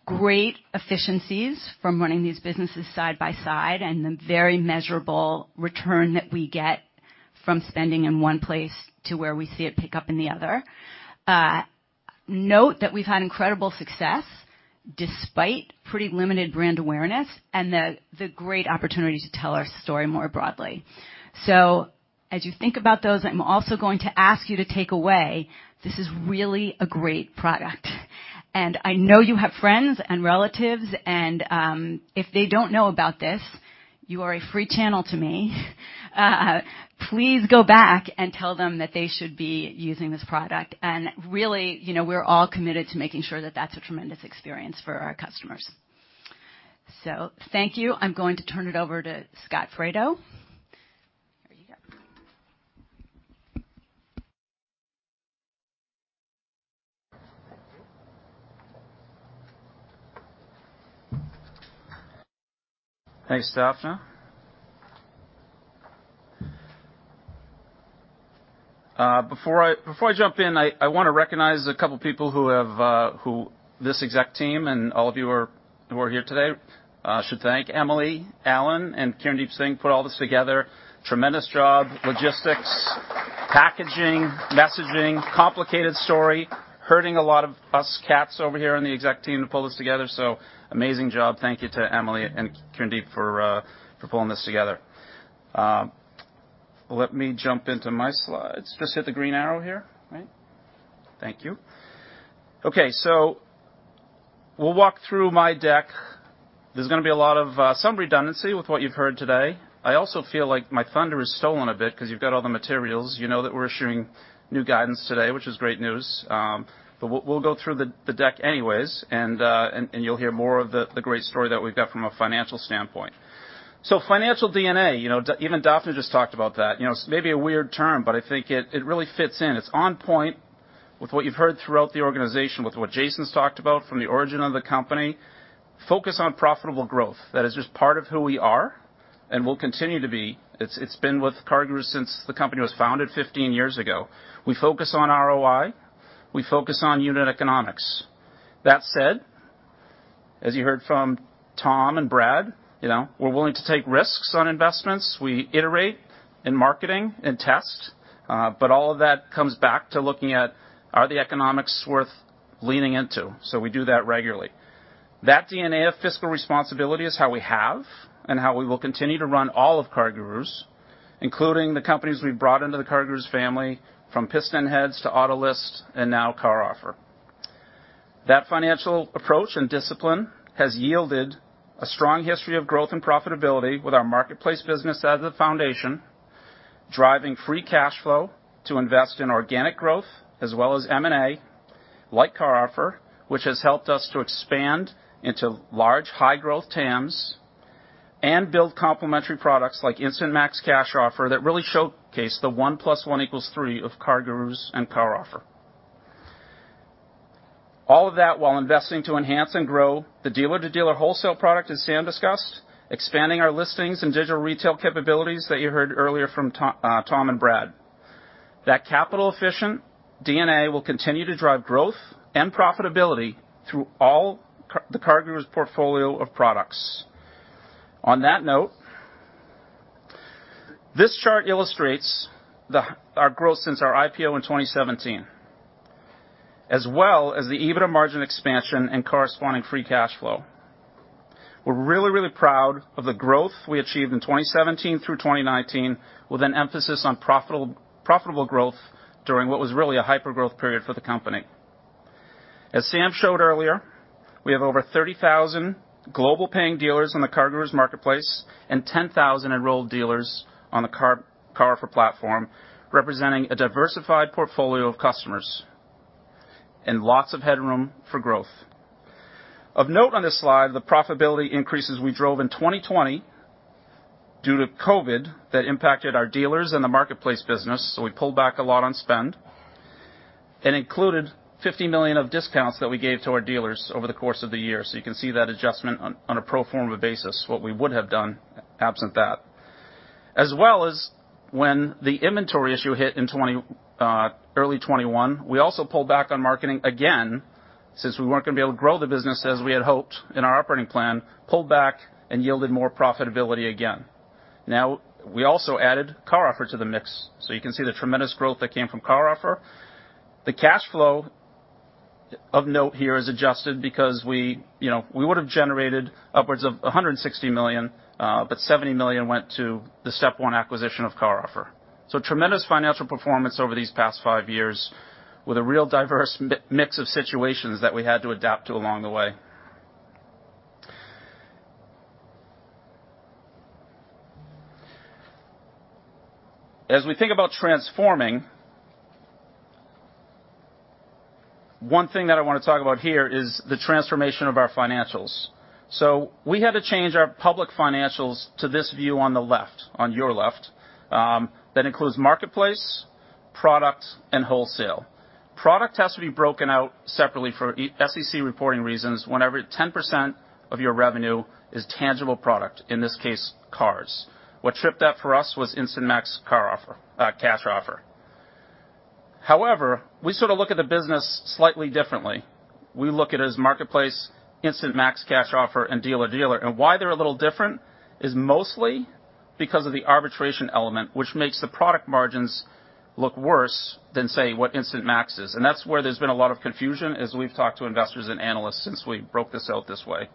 Great efficiencies from running these businesses side by side and the very measurable return that we get from spending in one place to where we see it pick up in the other. Note that we've had incredible success despite pretty limited brand awareness and the great opportunity to tell our story more broadly. As you think about those, I'm also going to ask you to take away, this is really a great product. I know you have friends and relatives, and, if they don't know about this, you are a free channel to me. Please go back and tell them that they should be using this product. Really, you know, we're all committed to making sure that that's a tremendous experience for our customers. Thank you. I'm going to turn it over to Scot Fredo. Here you go. Thanks, Dafna. Before I jump in, I wanna recognize a couple of people who have who this exec team and all of you who are here today should thank Emily, Elisa Palazzo, and Kirndeep Singh put all this together. Tremendous job. Logistics, packaging, messaging, complicated story, herding a lot of us cats over here on the exec team to pull this together. Amazing job. Thank you to Emily and Kirndeep for pulling this together. Let me jump into my slides. Just hit the green arrow here, right? Thank you. Okay. We'll walk through my deck. There's gonna be a lot of some redundancy with what you've heard today. I also feel like my thunder is stolen a bit because you've got all the materials. You know that we're issuing new guidance today, which is great news. We'll go through the deck anyways, and you'll hear more of the great story that we've got from a financial standpoint. Financial DNA, you know, even Dafna just talked about that. You know, it may be a weird term, but I think it really fits in. It's on point with what you've heard throughout the organization, with what Jason's talked about from the origin of the company. Focus on profitable growth. That is just part of who we are and will continue to be. It's been with CarGurus since the company was founded 15 years ago. We focus on ROI. We focus on unit economics. That said, as you heard from Tom and Brad, you know, we're willing to take risks on investments. We iterate in marketing and test, but all of that comes back to looking at are the economics worth leaning into. We do that regularly. That DNA of fiscal responsibility is how we have and how we will continue to run all of CarGurus, including the companies we've brought into the CarGurus family from PistonHeads to Autolist and now CarOffer. That financial approach and discipline has yielded a strong history of growth and profitability with our marketplace business as the foundation, driving free cash flow to invest in organic growth as well as M&A, like CarOffer, which has helped us to expand into large, high-growth TAMs and build complementary products like Instant Max Cash Offer that really showcase the one plus one equals three of CarGurus and CarOffer. All of that while investing to enhance and grow the dealer-to-dealer wholesale product, as Sam discussed, expanding our listings and digital retail capabilities that you heard earlier from Tom and Brad. That capital efficient DNA will continue to drive growth and profitability through all the CarGurus portfolio of products. On that note, this chart illustrates our growth since our IPO in 2017, as well as the EBITDA margin expansion and corresponding free cash flow. We're really proud of the growth we achieved in 2017 through 2019, with an emphasis on profitable growth during what was really a hypergrowth period for the company. As Sam showed earlier, we have over 30,000 global paying dealers in the CarGurus marketplace and 10,000 enrolled dealers on the CarOffer platform, representing a diversified portfolio of customers and lots of headroom for growth. Of note on this slide, the profitability increases we drove in 2020 due to COVID that impacted our dealers and the marketplace business, so we pulled back a lot on spend, and included $50 million of discounts that we gave to our dealers over the course of the year. You can see that adjustment on a pro forma basis, what we would have done absent that. As well as when the inventory issue hit in early 2021, we also pulled back on marketing again, since we weren't going to be able to grow the business as we had hoped in our operating plan, pulled back and yielded more profitability again. Now, we also added CarOffer to the mix, so you can see the tremendous growth that came from CarOffer. The cash flow of note here is adjusted because we would have generated upwards of $160 million, but $70 million went to the step 1 acquisition of CarOffer. Tremendous financial performance over these past five years with a real diverse mix of situations that we had to adapt to along the way. As we think about transforming, one thing that I want to talk about here is the transformation of our financials. We had to change our public financials to this view on the left, on your left, that includes marketplace, product, and wholesale. Product has to be broken out separately for SEC reporting reasons whenever 10% of your revenue is tangible product, in this case, cars. What tripped that for us was Instant Max Cash Offer. However, we sort of look at the business slightly differently. We look at it as Marketplace, Instant Max Cash Offer, and dealer-to-dealer. Why they're a little different is mostly because of the arbitrage element, which makes the product margins look worse than, say, what Instant Max is. That's where there's been a lot of confusion as we've talked to investors and analysts since we broke this out this way.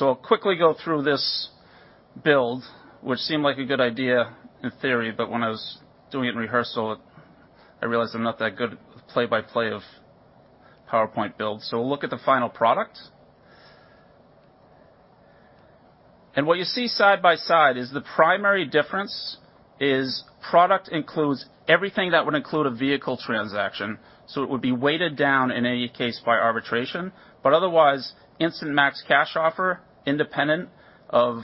I'll quickly go through this build, which seemed like a good idea in theory, but when I was doing it in rehearsal, I realized I'm not that good at play-by-play of PowerPoint build. We'll look at the final product. What you see side by side is the primary difference is product includes everything that would include a vehicle transaction. It would be weighted down in any case by arbitrage. Otherwise, Instant Max Cash Offer, independent of,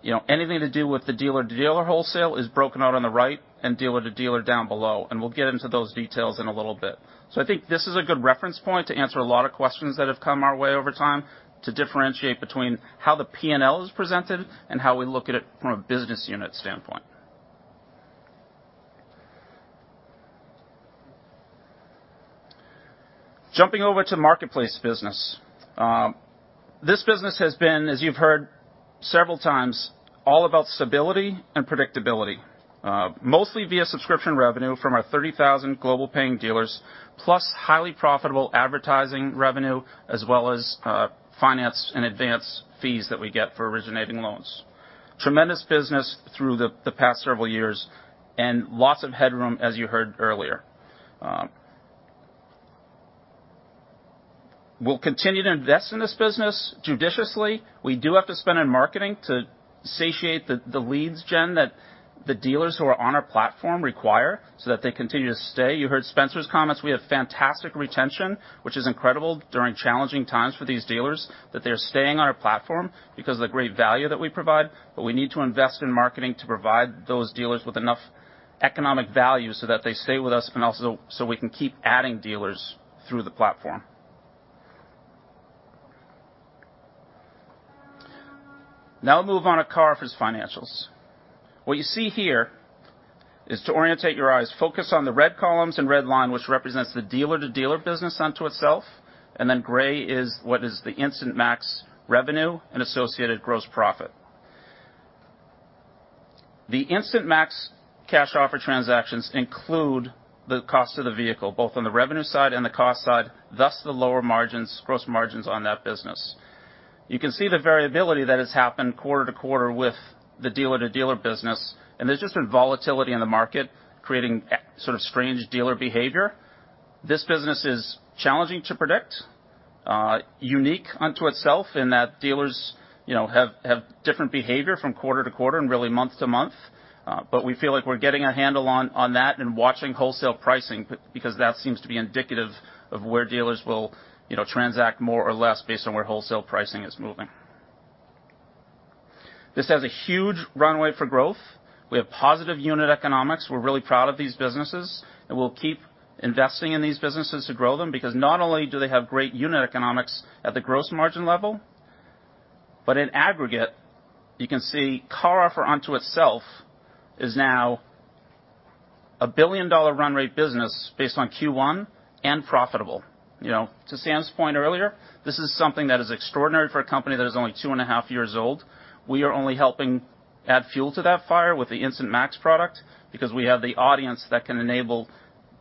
you know, anything to do with the dealer-to-dealer wholesale is broken out on the right and dealer-to-dealer down below. We'll get into those details in a little bit. I think this is a good reference point to answer a lot of questions that have come our way over time to differentiate between how the P&L is presented and how we look at it from a business unit standpoint. Jumping over to Marketplace business. This business has been, as you've heard several times, all about stability and predictability, mostly via subscription revenue from our 30,000 global paying dealers, plus highly profitable advertising revenue, as well as, Finance in Advance fees that we get for originating loans. Tremendous business through the past several years and lots of headroom, as you heard earlier. We'll continue to invest in this business judiciously. We do have to spend on marketing to satiate the lead gen that the dealers who are on our platform require so that they continue to stay. You heard Spencer's comments. We have fantastic retention, which is incredible during challenging times for these dealers, that they're staying on our platform because of the great value that we provide. We need to invest in marketing to provide those dealers with enough economic value so that they stay with us and also so we can keep adding dealers through the platform. Now move on to CarOffer's financials. What you see here is to orientate your eyes, focus on the red columns and red line, which represents the dealer-to-dealer business onto itself. Then gray is what is the Instant Max revenue and associated gross profit. The Instant Max Cash Offer transactions include the cost of the vehicle, both on the revenue side and the cost side, thus the lower margins, gross margins on that business. You can see the variability that has happened quarter-to-quarter with the dealer-to-dealer business. There's just been volatility in the market creating sort of strange dealer behavior. This business is challenging to predict, unique unto itself in that dealers, you know, have different behavior from quarter-to-quarter and really month to month. But we feel like we're getting a handle on that and watching wholesale pricing because that seems to be indicative of where dealers will, you know, transact more or less based on where wholesale pricing is moving. This has a huge runway for growth. We have positive unit economics. We're really proud of these businesses, and we'll keep investing in these businesses to grow them because not only do they have great unit economics at the gross margin level, but in aggregate, you can see CarOffer onto itself is now a billion-dollar run rate business based on Q1 and profitable. You know, to Sam's point earlier, this is something that is extraordinary for a company that is only two and a half years old. We are only helping add fuel to that fire with the Instant Max product because we have the audience that can enable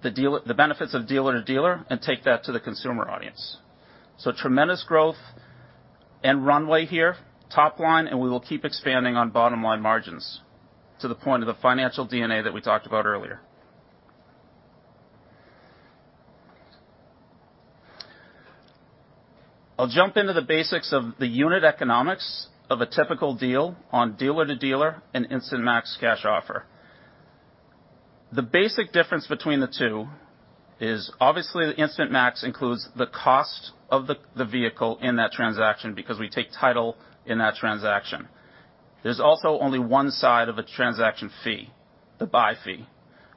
the dealer, the benefits of dealer-to-dealer and take that to the consumer audience. Tremendous growth and runway here, top line, and we will keep expanding on bottom line margins to the point of the financial DNA that we talked about earlier. I'll jump into the basics of the unit economics of a typical deal on dealer-to-dealer in Instant Max Cash Offer. The basic difference between the two is obviously the Instant Max includes the cost of the vehicle in that transaction because we take title in that transaction. There's also only one side of a transaction fee, the buy fee.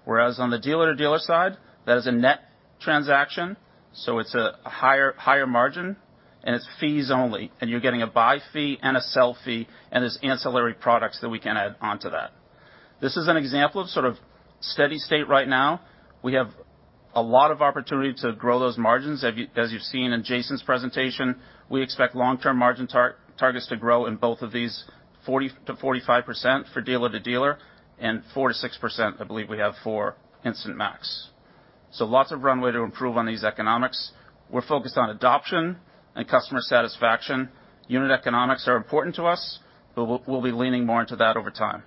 Whereas on the dealer-to-dealer side, that is a net transaction, so it's a higher margin, and it's fees only, and you're getting a buy fee and a sell fee, and there's ancillary products that we can add onto that. This is an example of sort of steady-state right now. We have a lot of opportunity to grow those margins. As you've seen in Jason's presentation, we expect long-term margin targets to grow in both of these 40%-45% for dealer-to-dealer and 4%-6% I believe we have for Instant Max. Lots of runway to improve on these economics. We're focused on adoption and customer satisfaction. Unit economics are important to us, but we'll be leaning more into that over time.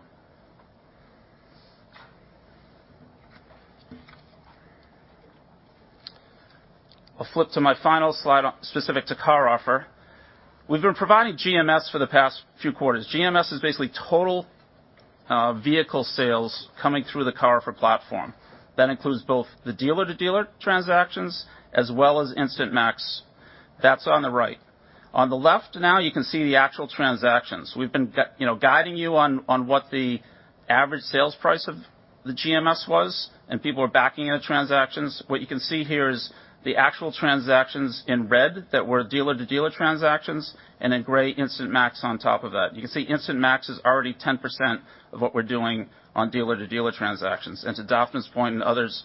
I'll flip to my final slide on specific to CarOffer. We've been providing GMS for the past few quarters. GMS is basically total vehicle sales coming through the CarOffer platform. That includes both the dealer-to-dealer transactions as well as Instant Max. That's on the right. On the left now you can see the actual transactions. We've been guiding you on what the average sales price of the GMS was, and people are backing out of transactions. What you can see here is the actual transactions in red that were dealer-to-dealer transactions and in gray Instant Max on top of that. You can see Instant Max is already 10% of what we're doing on dealer-to-dealer transactions. To Dafna's point and others,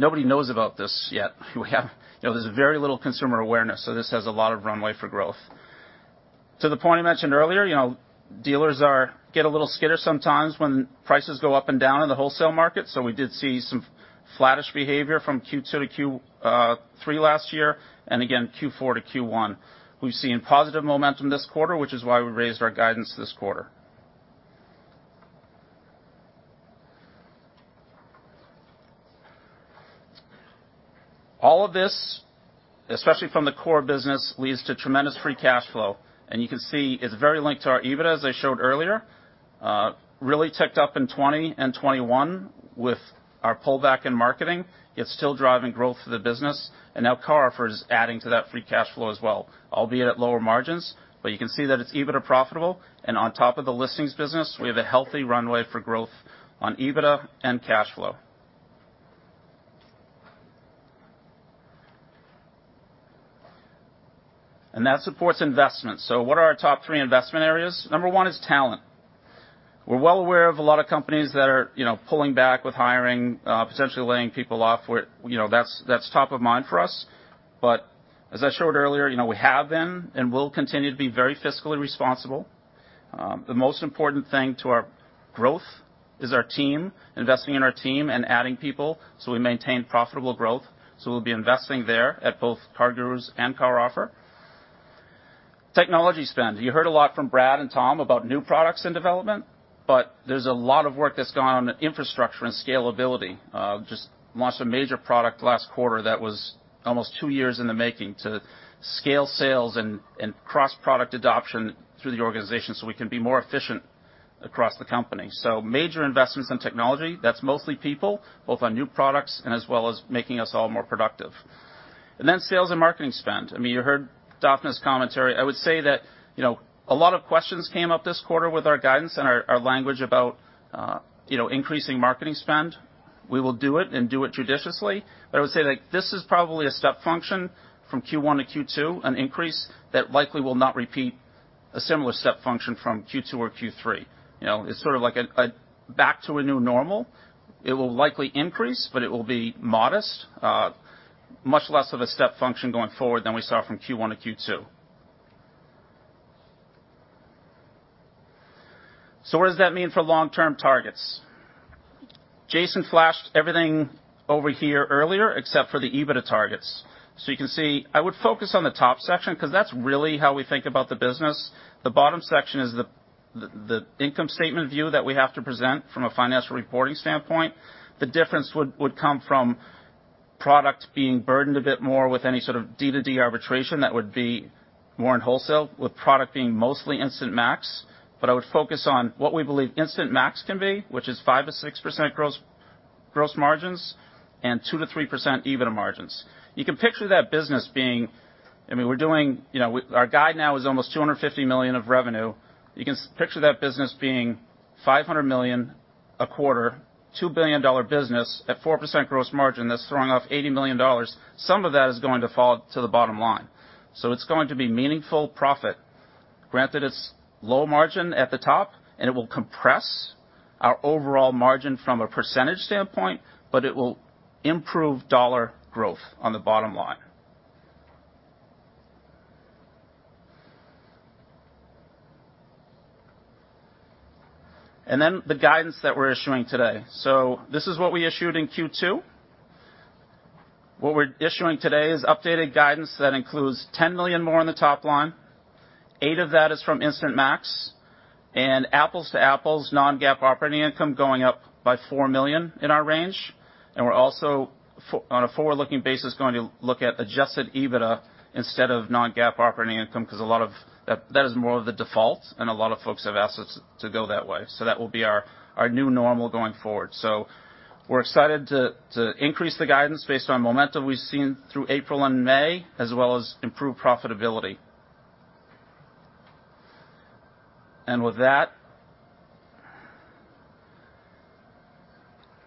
nobody knows about this yet. You know, there's very little consumer awareness, so this has a lot of runway for growth. To the point I mentioned earlier, you know, dealers get a little skittish sometimes when prices go up and down in the wholesale market. We did see some flattish behavior from Q2-Q3 last year and again, Q4-Q1. We've seen positive momentum this quarter, which is why we raised our guidance this quarter. All of this, especially from the core business, leads to tremendous free cash flow, and you can see it's very linked to our EBITDA, as I showed earlier. Really ticked up in 2020 and 2021 with our pullback in marketing, yet still driving growth for the business. Now CarOffer is adding to that free cash flow as well, albeit at lower margins, but you can see that it's EBITDA profitable. On top of the listings business, we have a healthy runway for growth on EBITDA and cash flow. That supports investment. What are our top three investment areas? Number one is talent. We're well aware of a lot of companies that are, you know, pulling back with hiring, potentially laying people off. You know, that's top of mind for us. But as I showed earlier, you know, we have been and will continue to be very fiscally responsible. The most important thing to our growth is our team, investing in our team and adding people, so we maintain profitable growth. We'll be investing there at both CarGurus and CarOffer. Technology spend. You heard a lot from Brad and Tom about new products in development, but there's a lot of work that's gone on infrastructure and scalability. Just launched a major product last quarter that was almost two years in the making to scale sales and cross-product adoption through the organization, so we can be more efficient across the company. Major investments in technology, that's mostly people, both on new products and as well as making us all more productive. Sales and marketing spend. I mean, you heard Dafna's commentary. I would say that, you know, a lot of questions came up this quarter with our guidance and our language about, you know, increasing marketing spend. We will do it and do it judiciously. I would say, like, this is probably a step function from Q1-Q2, an increase that likely will not repeat a similar step function from Q2 or Q3. You know, it's sort of like a back to a new normal. It will likely increase, but it will be modest. Much less of a step function going forward than we saw from Q1-Q2. What does that mean for long-term targets? Jason flashed everything over here earlier, except for the EBITDA targets. You can see, I would focus on the top section because that's really how we think about the business. The bottom section is the income statement view that we have to present from a financial reporting standpoint. The difference would come from product being burdened a bit more with any sort of D2D arbitrage that would be more in wholesale, with product being mostly Instant Max. I would focus on what we believe Instant Max can be, which is 5%-6% gross margins and 2%-3% EBITDA margins. You can picture that business being I mean, we're doing, you know, our guide now is almost $250 million of revenue. You can picture that business being $500 million a quarter, $2 billion business at 4% gross margin. That's throwing off $80 million. Some of that is going to fall to the bottom line. It's going to be meaningful profit. Granted, it's low margin at the top, and it will compress our overall margin from a percentage standpoint, but it will improve dollar growth on the bottom line. Then the guidance that we're issuing today. This is what we issued in Q2. What we're issuing today is updated guidance. That includes $10 million more on the top line. Eight of that is from Instant Max, and apples-to-apples, non-GAAP operating income going up by $4 million in our range. We're also, on a forward-looking basis, going to look at Adjusted EBITDA instead of non-GAAP operating income, because a lot of that is more of the default, and a lot of folks have asked us to go that way. That will be our new normal going forward. We're excited to increase the guidance based on momentum we've seen through April and May, as well as improved profitability. With that,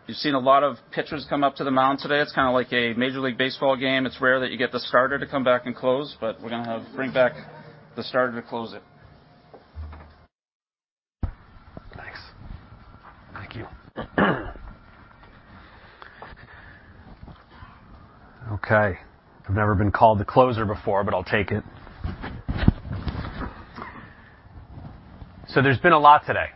you've seen a lot of pitchers come up to the mound today. It's kind of like a Major League Baseball game. It's rare that you get the starter to come back and close, but we're gonna have bring back the starter to close it. Thanks. Thank you. Okay. I've never been called the closer before, but I'll take it. There's been a lot today,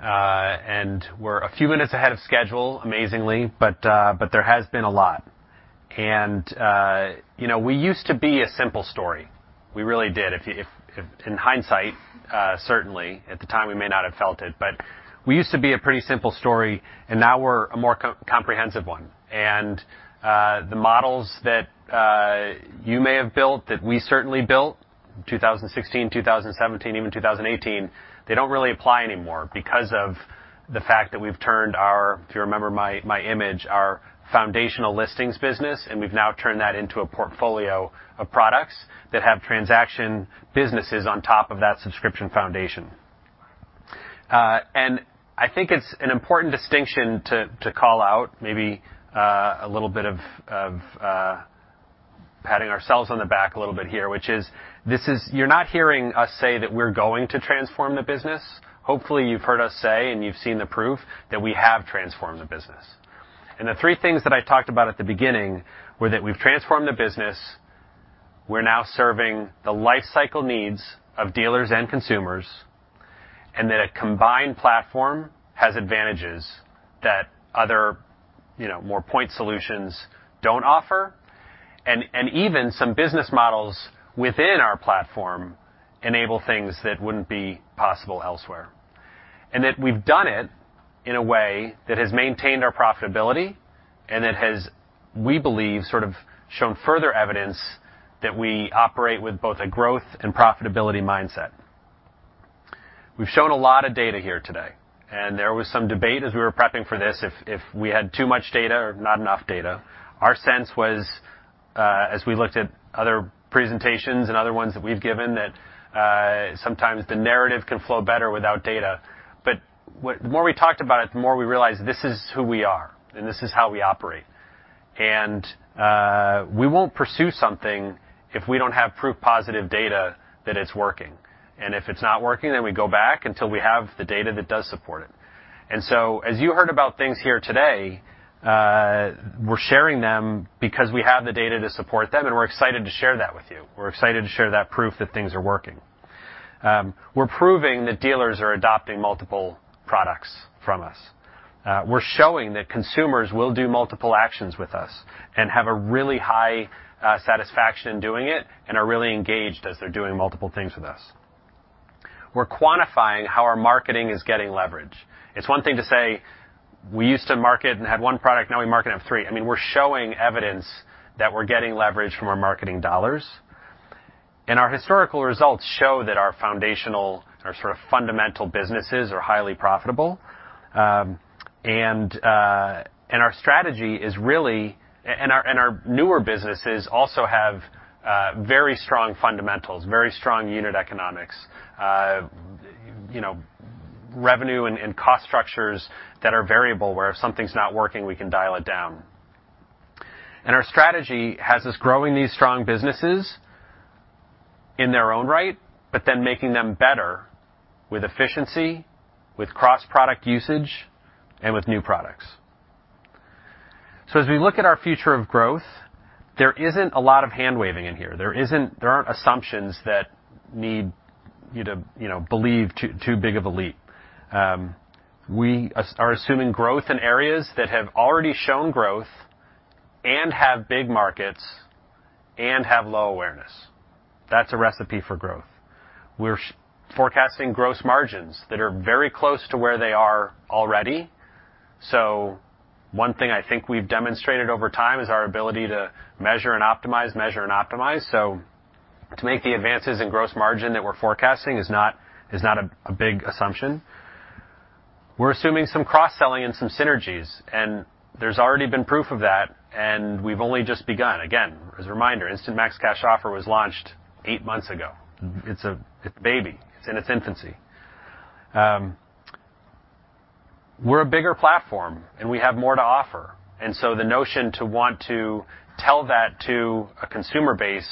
and we're a few minutes ahead of schedule, amazingly, but there has been a lot. You know, we used to be a simple story. We really did. In hindsight, certainly. At the time, we may not have felt it, but we used to be a pretty simple story, and now we're a more comprehensive one. The models that you may have built, that we certainly built in 2016, 2017, even 2018, they don't really apply anymore because of the fact that we've turned our, if you remember my image, our foundational listings business, and we've now turned that into a portfolio of products that have transaction businesses on top of that subscription foundation. I think it's an important distinction to call out maybe a little bit of patting ourselves on the back a little bit here, which is this is. You're not hearing us say that we're going to transform the business. Hopefully, you've heard us say, and you've seen the proof that we have transformed the business. The three things that I talked about at the beginning were that we've transformed the business, we're now serving the lifecycle needs of dealers and consumers, and that a combined platform has advantages that other, you know, more point solutions don't offer. Even some business models within our platform enable things that wouldn't be possible elsewhere. That we've done it in a way that has maintained our profitability and that has, we believe, sort of shown further evidence that we operate with both a growth and profitability mindset. We've shown a lot of data here today, and there was some debate as we were prepping for this if we had too much data or not enough data. Our sense was, as we looked at other presentations and other ones that we've given, that, sometimes the narrative can flow better without data. the more we talked about it, the more we realized this is who we are and this is how we operate. we won't pursue something if we don't have proof positive data that it's working. if it's not working, then we go back until we have the data that does support it. as you heard about things here today, we're sharing them because we have the data to support them, and we're excited to share that with you. We're excited to share that proof that things are working. We're proving that dealers are adopting multiple products from us. We're showing that consumers will do multiple actions with us and have a really high satisfaction doing it and are really engaged as they're doing multiple things with us. We're quantifying how our marketing is getting leverage. It's one thing to say we used to market and had one product, now we market and have three. I mean, we're showing evidence that we're getting leverage from our marketing dollars. Our historical results show that our foundational or sort of fundamental businesses are highly profitable. Our newer businesses also have very strong fundamentals, very strong unit economics. You know, revenue and cost structures that are variable, where if something's not working, we can dial it down. Our strategy has us growing these strong businesses in their own right but then making them better with efficiency, with cross-product usage, and with new products. As we look at our future of growth, there isn't a lot of hand-waving in here. There aren't assumptions that need you to, you know, believe too big of a leap. We are assuming growth in areas that have already shown growth and have big markets and have low awareness. That's a recipe for growth. We're forecasting gross margins that are very close to where they are already. One thing I think we've demonstrated over time is our ability to measure and optimize. To make the advances in gross margin that we're forecasting is not a big assumption. We're assuming some cross-selling and some synergies, and there's already been proof of that, and we've only just begun. Again, as a reminder, Instant Max Cash Offer was launched eight months ago. Mm-hmm. It's a baby. It's in its infancy. We're a bigger platform, and we have more to offer. The notion to want to tell that to a consumer base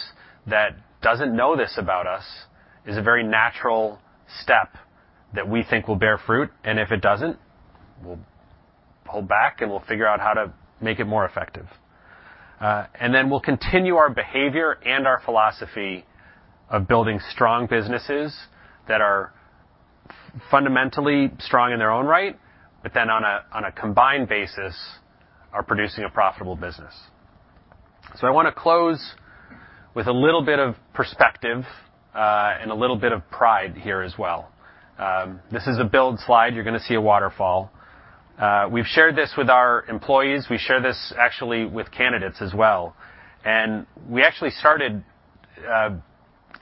that doesn't know this about us is a very natural step that we think will bear fruit. If it doesn't, we'll pull back, and we'll figure out how to make it more effective. We'll continue our behavior and our philosophy of building strong businesses that are fundamentally strong in their own right, but then on a combined basis, are producing a profitable business. I wanna close with a little bit of perspective, and a little bit of pride here as well. This is a build slide. You're gonna see a waterfall. We've shared this with our employees. We share this actually with candidates as well. We actually started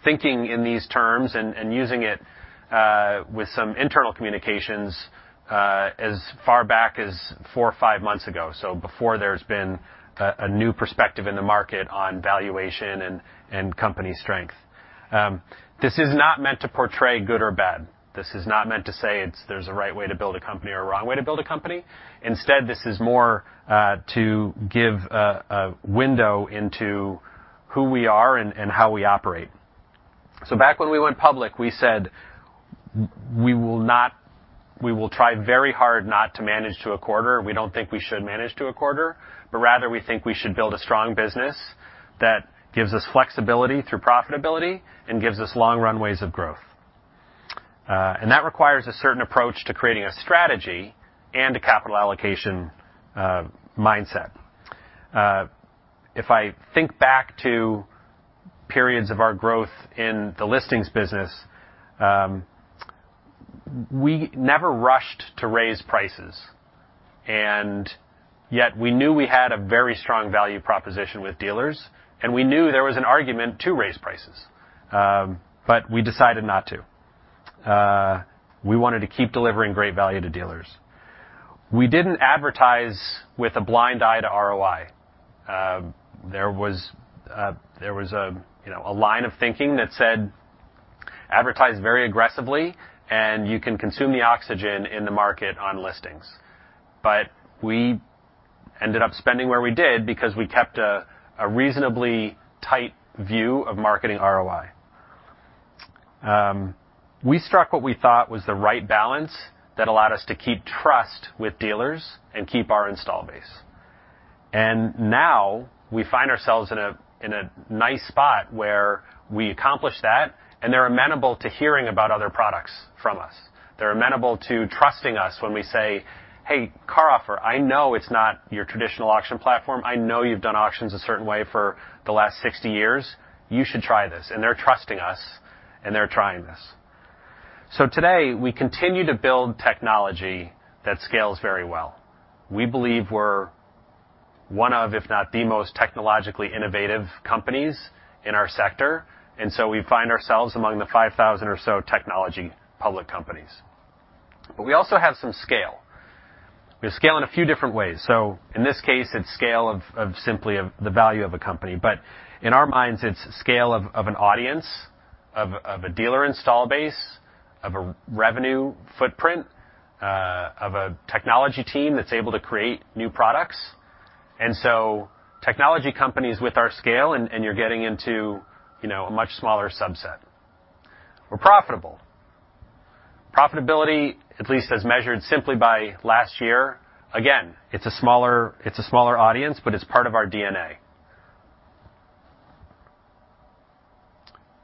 thinking in these terms and using it with some internal communications as far back as four, five months ago, so before there's been a new perspective in the market on valuation and company strength. This is not meant to portray good or bad. This is not meant to say there's a right way to build a company or a wrong way to build a company. Instead, this is more to give a window into who we are and how we operate. Back when we went public, we said we will try very hard not to manage to a quarter. We don't think we should manage to a quarter, but rather we think we should build a strong business that gives us flexibility through profitability and gives us long runways of growth. That requires a certain approach to creating a strategy and a capital allocation mindset. If I think back to periods of our growth in the listings business, we never rushed to raise prices, and yet we knew we had a very strong value proposition with dealers, and we knew there was an argument to raise prices, but we decided not to. We wanted to keep delivering great value to dealers. We didn't advertise with a blind eye to ROI. There was a line of thinking that said, "Advertise very aggressively, and you can consume the oxygen in the market on listings." We ended up spending where we did because we kept a reasonably tight view of marketing ROI. We struck what we thought was the right balance that allowed us to keep trust with dealers and keep our installed base. Now we find ourselves in a nice spot where we accomplished that, and they're amenable to hearing about other products from us. They're amenable to trusting us when we say, "Hey, CarOffer, I know it's not your traditional auction platform. I know you've done auctions a certain way for the last 60 years. You should try this." They're trusting us, and they're trying this. Today, we continue to build technology that scales very well. We believe we're one of, if not the most technologically innovative companies in our sector, and so we find ourselves among the 5,000 or so technology public companies. We also have some scale. We have scale in a few different ways. In this case, it's scale of simply the value of a company. In our minds, it's scale of an audience, a dealer install base, a revenue footprint, a technology team that's able to create new products. Technology companies with our scale and you're getting into, you know, a much smaller subset. We're profitable. Profitability, at least as measured simply by last year, again, it's a smaller audience, but it's part of our DNA.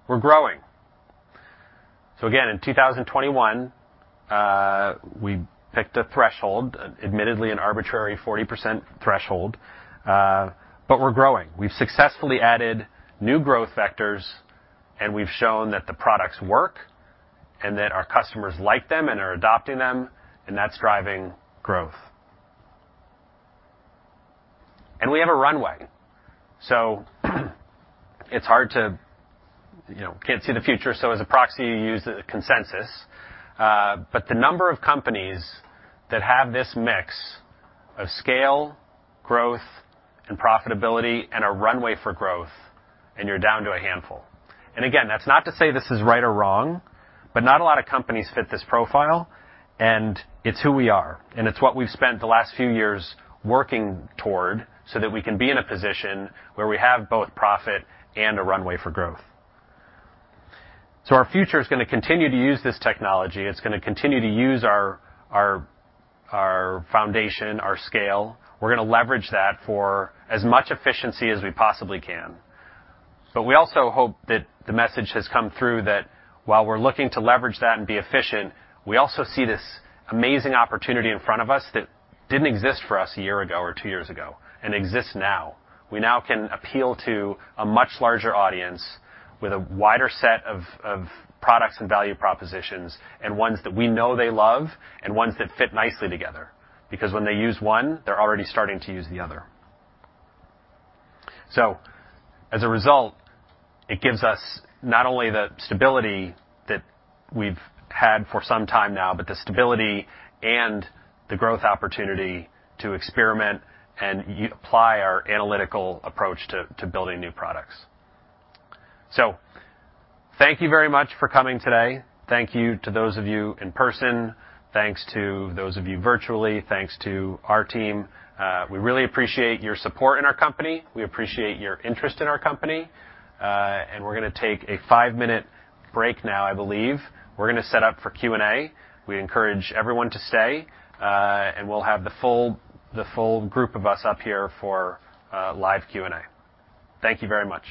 We're growing. Again, in 2021, we picked a threshold, admittedly an arbitrary 40% threshold, but we're growing. We've successfully added new growth vectors, and we've shown that the products work and that our customers like them and are adopting them, and that's driving growth. We have a runway. It's hard to, you know, can't see the future, so as a proxy, you use the consensus. The number of companies that have this mix of scale, growth, and profitability and a runway for growth, and you're down to a handful. Again, that's not to say this is right or wrong, but not a lot of companies fit this profile, and it's who we are, and it's what we've spent the last few years working toward so that we can be in a position where we have both profit and a runway for growth. Our future is gonna continue to use this technology. It's gonna continue to use our foundation, our scale. We're gonna leverage that for as much efficiency as we possibly can. We also hope that the message has come through that while we're looking to leverage that and be efficient, we also see this amazing opportunity in front of us that didn't exist for us a year ago or two years ago and exists now. We now can appeal to a much larger audience with a wider set of products and value propositions and ones that we know they love and ones that fit nicely together. Because when they use one, they're already starting to use the other. As a result, it gives us not only the stability that we've had for some time now, but the stability and the growth opportunity to experiment and apply our analytical approach to building new products. Thank you very much for coming today. Thank you to those of you in person. Thanks to those of you virtually. Thanks to our team. We really appreciate your support in our company. We appreciate your interest in our company. We're gonna take a five-minute break now, I believe. We're gonna set up for Q&A. We encourage everyone to stay, and we'll have the full group of us up here for live Q&A. Thank you very much.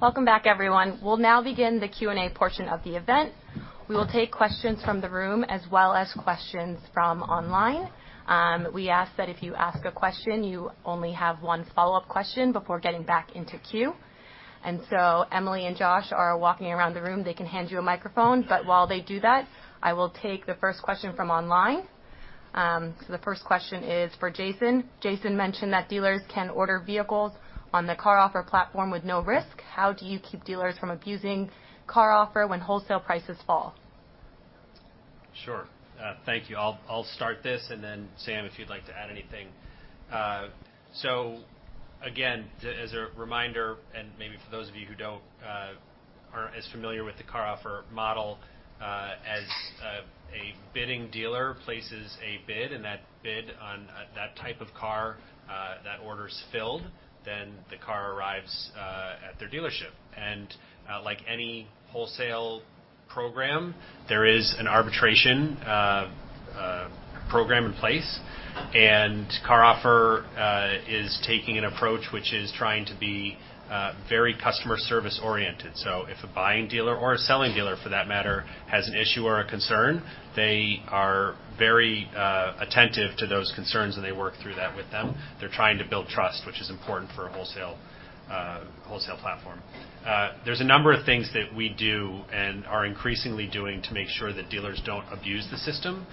Welcome back, everyone. We'll now begin the Q&A portion of the event. We will take questions from the room as well as questions from online. We ask that if you ask a question, you only have one follow-up question before getting back into queue. Emily and Josh are walking around the room. They can hand you a microphone, but while they do that, I will take the first question from online. The first question is for Jason. Jason mentioned that dealers can order vehicles on the CarOffer platform with no risk. How do you keep dealers from abusing CarOffer when wholesale prices fall? Sure. Thank you. I'll start this, and then Sam, if you'd like to add anything. Again, as a reminder, and maybe for those of you who aren't as familiar with the CarOffer model, a bidding dealer places a bid, and that bid on that type of car, that order's filled, then the car arrives at their dealership. Like any wholesale program, there is an arbitration program in place, and CarOffer is taking an approach which is trying to be very customer service-oriented. If a buying dealer or a selling dealer for that matter, has an issue or a concern, they are very attentive to those concerns, and they work through that with them. They're trying to build trust, which is important for a wholesale platform. There's a number of things that we do and are increasingly doing to make sure that dealers don't abuse the system.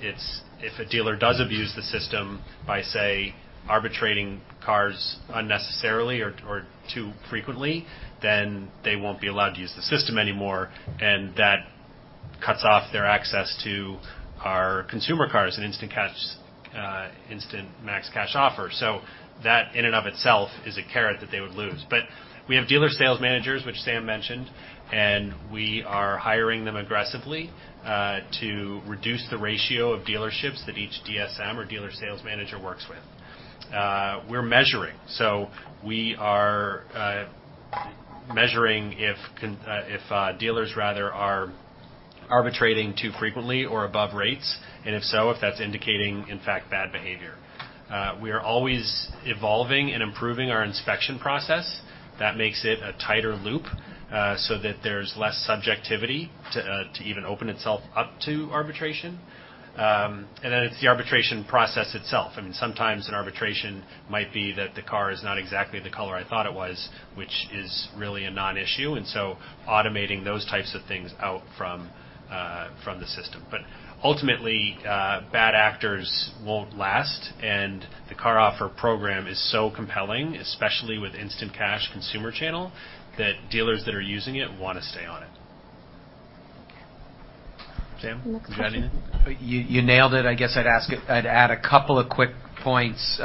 It's if a dealer does abuse the system by, say, arbitraging cars unnecessarily or too frequently, then they won't be allowed to use the system anymore, and that cuts off their access to our consumer cars and Instant Max Cash Offer. That in and of itself is a carrot that they would lose. We have dealer sales managers, which Sam mentioned, and we are hiring them aggressively to reduce the ratio of dealerships that each DSM or dealer sales manager works with. We're measuring if dealers rather are arbitraging too frequently or above rates, and if so, if that's indicating, in fact, bad behavior. We are always evolving and improving our inspection process. That makes it a tighter loop, so that there's less subjectivity to even open itself up to arbitration. It's the arbitration process itself. I mean, sometimes an arbitration might be that the car is not exactly the color I thought it was, which is really a non-issue, and so automating those types of things out from the system. Ultimately, bad actors won't last, and the CarOffer program is so compelling, especially with Instant Cash consumer channel, that dealers that are using it wanna stay on it. Okay. Sam, you got anything? You nailed it. I'd add a couple of quick points.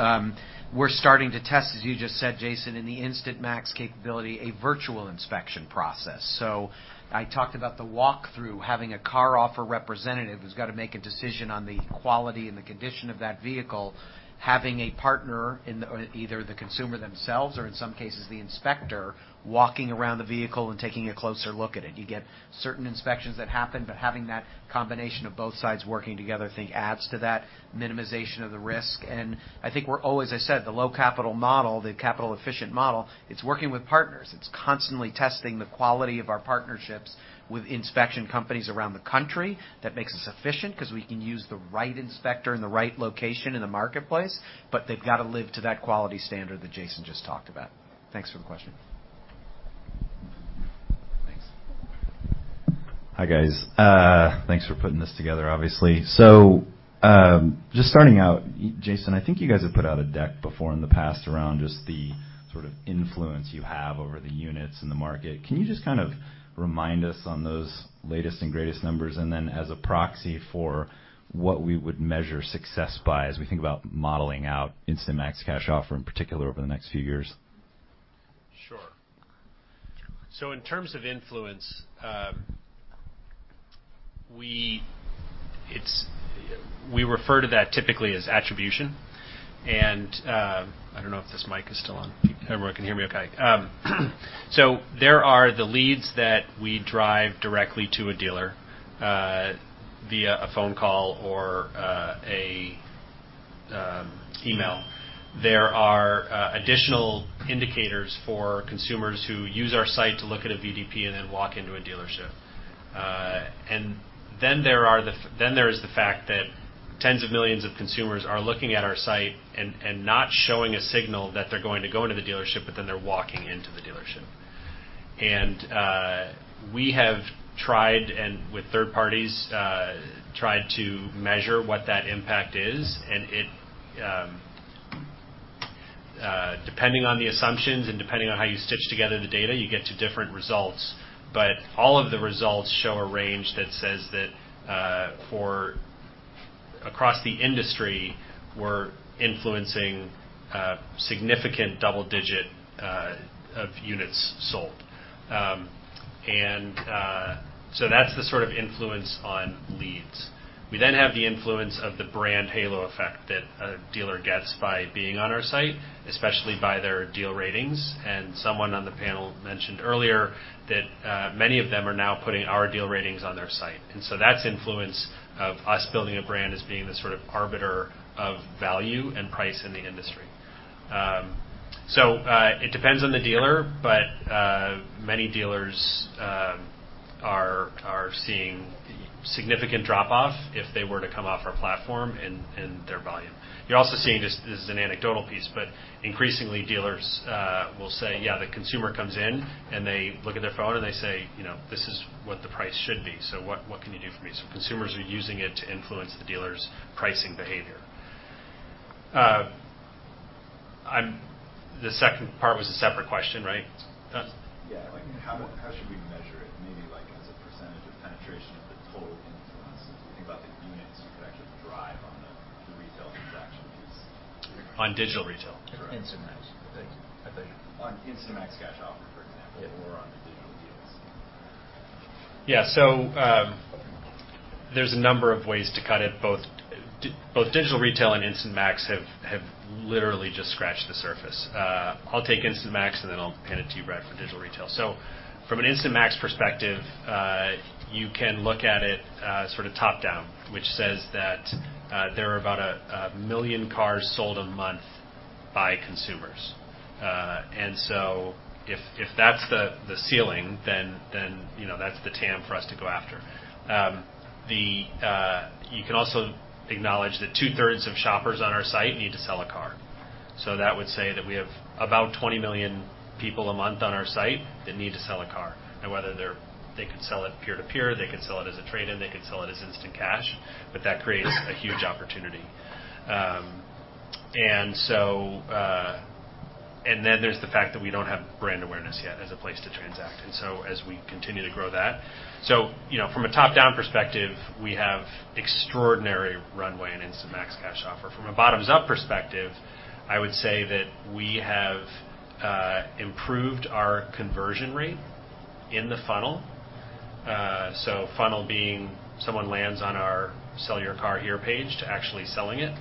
We're starting to test, as you just said, Jason, in the Instant Max capability, a virtual inspection process. I talked about the walkthrough, having a CarOffer representative who's got to make a decision on the quality and the condition of that vehicle, having a partner in the either the consumer themselves or in some cases the inspector, walking around the vehicle and taking a closer look at it. You get certain inspections that happen, but having that combination of both sides working together, I think adds to that minimization of the risk. I think we're always, I said, the low capital model, the capital efficient model, it's working with partners. It's constantly testing the quality of our partnerships with inspection companies around the country that makes us efficient 'cause we can use the right inspector in the right location in the marketplace, but they've got to live up to that quality standard that Jason just talked about. Thanks for the question. Thanks. Hi, guys. Thanks for putting this together, obviously. Just starting out, Jason, I think you guys have put out a deck before in the past around just the sort of influence you have over the units in the market. Can you just kind of remind us on those latest and greatest numbers? Then as a proxy for what we would measure success by as we think about modeling out Instant Max Cash Offer, in particular, over the next few years. Sure. So in terms of influence, we refer to that typically as attribution. I don't know if this mic is still on. Everyone can hear me okay. There are the leads that we drive directly to a dealer via a phone call or a email. There are additional indicators for consumers who use our site to look at a VDP and then walk into a dealership. There is the fact that tens of millions of consumers are looking at our site and not showing a signal that they're going to go into the dealership, but then they're walking into the dealership. We have tried with third parties to measure what that impact is and it, depending on the assumptions and depending on how you stitch together the data, you get to different results. But all of the results show a range that says that across the industry, we're influencing significant double-digit of units sold. That's the sort of influence on leads. We then have the influence of the brand halo effect that a dealer gets by being on our site, especially by their deal ratings. Someone on the panel mentioned earlier that many of them are now putting our deal ratings on their site. That's influence of us building a brand as being the sort of arbiter of value and price in the industry. It depends on the dealer, but many dealers are seeing significant drop off if they were to come off our platform in their volume. You're also seeing this. This is an anecdotal piece, but increasingly dealers will say, "Yeah, the consumer comes in, and they look at their phone, and they say, 'You know, this is what the price should be, so what can you do for me?'" Consumers are using it to influence the dealer's pricing behavior. The second part was a separate question, right? Yeah. Like, how should we measure it? Maybe like as a percentage of penetration of the total influence, if you think about the units you could actually drive on the retail transaction piece. On digital retail. Correct. Instant Max. Thank you. On Instant Max Cash Offer, for example, or on the Digital Deals. Yeah. There's a number of ways to cut it. Both Digital Retail and Instant Max have literally just scratched the surface. I'll take Instant Max, and then I'll hand it to you, Brad, for Digital Retail. From an Instant Max perspective, you can look at it sort of top-down, which says that there are about 1 million cars sold a month by consumers. If that's the ceiling, then you know, that's the TAM for us to go after. You can also acknowledge that 2/3 of shoppers on our site need to sell a car. That would say that we have about 20 million people a month on our site that need to sell a car. Now, whether they could sell it peer-to-peer, they could sell it as a trade-in, they could sell it as instant cash, but that creates a huge opportunity. There's the fact that we don't have brand awareness yet as a place to transact. As we continue to grow that. You know, from a top-down perspective, we have extraordinary runway in Instant Max Cash Offer. From a bottoms-up perspective, I would say that we have improved our conversion rate in the funnel. Funnel being someone lands on our Sell Your Car Here page to actually selling it.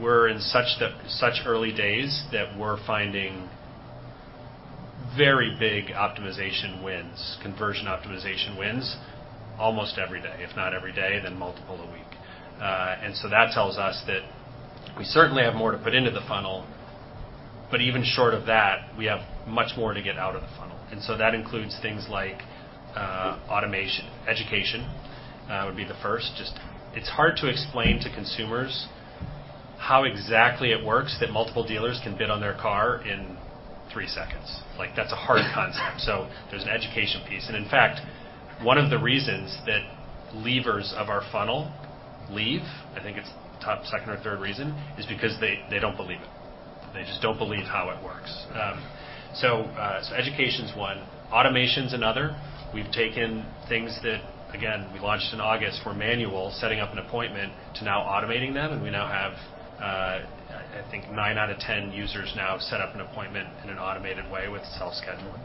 We're in such early days that we're finding very big optimization wins, conversion optimization wins almost every day. If not every day, then multiple a week. that tells us that we certainly have more to put into the funnel, but even short of that, we have much more to get out of the funnel. That includes things like automation. Education would be the first. Just, it's hard to explain to consumers how exactly it works that multiple dealers can bid on their car in three seconds. Like, that's a hard concept. There's an education piece. In fact, one of the reasons that leavers of our funnel leave, I think it's top second or third reason, is because they don't believe it. They just don't believe how it works. Education's one. Automation's another. We've taken things that, again, we launched in August, were manual, setting up an appointment to now automating them, and we now have, I think nine out of 10 users now set up an appointment in an automated way with self-scheduling.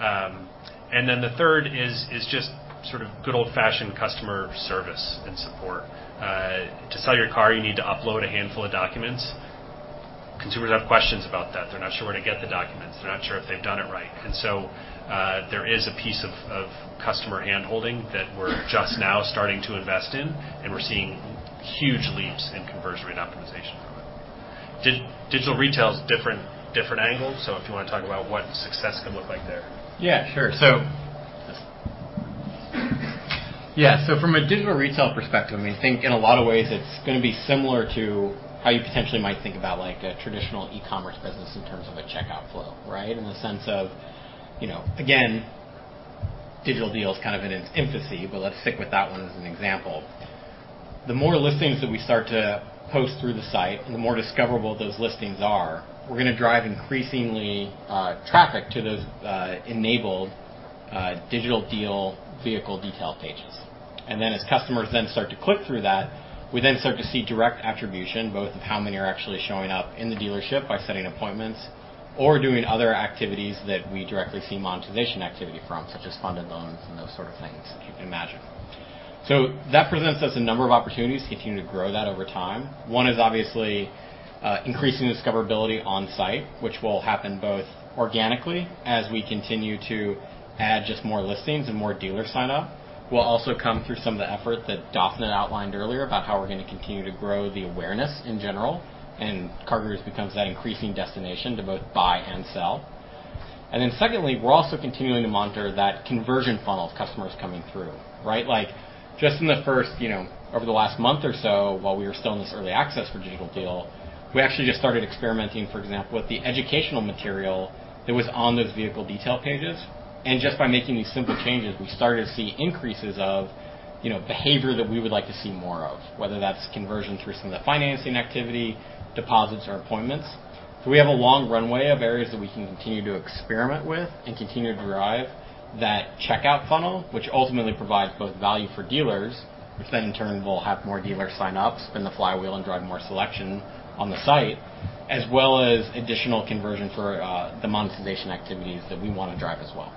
The third is just sort of good old-fashioned customer service and support. To sell your car, you need to upload a handful of documents. Consumers have questions about that. They're not sure where to get the documents. They're not sure if they've done it right. There is a piece of customer hand-holding that we're just now starting to invest in, and we're seeing huge leaps in conversion rate optimization from it. Digital retail is different angle. If you wanna talk about what success could look like there. Yeah, sure. From a digital retail perspective, I mean, I think in a lot of ways it's gonna be similar to how you potentially might think about, like, a traditional e-commerce business in terms of a checkout flow, right? In the sense of, you know, again, Digital Deal is kind of in its infancy, but let's stick with that one as an example. The more listings that we start to post through the site and the more discoverable those listings are, we're gonna drive increasingly traffic to those enabled Digital Deal vehicle detail pages. Then as customers then start to click through that, we then start to see direct attribution, both of how many are actually showing up in the dealership by setting appointments or doing other activities that we directly see monetization activity from, such as funded loans and those sort of things, if you can imagine. That presents us a number of opportunities to continue to grow that over time. One is obviously increasing discoverability on site, which will happen both organically as we continue to add just more listings and more dealers sign up. We'll also come through some of the effort that Dafna outlined earlier about how we're gonna continue to grow the awareness in general, and CarGurus becomes that increasing destination to both buy and sell. Then secondly, we're also continuing to monitor that conversion funnel of customers coming through, right? Like, just in the first, you know, over the last month or so, while we were still in this early access for Digital Deal, we actually just started experimenting, for example, with the educational material that was on those vehicle detail pages. Just by making these simple changes, we started to see increases of, you know, behavior that we would like to see more, whether that's conversion through some of the financing activity, deposits or appointments. We have a long runway of areas that we can continue to experiment with and continue to drive that checkout funnel, which ultimately provides both value for dealers, which then in turn will have more dealers sign up, spin the flywheel and drive more selection on the site, as well as additional conversion for the monetization activities that we wanna drive as well.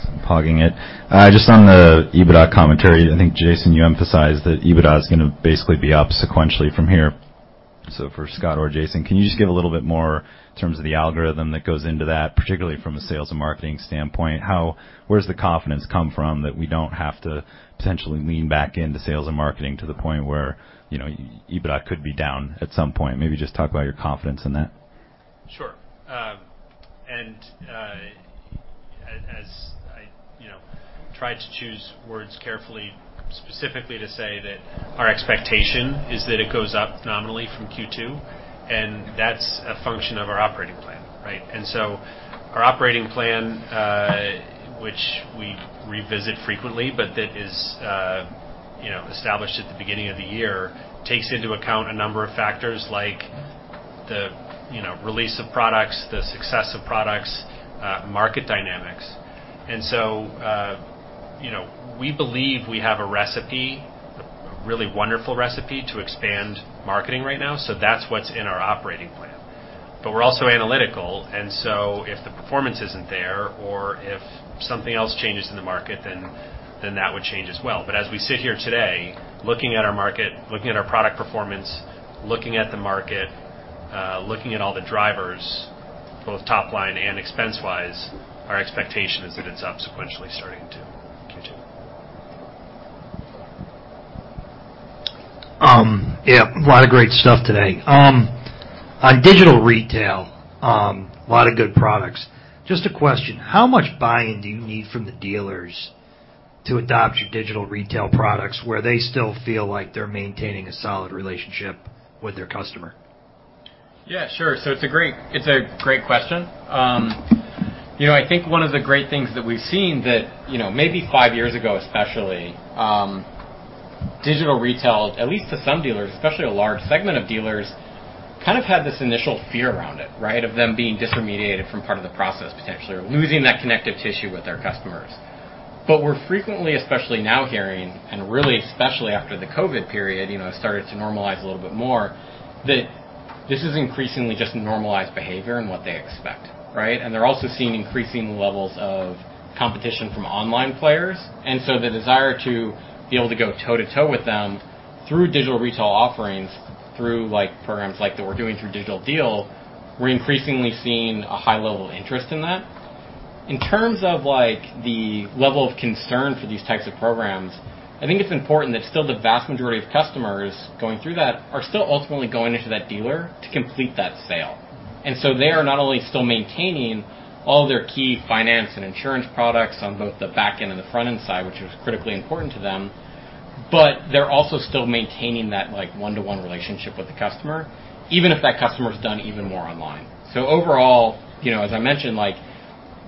Do you want it? All right. Thanks. I'm hogging it. Just on the EBITDA commentary, I think, Jason, you emphasized that EBITDA is gonna basically be up sequentially from here. For Scot or Jason, can you just give a little bit more in terms of the algorithm that goes into that, particularly from a sales and marketing standpoint, where's the confidence come from that we don't have to potentially lean back into sales and marketing to the point where, you know, EBITDA could be down at some point? Maybe just talk about your confidence in that. Sure. As I, you know, try to choose words carefully, specifically to say that our expectation is that it goes up nominally from Q2, and that's a function of our operating plan, right? Our operating plan, which we revisit frequently, but that is, you know, established at the beginning of the year, takes into account a number of factors like the, you know, release of products, the success of products, market dynamics. We believe we have a recipe, a really wonderful recipe to expand marketing right now, so that's what's in our operating plan. We're also analytical and so if the performance isn't there or if something else changes in the market, then that would change as well. As we sit here today, looking at our market, looking at our product performance, looking at the market, looking at all the drivers, both top line and expense-wise, our expectation is that it's up sequentially starting to Q2. Yeah, a lot of great stuff today. On digital retail, a lot of good products. Just a question, how much buy-in do you need from the dealers to adopt your digital retail products where they still feel like they're maintaining a solid relationship with their customer? Yeah, sure. It's a great question. You know, I think one of the great things that we've seen, you know, maybe five years ago, especially, digital retail, at least to some dealers, especially a large segment of dealers, kind of had this initial fear around it, right? Of them being disintermediated from part of the process, potentially, or losing that connective tissue with their customers. We're frequently hearing, especially now and really especially after the COVID period, you know, started to normalize a little bit more, that this is increasingly just normalized behavior and what they expect, right? They're also seeing increasing levels of competition from online players. The desire to be able to go toe-to-toe with them through digital retail offerings, through like programs like that we're doing through Digital Deal, we're increasingly seeing a high level of interest in that. In terms of like the level of concern for these types of programs, I think it's important that still the vast majority of customers going through that are still ultimately going into that dealer to complete that sale. They are not only still maintaining all their key finance and insurance products on both the back end and the front end side, which is critically important to them, but they're also still maintaining that like one-to-one relationship with the customer, even if that customer's done even more online. Overall, you know, as I mentioned, like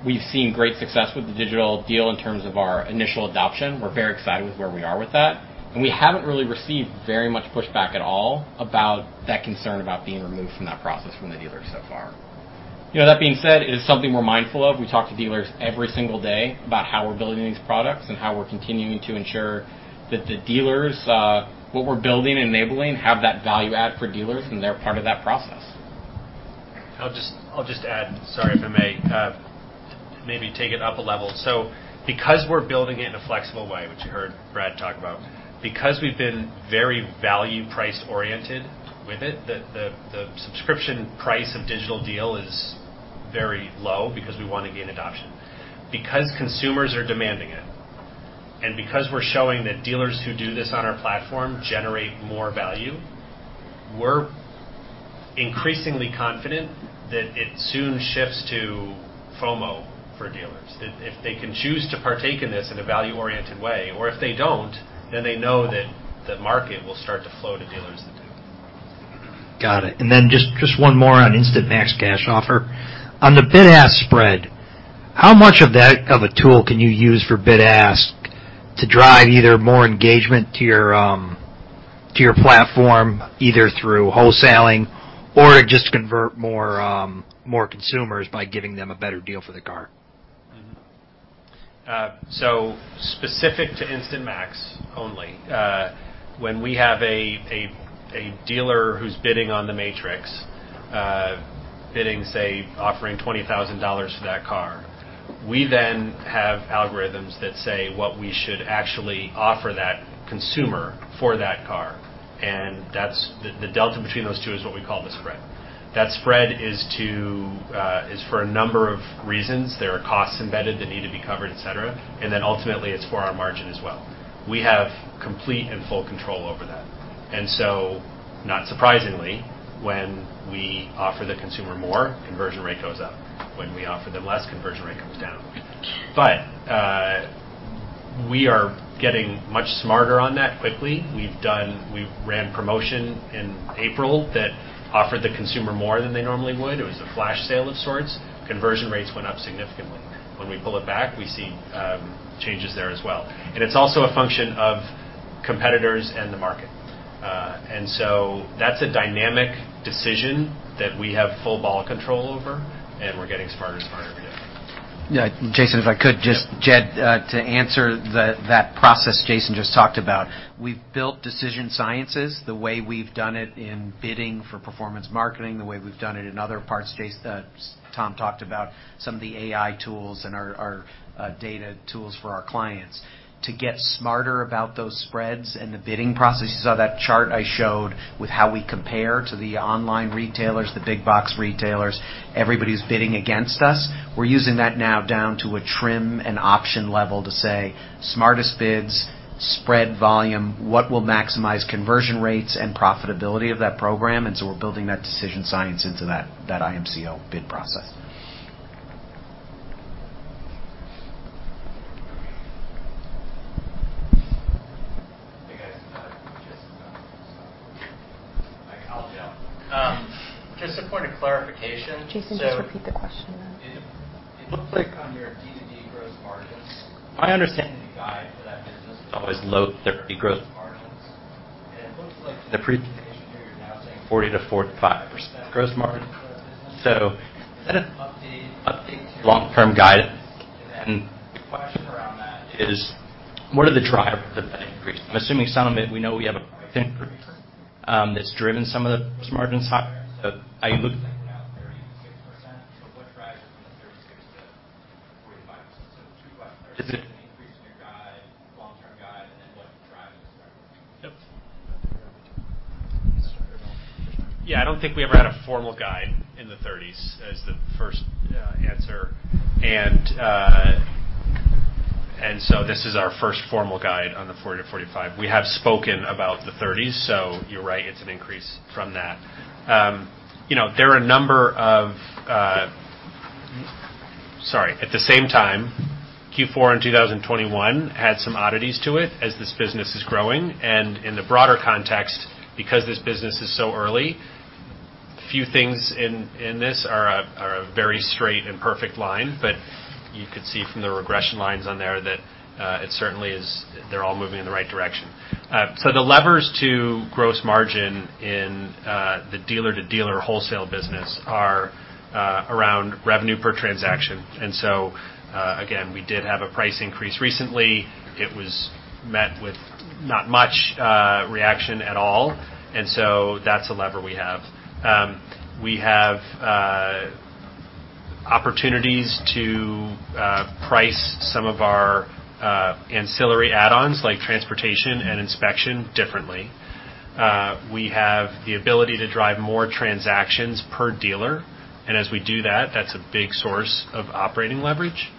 we've seen great success with the Digital Deal in terms of our initial adoption. We're very excited with where we are with that. We haven't really received very much pushback at all about that concern about being removed from that process from the dealers so far. You know, that being said, it is something we're mindful of. We talk to dealers every single day about how we're building these products and how we're continuing to ensure that the dealers, what we're building and enabling have that value add for dealers, and they're part of that process. I'll just add, sorry if I may, maybe take it up a level. Because we're building it in a flexible way, which you heard Brad talk about, because we've been very value price oriented with it, the subscription price of Digital Deal is very low because we wanna gain adoption. Because consumers are demanding it, and because we're showing that dealers who do this on our platform generate more value, we're increasingly confident that it soon shifts to FOMO for dealers. If they can choose to partake in this in a value-oriented way, or if they don't, then they know that the market will start to flow to dealers that do. Got it. Just one more on Instant Max Cash Offer. On the bid-ask spread, how much of that as a tool can you use for bid-ask to drive either more engagement to your platform, either through wholesaling or just convert more consumers by giving them a better deal for the car? So specific to Instant Max only, when we have a dealer who's bidding on the Matrix, bidding, offering $20,000 for that car, we then have algorithms that say what we should actually offer that consumer for that car. That's the delta between those two is what we call the spread. That spread is for a number of reasons. There are costs embedded that need to be covered, et cetera. Ultimately, it's for our margin as well. We have complete and full control over that. Not surprisingly, when we offer the consumer more, conversion rate goes up. When we offer them less, conversion rate comes down. We are getting much smarter on that quickly. We ran a promotion in April that offered the consumer more than they normally would. It was a flash sale of sorts. Conversion rates went up significantly. When we pull it back, we see, changes there as well. It's also a function of competitors and the market. That's a dynamic decision that we have full ball control over, and we're getting smarter and smarter every day. Yeah. Jason, if I could just. Yeah. Jed, to answer that process Jason just talked about, we've built decision sciences the way we've done it in bidding for performance marketing, the way we've done it in other parts. Jason, Tom talked about some of the AI tools and our data tools for our clients. To get smarter about those spreads and the bidding processes, you saw that chart I showed with how we compare to the online retailers, the big box retailers. Everybody's bidding against us. We're using that now down to a trim and option level to say smartest bids, spread volume, what will maximize conversion rates and profitability of that program? We're building that decision science into that IMV bid process. Hey, guys. Jason, sorry. Like, I'll jump. Just a point of clarification. Jason, just repeat the question then. It looks like under D2D gross margins, my understanding the guide for that business is always low-30s% gross margins. It looks like the presentation here, you're now saying 40%-45% gross margin for that business. Is that an update to long-term guidance? The question around that is what are the drivers of that increase? I'm assuming some of it we know we have a price increase, that's driven some of the gross margins higher. It looks like we're now 36%. What drives it from the 36%-45%? The two questions are, is it an increase in your long-term guide, and then what drives the spread? Yep. I think we already did. Yeah, I don't think we ever had a formal guide in the 30s% as the first answer. This is our first formal guide on the 40%-45%. We have spoken about the 30s%, so you're right, it's an increase from that. You know, there are a number of. At the same time, Q4 in 2021 had some oddities to it as this business is growing. In the broader context, because this business is so early, few things in this are very straight and perfect line. You could see from the regression lines on there that it certainly is. They're all moving in the right direction. The levers to gross margin in the dealer-to-dealer wholesale business are around revenue per transaction. Again, we did have a price increase recently. It was met with not much reaction at all. That's a lever we have. We have opportunities to price some of our ancillary add-ons, like transportation and inspection differently. We have the ability to drive more transactions per dealer, and as we do that's a big source of operating leverage.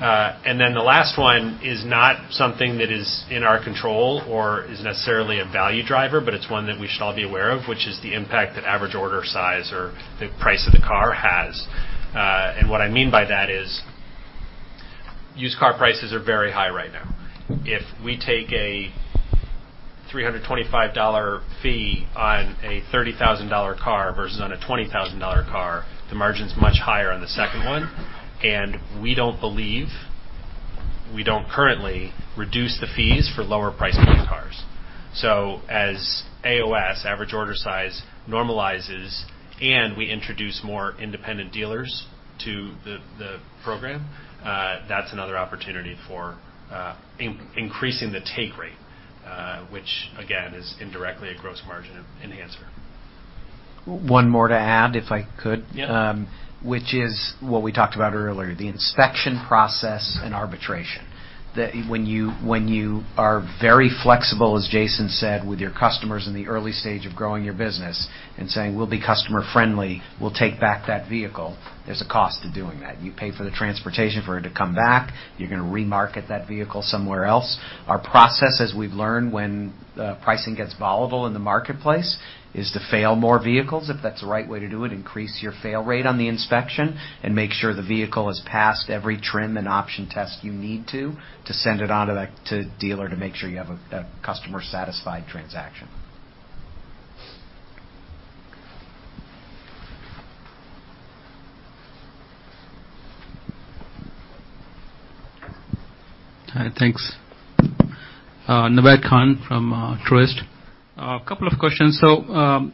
Then the last one is not something that is in our control or is necessarily a value driver, but it's one that we should all be aware of, which is the impact that average order size or the price of the car has. What I mean by that is used car prices are very high right now. If we take a $325 fee on a $30,000 car versus on a $20,000 car, the margin's much higher on the second one. We don't currently reduce the fees for lower pricing cars. AOS, average order size, normalizes and we introduce more independent dealers to the program, that's another opportunity for increasing the take rate, which again, is indirectly a gross margin enhancer. One more to add, if I could. Yeah. Which is what we talked about earlier, the inspection process and arbitration. That when you are very flexible, as Jason said, with your customers in the early stage of growing your business and saying, "We'll be customer friendly, we'll take back that vehicle," there's a cost to doing that. You pay for the transportation for it to come back. You're gonna remarket that vehicle somewhere else. Our process, as we've learned when pricing gets volatile in the marketplace, is to fail more vehicles if that's the right way to do it, increase your fail rate on the inspection, and make sure the vehicle has passed every trim and option test you need to send it on to that dealer to make sure you have a customer-satisfied transaction. All right. Thanks. Naved Khan from Truist. A couple of questions.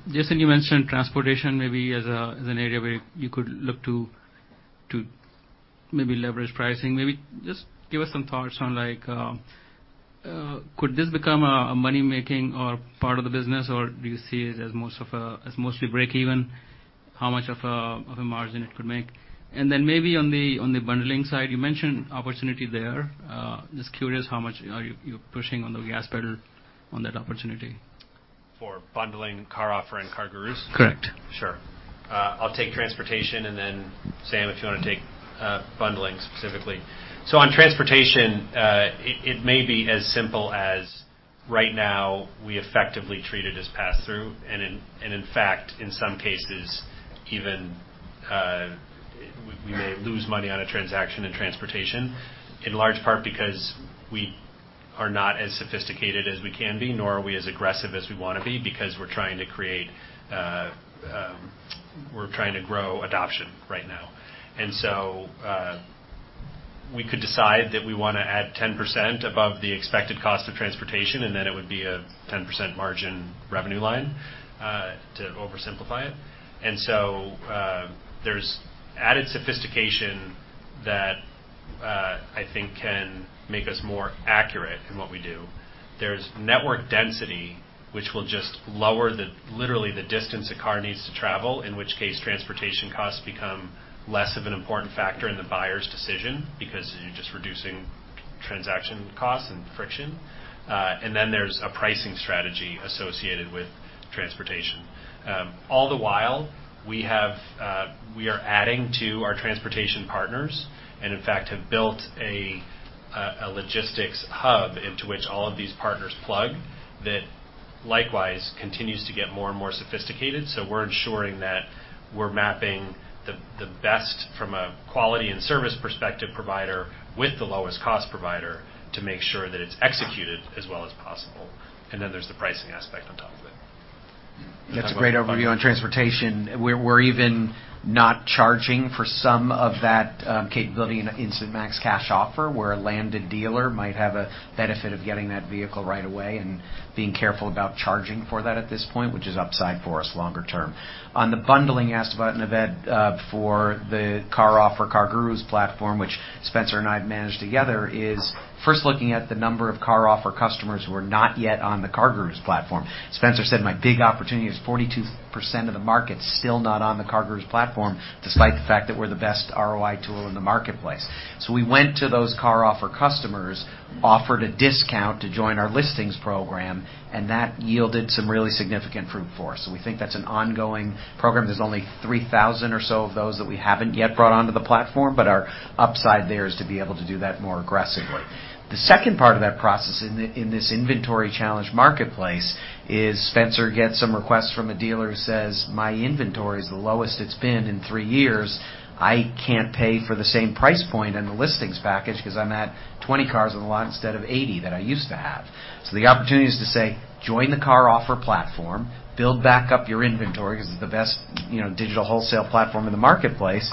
Jason, you mentioned transportation maybe as an area where you could look to maybe leverage pricing. Just give us some thoughts on, like, could this become a money-making or part of the business, or do you see it as mostly break even? How much of a margin it could make? Then maybe on the bundling side, you mentioned opportunity there. Just curious how much are you pushing on the gas pedal on that opportunity. For bundling CarOffer and CarGurus? Correct. Sure. I'll take transportation and then Sam, if you wanna take bundling specifically. On transportation, it may be as simple as right now, we effectively treat it as pass-through. In fact, in some cases, even we may lose money on a transaction in transportation, in large part because we are not as sophisticated as we can be, nor are we as aggressive as we wanna be because we're trying to grow adoption right now. We could decide that we wanna add 10% above the expected cost of transportation, and then it would be a 10% margin revenue line, to oversimplify it. There's added sophistication that I think can make us more accurate in what we do. There's network density, which will just lower the, literally the distance a car needs to travel, in which case, transportation costs become less of an important factor in the buyer's decision because you're just reducing transaction costs and friction. Then there's a pricing strategy associated with transportation. All the while, we are adding to our transportation partners, and in fact, have built a logistics hub into which all of these partners plug that likewise continues to get more and more sophisticated. We're ensuring that we're mapping the best from a quality and service perspective provider with the lowest cost provider to make sure that it's executed as well as possible. There's the pricing aspect on top of it. That's a great overview on transportation. We're even not charging for some of that capability in Instant Max Cash Offer, where a landed dealer might have a benefit of getting that vehicle right away and being careful about charging for that at this point, which is upside for us longer term. On the bundling you asked about, Naved, for the CarOffer, CarGurus platform, which Spencer and I have managed together is first looking at the number of CarOffer customers who are not yet on the CarGurus platform. Spencer said my big opportunity is 42% of the market still not on the CarGurus platform, despite the fact that we're the best ROI tool in the marketplace. We went to those CarOffer customers, offered a discount to join our listings program, and that yielded some really significant fruit for us. We think that's an ongoing program. There's only 3,000 or so of those that we haven't yet brought onto the platform, but our upside there is to be able to do that more aggressively. The second part of that process in this inventory challenged marketplace is Spencer gets some requests from a dealer who says, "My inventory is the lowest it's been in three years. I can't pay for the same price point in the listings package because I'm at 20 cars on the lot instead of 80 that I used to have." The opportunity is to say, "Join the CarOffer platform, build back up your inventory because it's the best, you know, digital wholesale platform in the marketplace,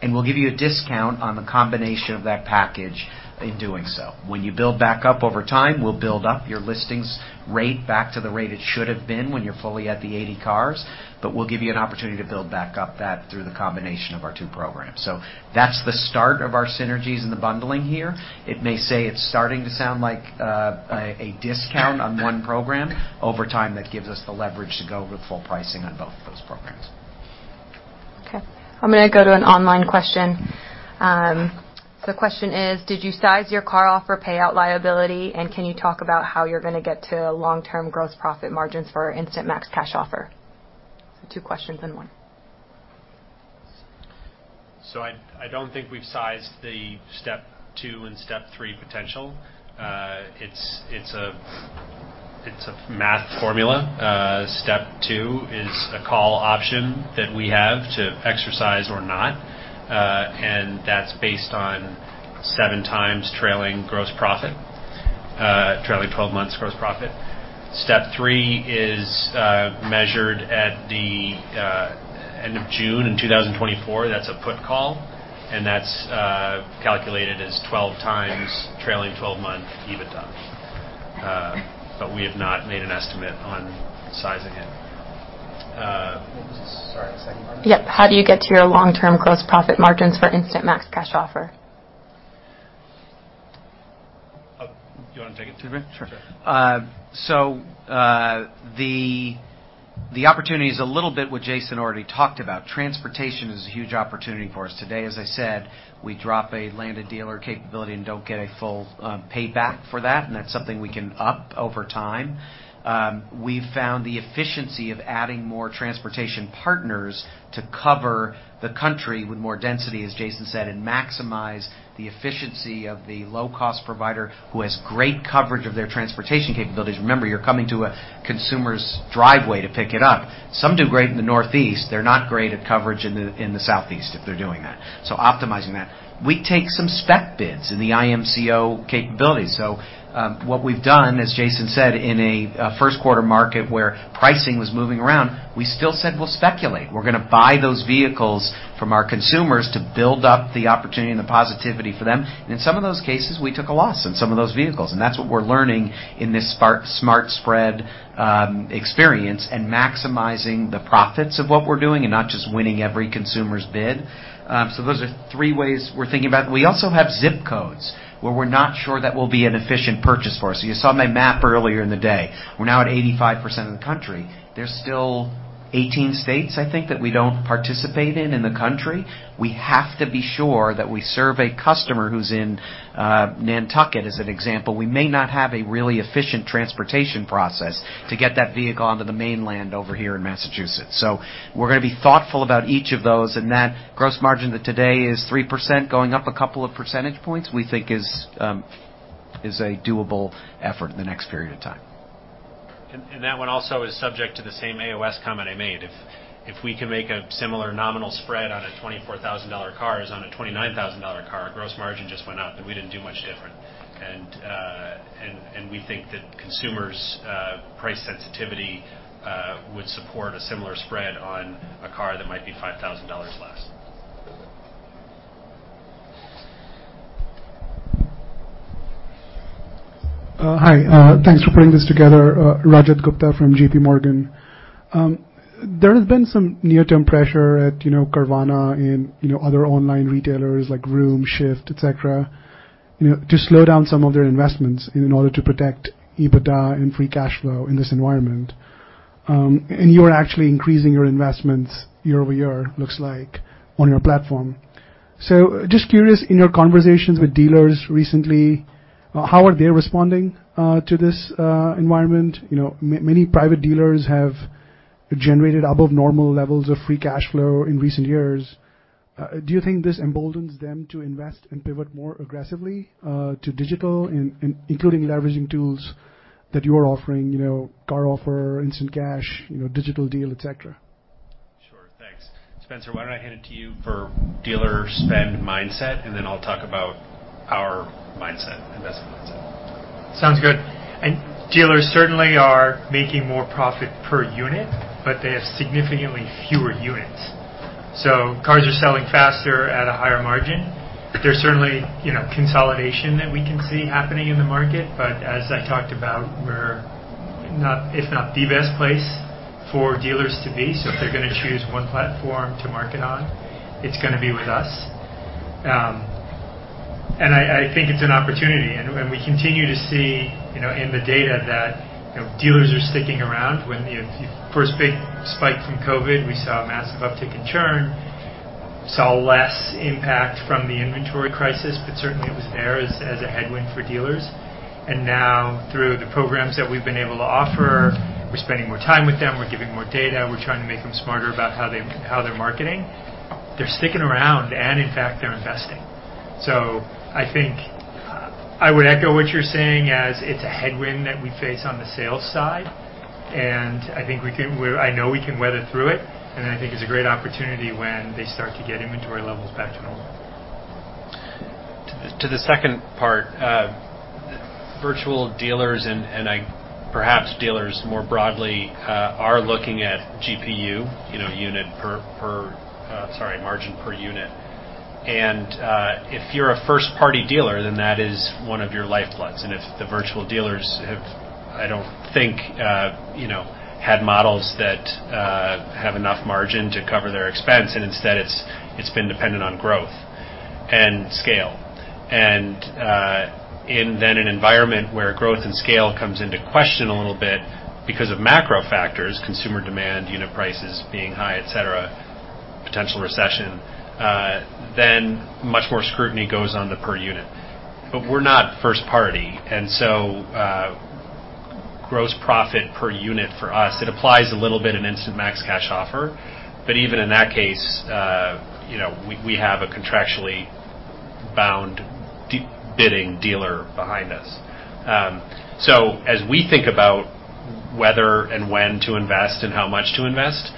and we'll give you a discount on the combination of that package in doing so. When you build back up over time, we'll build up your listings rate back to the rate it should have been when you're fully at the 80 cars, but we'll give you an opportunity to build back up that through the combination of our two programs." That's the start of our synergies in the bundling here. It may say it's starting to sound like a discount on one program. Over time, that gives us the leverage to go with full pricing on both of those programs. Okay. I'm gonna go to an online question. Question is: Did you size your CarOffer payout liability, and can you talk about how you're gonna get to long-term gross profit margins for Instant Max Cash Offer? Two questions in one. I don't think we've sized the step 2 and step 3 potential. It's a math formula. Step 2 is a call option that we have to exercise or not, and that's based on 7x trailing gross profit, trailing 12 months gross profit. Step 3 is measured at the end of June in 2024. That's a put call, and that's calculated as 12x trailing 12-month EBITDA. But we have not made an estimate on sizing it. Sorry, the second part? Yep. How do you get to your long-term gross profit margins for Instant Max Cash Offer? Oh, do you wanna take it? Sure. Sure. The opportunity is a little bit what Jason already talked about. Transportation is a huge opportunity for us. Today, as I said, we have a land-and-deliver capability and don't get a full payback for that, and that's something we can ramp up over time. We found the efficiency of adding more transportation partners to cover the country with more density, as Jason said, and maximize the efficiency of the low-cost provider who has great coverage of their transportation capabilities. Remember, you're coming to a consumer's driveway to pick it up. Some do great in the Northeast. They're not great at coverage in the Southeast if they're doing that, so optimizing that. We take some spec bids in the IMCO capabilities. What we've done, as Jason said, in a first quarter market where pricing was moving around, we still said we'll speculate. We're gonna buy those vehicles from our consumers to build up the opportunity and the positivity for them. In some of those cases, we took a loss on some of those vehicles. That's what we're learning in this smart spread experience and maximizing the profits of what we're doing and not just winning every consumer's bid. Those are three ways we're thinking about it. We also have zip codes where we're not sure that will be an efficient purchase for us. You saw my map earlier in the day. We're now at 85% of the country. There's still 18 states, I think, that we don't participate in in the country. We have to be sure that we serve a customer who's in Nantucket, as an example. We may not have a really efficient transportation process to get that vehicle onto the mainland over here in Massachusetts. We're gonna be thoughtful about each of those, and that gross margin that today is 3% going up a couple of percentage points, we think is a doable effort in the next period of time. That one also is subject to the same AOS comment I made. If we can make a similar nominal spread on a $24,000 car as on a $29,000 car, our gross margin just went up, but we didn't do much different. We think that consumers' price sensitivity would support a similar spread on a car that might be $5,000 less. Hi. Thanks for putting this together. Rajat Gupta from JPMorgan. There has been some near-term pressure at, you know, Carvana and, you know, other online retailers like Vroom, Shift, et cetera, you know, to slow down some of their investments in order to protect EBITDA and free cash flow in this environment. You are actually increasing your investments year-over-year, looks like, on your platform. Just curious, in your conversations with dealers recently, how are they responding to this environment? You know, many private dealers have generated above normal levels of free cash flow in recent years. Do you think this emboldens them to invest and pivot more aggressively to digital including leveraging tools that you are offering, you know, CarOffer, Instant Cash, you know, Digital Deal, et cetera? Sure. Thanks. Spencer, why don't I hand it to you for dealer spend mindset, and then I'll talk about our mindset, investment mindset. Sounds good. Dealers certainly are making more profit per unit, but they have significantly fewer units. Cars are selling faster at a higher margin. There's certainly, you know, consolidation that we can see happening in the market. As I talked about, we're, if not the best place for dealers to be. If they're gonna choose one platform to market on, it's gonna be with us. I think it's an opportunity, and we continue to see, you know, in the data that, you know, dealers are sticking around. When the first big spike from COVID, we saw a massive uptick in churn, saw less impact from the inventory crisis, but certainly it was there as a headwind for dealers. Now through the programs that we've been able to offer, we're spending more time with them, we're giving more data, we're trying to make them smarter about how they're marketing. They're sticking around and in fact they're investing. I think, I would echo what you're saying as it's a headwind that we face on the sales side, and I think we can, I know we can weather through it, and I think it's a great opportunity when they start to get inventory levels back to normal. To the second part, virtual dealers and perhaps dealers more broadly are looking at GPU, you know, margin per unit. If you're a first party dealer, then that is one of your lifebloods. If the virtual dealers have, I don't think, you know, had models that have enough margin to cover their expense, and instead it's been dependent on growth and scale. In an environment where growth and scale comes into question a little bit because of macro factors, consumer demand, unit prices being high, et cetera, potential recession, then much more scrutiny goes on the per unit. We're not first party and so, gross profit per unit for us, it applies a little bit in Instant Max Cash Offer, but even in that case, you know, we have a contractually bound de-bidding dealer behind us. So as we think about whether and when to invest and how much to invest,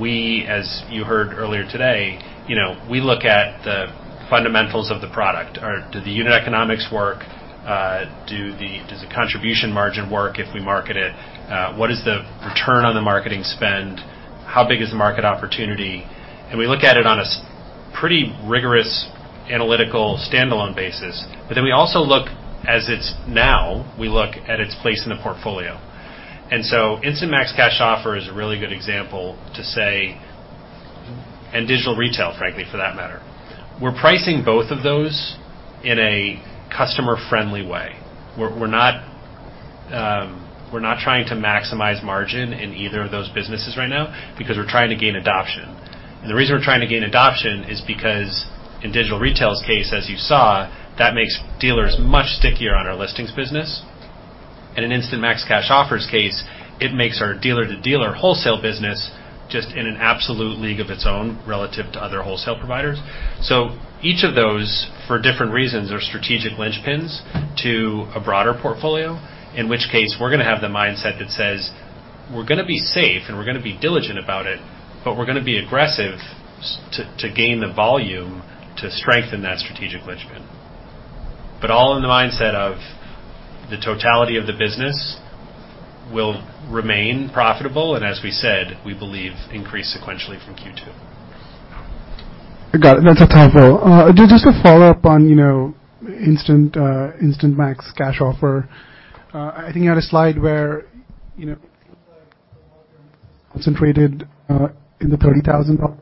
we, as you heard earlier today, you know, we look at the fundamentals of the product. Do the unit economics work? Does the contribution margin work if we market it? What is the return on the marketing spend? How big is the market opportunity? We look at it on a pretty rigorous analytical standalone basis, but then we also look at it as it is now, we look at its place in the portfolio. Instant Max Cash Offer is a really good example to say... Digital retail, frankly for that matter. We're pricing both of those in a customer-friendly way. We're not trying to maximize margin in either of those businesses right now because we're trying to gain adoption. The reason we're trying to gain adoption is because in digital retail's case, as you saw, that makes dealers much stickier on our listings business. In Instant Max Cash Offer's case it makes our dealer-to-dealer wholesale business just in an absolute league of its own relative to other wholesale providers. Each of those, for different reasons, are strategic linchpins to a broader portfolio, in which case we're gonna have the mindset that says, "We're gonna be safe, and we're gonna be diligent about it, but we're gonna be aggressive to gain the volume to strengthen that strategic linchpin." All in the mindset of the totality of the business will remain profitable, and as we said, we believe increase sequentially from Q2. Got it. That's helpful. Just a follow-up on, you know, Instant Max Cash Offer. I think you had a slide where, you know, it seems like concentrated in the $30,000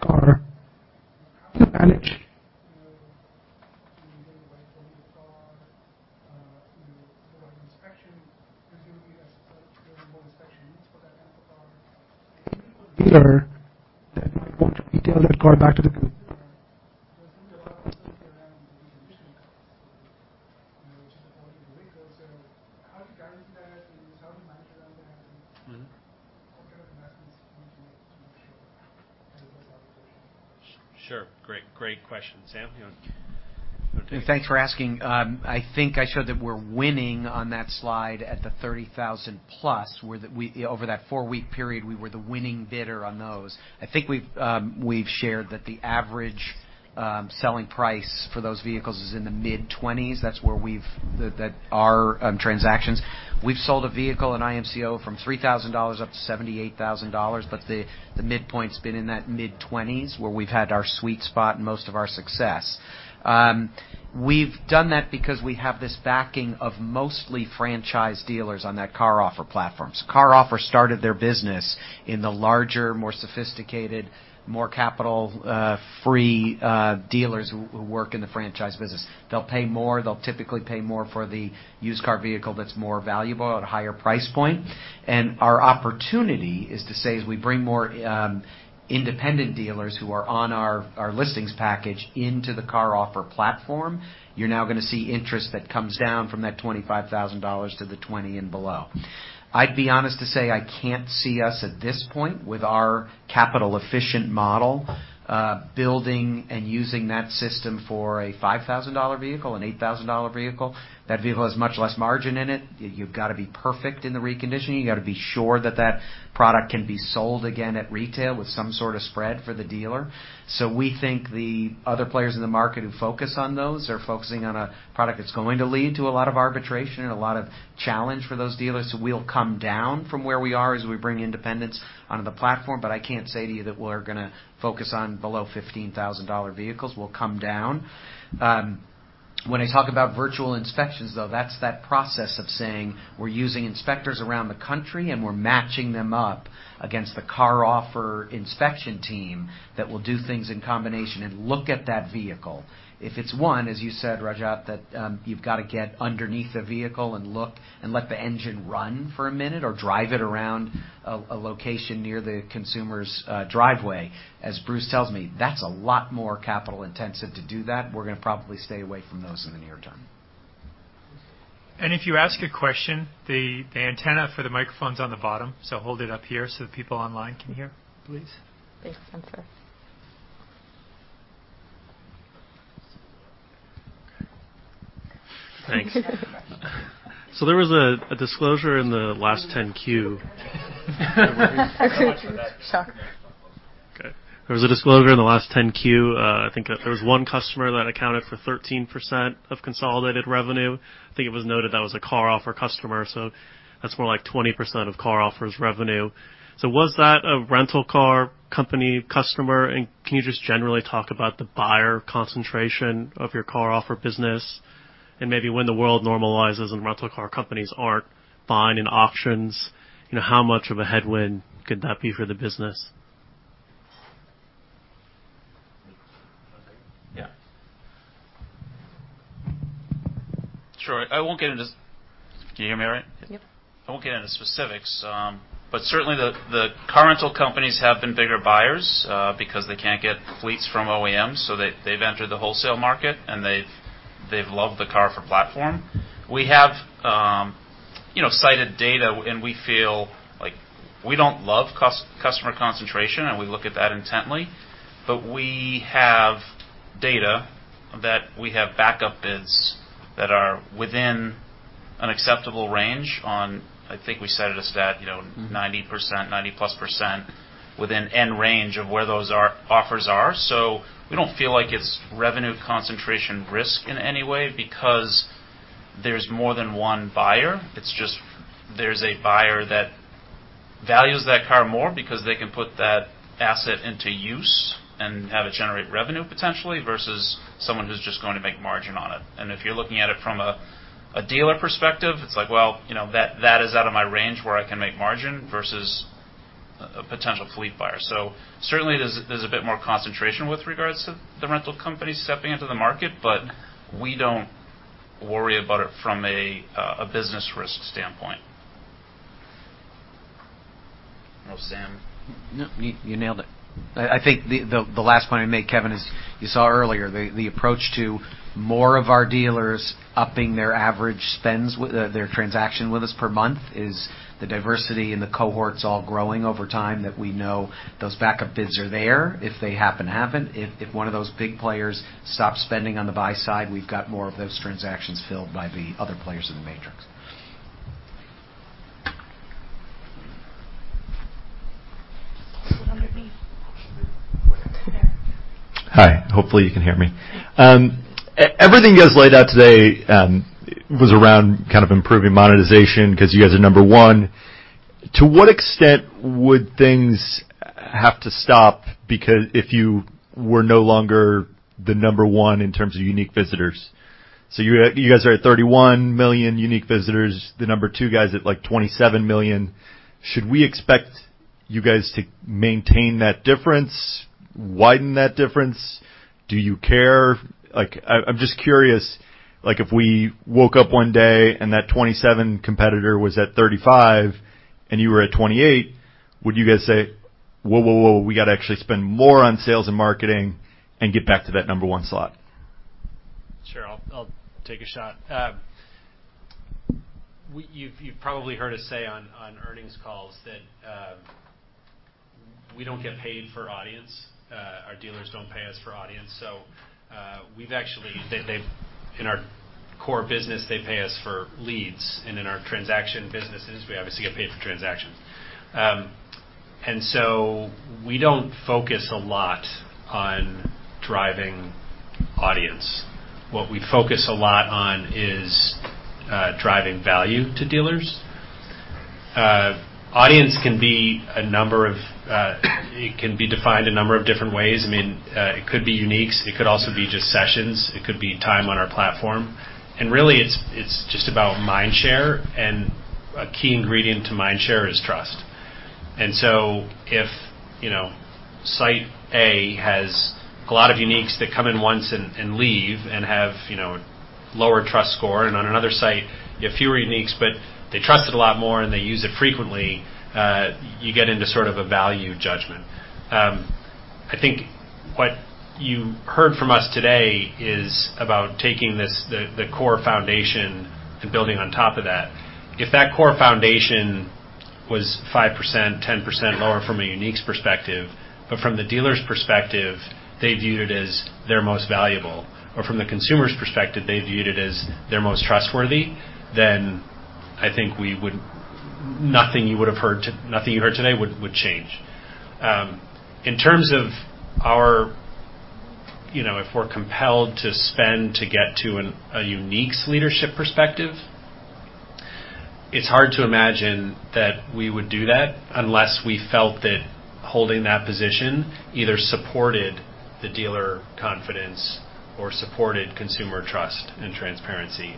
car range presumably there are more inspections for that car dealer that might want to retail that car back to the. How to guarantee that and how to manage all that? Mm-hmm. What kind of investments do you make to ensure that? Sure. Great, great question. Sam, you want to take it? Thanks for asking. I think I showed that we're winning on that slide at the $30,000+, where, over that four-week period, we were the winning bidder on those. I think we've shared that the average selling price for those vehicles is in the mid-$20,000s. That's where that are transactions. We've sold a vehicle in IMV from $3,000 up to $78,000, but the midpoint's been in that mid-$20,000s where we've had our sweet spot and most of our success. We've done that because we have this backing of mostly franchise dealers on that CarOffer platforms. CarOffer started their business in the larger, more sophisticated, more capital-free dealers who work in the franchise business. They'll pay more. They'll typically pay more for the used car vehicle that's more valuable at a higher price point. Our opportunity is to say, as we bring more independent dealers who are on our listings package into the CarOffer platform, you're now gonna see interest that comes down from that $25,000 to the $20,000 and below. I'd be honest to say I can't see us at this point with our capital efficient model, building and using that system for a $5,000 vehicle, an $8,000 vehicle. That vehicle has much less margin in it. You've got to be perfect in the reconditioning. You got to be sure that that product can be sold again at retail with some sort of spread for the dealer. We think the other players in the market who focus on those are focusing on a product that's going to lead to a lot of arbitrage and a lot of challenge for those dealers. We'll come down from where we are as we bring independents onto the platform, but I can't say to you that we're gonna focus on below $15,000 vehicles. We'll come down. When I talk about virtual inspections, though, that's that process of saying we're using inspectors around the country, and we're matching them up against the CarOffer inspection team that will do things in combination and look at that vehicle. If it's one, as you said, Rajat, that you've got to get underneath the vehicle and look and let the engine run for a minute or drive it around a location near the consumer's driveway. As Bruce tells me, that's a lot more capital intensive to do that, and we're gonna probably stay away from those in the near term. If you ask a question, the antenna for the microphone's on the bottom. Hold it up here so people online can hear, please. There's a sensor. Okay. Thanks. Ask your question. There was a disclosure in the last 10-Q. Shock. Okay. There was a disclosure in the last 10-Q. I think there was one customer that accounted for 13% of consolidated revenue. I think it was noted that was a CarOffer customer, so that's more like 20% of CarOffer's revenue. Was that a rental car company customer? Can you just generally talk about the buyer concentration of your CarOffer business? Maybe when the world normalizes and rental car companies aren't buying in auctions, you know, how much of a headwind could that be for the business? Okay. Yeah. Sure. Can you hear me all right? Yep. I won't get into specifics, but certainly the car rental companies have been bigger buyers, because they can't get fleets from OEMs, so they've entered the wholesale market, and they've loved the CarOffer platform. We have, you know, cited data, and we feel like we don't love customer concentration, and we look at that intently. We have data that we have backup bids that are within an acceptable range on, I think we said it as that, you know, 90%, 90%+ within end range of where those offers are. We don't feel like it's revenue concentration risk in any way because there's more than one buyer. It's just there's a buyer that values that car more because they can put that asset into use and have it generate revenue potentially versus someone who's just going to make margin on it. If you're looking at it from a dealer perspective, it's like, well, you know, that is out of my range where I can make margin versus a potential fleet buyer. Certainly, there's a bit more concentration with regards to the rental companies stepping into the market, but we don't worry about it from a business risk standpoint. Well, Sam? No. You nailed it. I think the last point I'd make, Kevin, is you saw earlier the approach to more of our dealers upping their average spends with their transaction with us per month is the diversity in the cohorts all growing over time that we know those backup bids are there if they happen. If one of those big players stops spending on the buy side, we've got more of those transactions filled by the other players in the matrix. The one with me. There. Hi. Hopefully you can hear me. Yes. Everything you guys laid out today was around kind of improving monetization because you guys are number one. To what extent would things have to stop because if you were no longer the number one in terms of unique visitors? You guys are at 31 million unique visitors. The number two guy is at, like, 27 million. Should we expect you guys to maintain that difference? Widen that difference? Do you care? Like, I'm just curious, like, if we woke up one day and that 27 million competitor was at 35 million, and you were at 28 million, would you guys say whoa, whoa, we got to actually spend more on sales and marketing and get back to that number one slot. Sure. I'll take a shot. You've probably heard us say on earnings calls that we don't get paid for audience. Our dealers don't pay us for audience. In our core business, they pay us for leads. In our transaction businesses, we obviously get paid for transactions. We don't focus a lot on driving audience. What we focus a lot on is driving value to dealers. Audience can be a number of it can be defined a number of different ways. I mean, it could be uniques, it could also be just sessions, it could be time on our platform. Really, it's just about mind share, and a key ingredient to mind share is trust. If, you know, site A has a lot of uniques that come in once and leave and have, you know, lower trust score, and on another site, you have fewer uniques, but they trust it a lot more and they use it frequently, you get into sort of a value judgment. I think what you heard from us today is about taking this core foundation and building on top of that. If that core foundation was 5%, 10% lower from a uniques perspective, but from the dealer's perspective, they viewed it as their most valuable, or from the consumer's perspective, they viewed it as their most trustworthy, then I think nothing you heard today would change. In terms of our, you know, if we're compelled to spend to get to a uniques leadership perspective, it's hard to imagine that we would do that unless we felt that holding that position either supported the dealer confidence or supported consumer trust and transparency.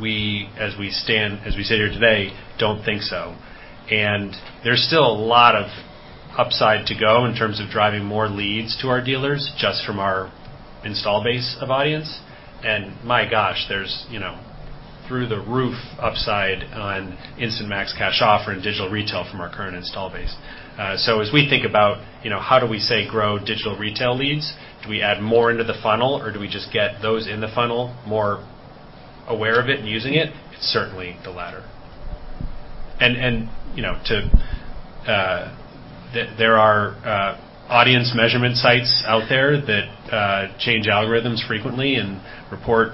We, as we sit here today, don't think so. There's still a lot of upside to go in terms of driving more leads to our dealers just from our installed base of audience. My gosh, there's, you know, through the roof upside on Instant Max Cash Offer and digital retail from our current installed base. So as we think about, you know, how do we, say, grow digital retail leads, do we add more into the funnel or do we just get those in the funnel more aware of it and using it? It's certainly the latter. You know, there are audience measurement sites out there that change algorithms frequently and report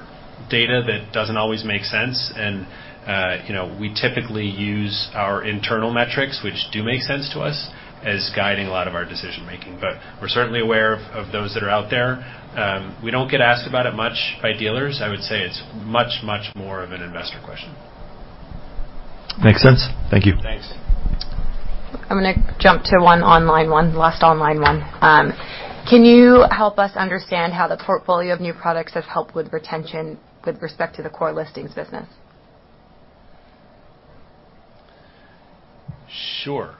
data that doesn't always make sense. You know, we typically use our internal metrics, which do make sense to us, as guiding a lot of our decision-making. We're certainly aware of those that are out there. We don't get asked about it much by dealers. I would say it's much, much more of an investor question. Makes sense. Thank you. Thanks. I'm gonna jump to one online one, last online one. Can you help us understand how the portfolio of new products have helped with retention with respect to the core listings business? Sure.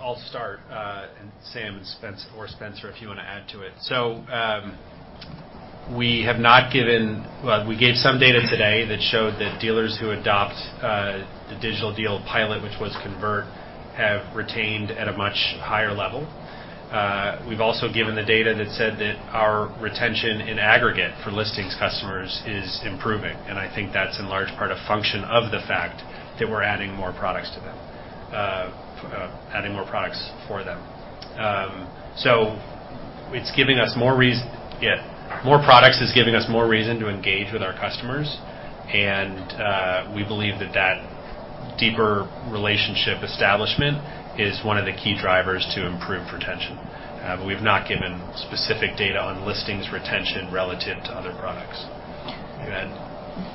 I'll start, and Sam and Spencer, if you want to add to it. We have not given. Well, we gave some data today that showed that dealers who adopt the Digital Deal pilot, which was converted, have retained at a much higher level. We've also given the data that said that our retention in aggregate for listings customers is improving, and I think that's in large part a function of the fact that we're adding more products to them, adding more products for them. More products is giving us more reason to engage with our customers. We believe that deeper relationship establishment is one of the key drivers to improve retention. We've not given specific data on listings retention relative to other products. Go ahead.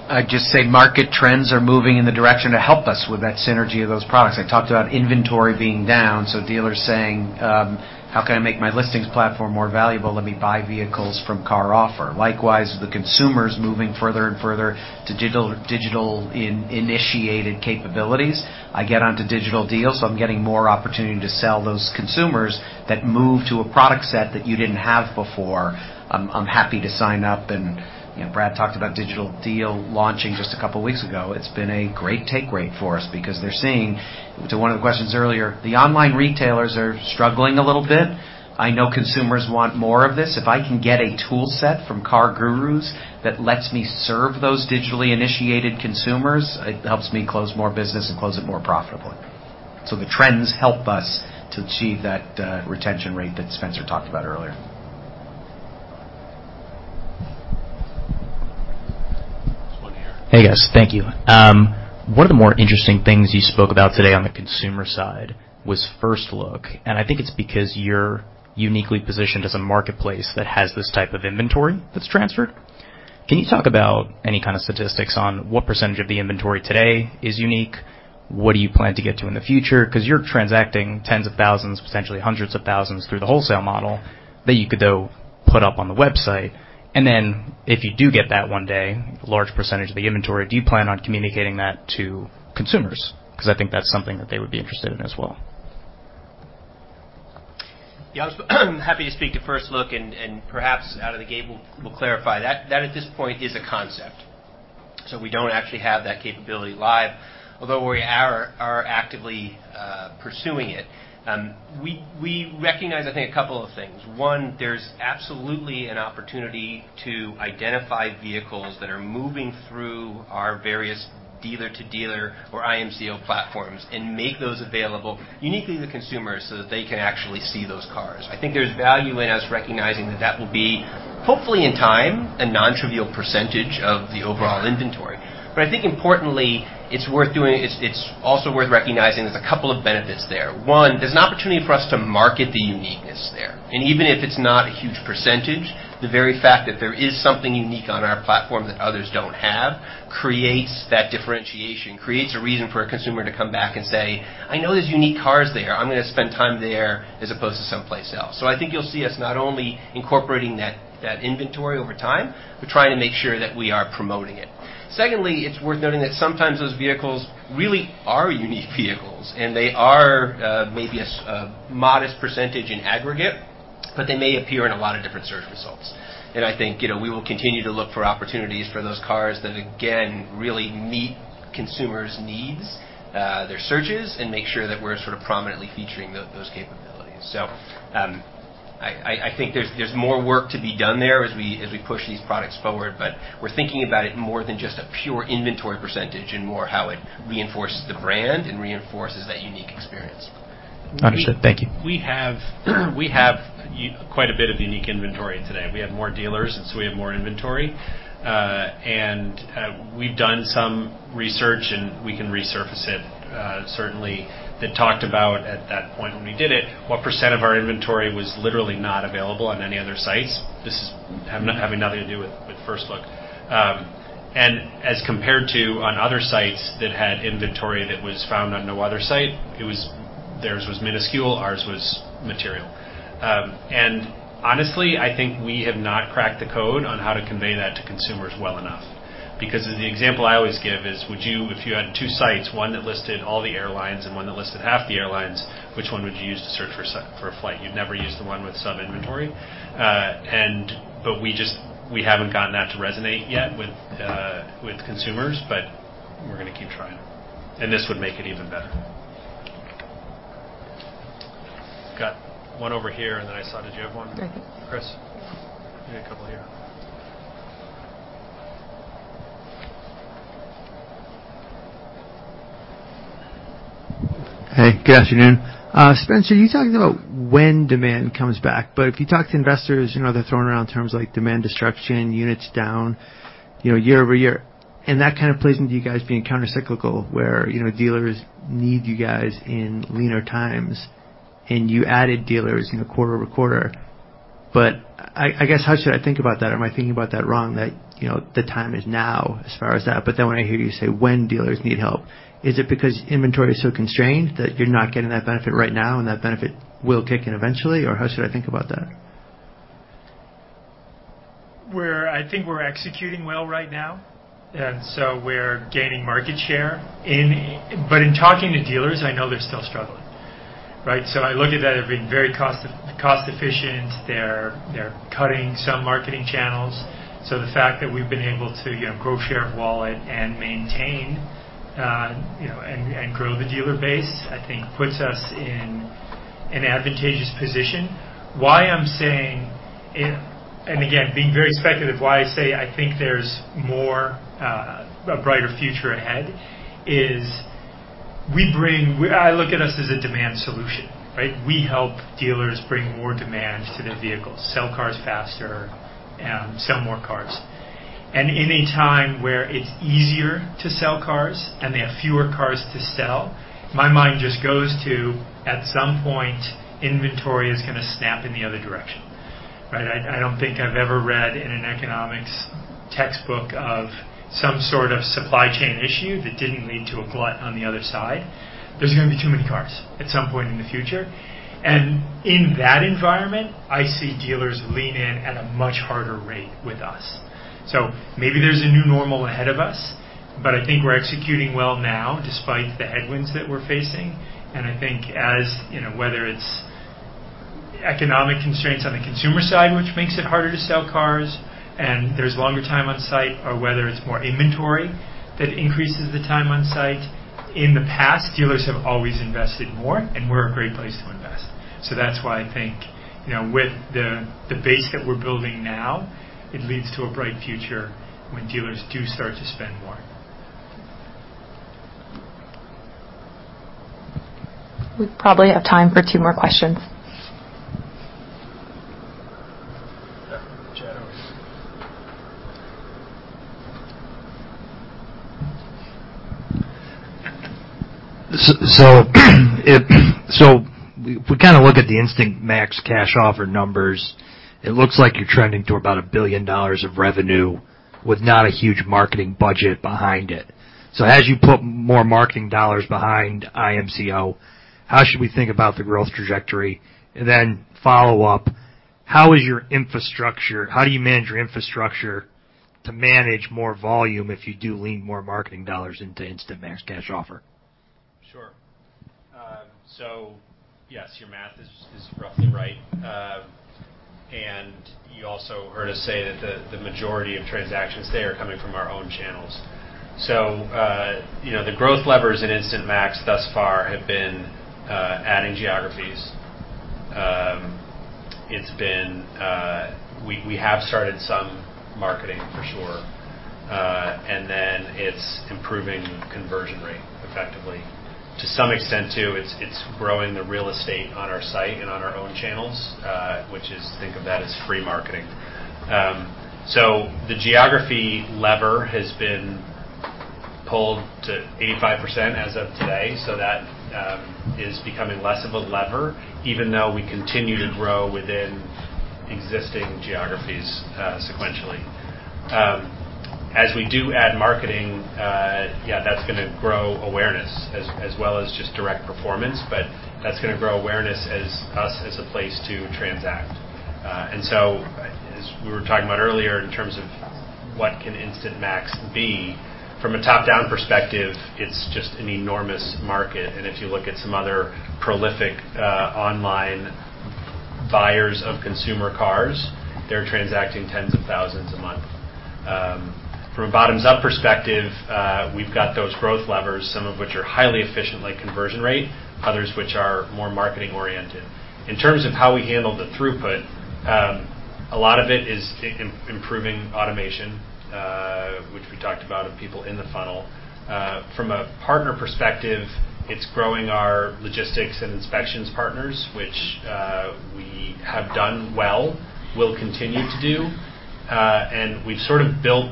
I'd just say market trends are moving in the direction to help us with that synergy of those products. I talked about inventory being down, so dealers saying, "How can I make my listings platform more valuable? Let me buy vehicles from CarOffer." Likewise, the consumer is moving further and further to digital-initiated capabilities. I get onto Digital Deals, so I'm getting more opportunity to sell those consumers that move to a product set that you didn't have before. I'm happy to sign up. You know, Brad talked about Digital Deal launching just a couple of weeks ago. It's been a great take rate for us because they're seeing, to one of the questions earlier, the online retailers are struggling a little bit. I know consumers want more of this. If I can get a toolset from CarGurus that lets me serve those digitally initiated consumers, it helps me close more business and close it more profitably. The trends help us to achieve that retention rate that Spencer talked about earlier. This one here. Hey, guys. Thank you. One of the more interesting things you spoke about today on the consumer side was First Look, and I think it's because you're uniquely positioned as a marketplace that has this type of inventory that's transferred. Can you talk about any kind of statistics on what percentage of the inventory today is unique? What do you plan to get to in the future? 'Cause you're transacting tens of thousands, potentially hundreds of thousands through the wholesale model that you could, though, put up on the website. Then if you do get that one day, large percentage of the inventory, do you plan on communicating that to consumers? 'Cause I think that's something that they would be interested in as well. Yeah, I'm happy to speak to First Look and perhaps out of the gate we'll clarify that. That at this point is a concept. We don't actually have that capability live, although we are actively pursuing it. We recognize, I think a couple of things. One, there's absolutely an opportunity to identify vehicles that are moving through our various dealer to dealer or IMCO platforms and make those available uniquely to consumers so that they can actually see those cars. I think there's value in us recognizing that will be hopefully in time, a nontrivial percentage of the overall inventory. I think importantly, it's worth doing. It's also worth recognizing there's a couple of benefits there. One, there's an opportunity for us to market the uniqueness there. Even if it's not a huge percentage, the very fact that there is something unique on our platform that others don't have, creates that differentiation, creates a reason for a consumer to come back and say, "I know there's unique cars there. I'm gonna spend time there as opposed to someplace else." I think you'll see us not only incorporating that inventory over time, but trying to make sure that we are promoting it. Secondly, it's worth noting that sometimes those vehicles really are unique vehicles, and they are maybe a modest percentage in aggregate, but they may appear in a lot of different search results. I think we will continue to look for opportunities for those cars that again, really meet consumers' needs, their searches and make sure that we're sort of prominently featuring those capabilities. I think there's more work to be done there as we push these products forward, but we're thinking about it more than just a pure inventory percentage and more how it reinforces the brand and reinforces that unique experience. Understood. Thank you. We have quite a bit of unique inventory today. We have more dealers, and so we have more inventory. We've done some research, and we can resurface it, certainly that talked about at that point when we did it, what percent of our inventory was literally not available on any other sites. This has nothing to do with First Look. As compared to other sites that had inventory that was found on no other site, it was theirs was minuscule, ours was material. Honestly, I think we have not cracked the code on how to convey that to consumers well enough. Because the example I always give is, would you. If you had two sites, one that listed all the airlines and one that listed half the airlines, which one would you use to search for a flight? You'd never use the one with sub-inventory. We just haven't gotten that to resonate yet with consumers, but we're gonna keep trying. This would make it even better. Got one over here, and then I saw. Did you have one, Chris? Yeah. You had a couple here. Hey, good afternoon. Spencer, you talked about when demand comes back, but if you talk to investors, you know, they're throwing around terms like demand destruction, units down, you know, year-over-year. That kind of plays into you guys being countercyclical, where, you know, dealers need you guys in leaner times, and you added dealers, you know, quarter-over-quarter. I guess, how should I think about that? Am I thinking about that wrong? That, you know, the time is now as far as that. Then when I hear you say when dealers need help, is it because inventory is so constrained that you're not getting that benefit right now and that benefit will kick in eventually? Or how should I think about that? I think we're executing well right now, and so we're gaining market share. In talking to dealers, I know they're still struggling, right? I look at that as being very cost efficient. They're cutting some marketing channels. The fact that we've been able to, you know, grow share of wallet and maintain, you know, and grow the dealer base, I think puts us in an advantageous position. Why I'm saying it. Again, being very speculative why I say I think there's more, a brighter future ahead is we bring. I look at us as a demand solution, right? We help dealers bring more demand to their vehicles, sell cars faster, sell more cars. In a time where it's easier to sell cars and they have fewer cars to sell, my mind just goes to, at some point, inventory is gonna snap in the other direction, right? I don't think I've ever read in an economics textbook of some sort of supply chain issue that didn't lead to a glut on the other side. There's gonna be too many cars at some point in the future. In that environment, I see dealers lean in at a much harder rate with us. Maybe there's a new normal ahead of us, but I think we're executing well now despite the headwinds that we're facing. I think as, you know, whether it's economic constraints on the consumer side, which makes it harder to sell cars, and there's longer time on site or whether it's more inventory that increases the time on site. In the past, dealers have always invested more, and we're a great place to invest. That's why I think, you know, with the base that we're building now, it leads to a bright future when dealers do start to spend more. We probably have time for two more questions. Yeah. Chad. We kinda look at the Instant Max Cash Offer numbers. It looks like you're trending to about $1 billion of revenue with not a huge marketing budget behind it. As you put more marketing dollars behind IMCO, how should we think about the growth trajectory? Then follow up. How do you manage your infrastructure to manage more volume if you do lean more marketing dollars into Instant Max Cash Offer? Sure. Yes, your math is roughly right. You also heard us say that the majority of transactions there are coming from our own channels. You know, the growth levers in Instant Max thus far have been adding geographies. We have started some marketing for sure, and then it's improving conversion rate effectively. To some extent too, it's growing the real estate on our site and on our own channels, which is, think of that as free marketing. The geography lever has been pulled to 85% as of today, so that is becoming less of a lever, even though we continue to grow within existing geographies, sequentially. As we do add marketing, yeah, that's gonna grow awareness as well as just direct performance, but that's gonna grow awareness of us as a place to transact. As we were talking about earlier in terms of what can Instant Max be, from a top-down perspective, it's just an enormous market, and if you look at some other prolific online buyers of consumer cars, they're transacting tens of thousands a month. From a bottoms-up perspective, we've got those growth levers, some of which are highly efficient, like conversion rate, others which are more marketing-oriented. In terms of how we handle the throughput, a lot of it is improving automation, which we talked about, fewer people in the funnel. From a partner perspective, it's growing our logistics and inspections partners, which we have done well, will continue to do. We've sort of built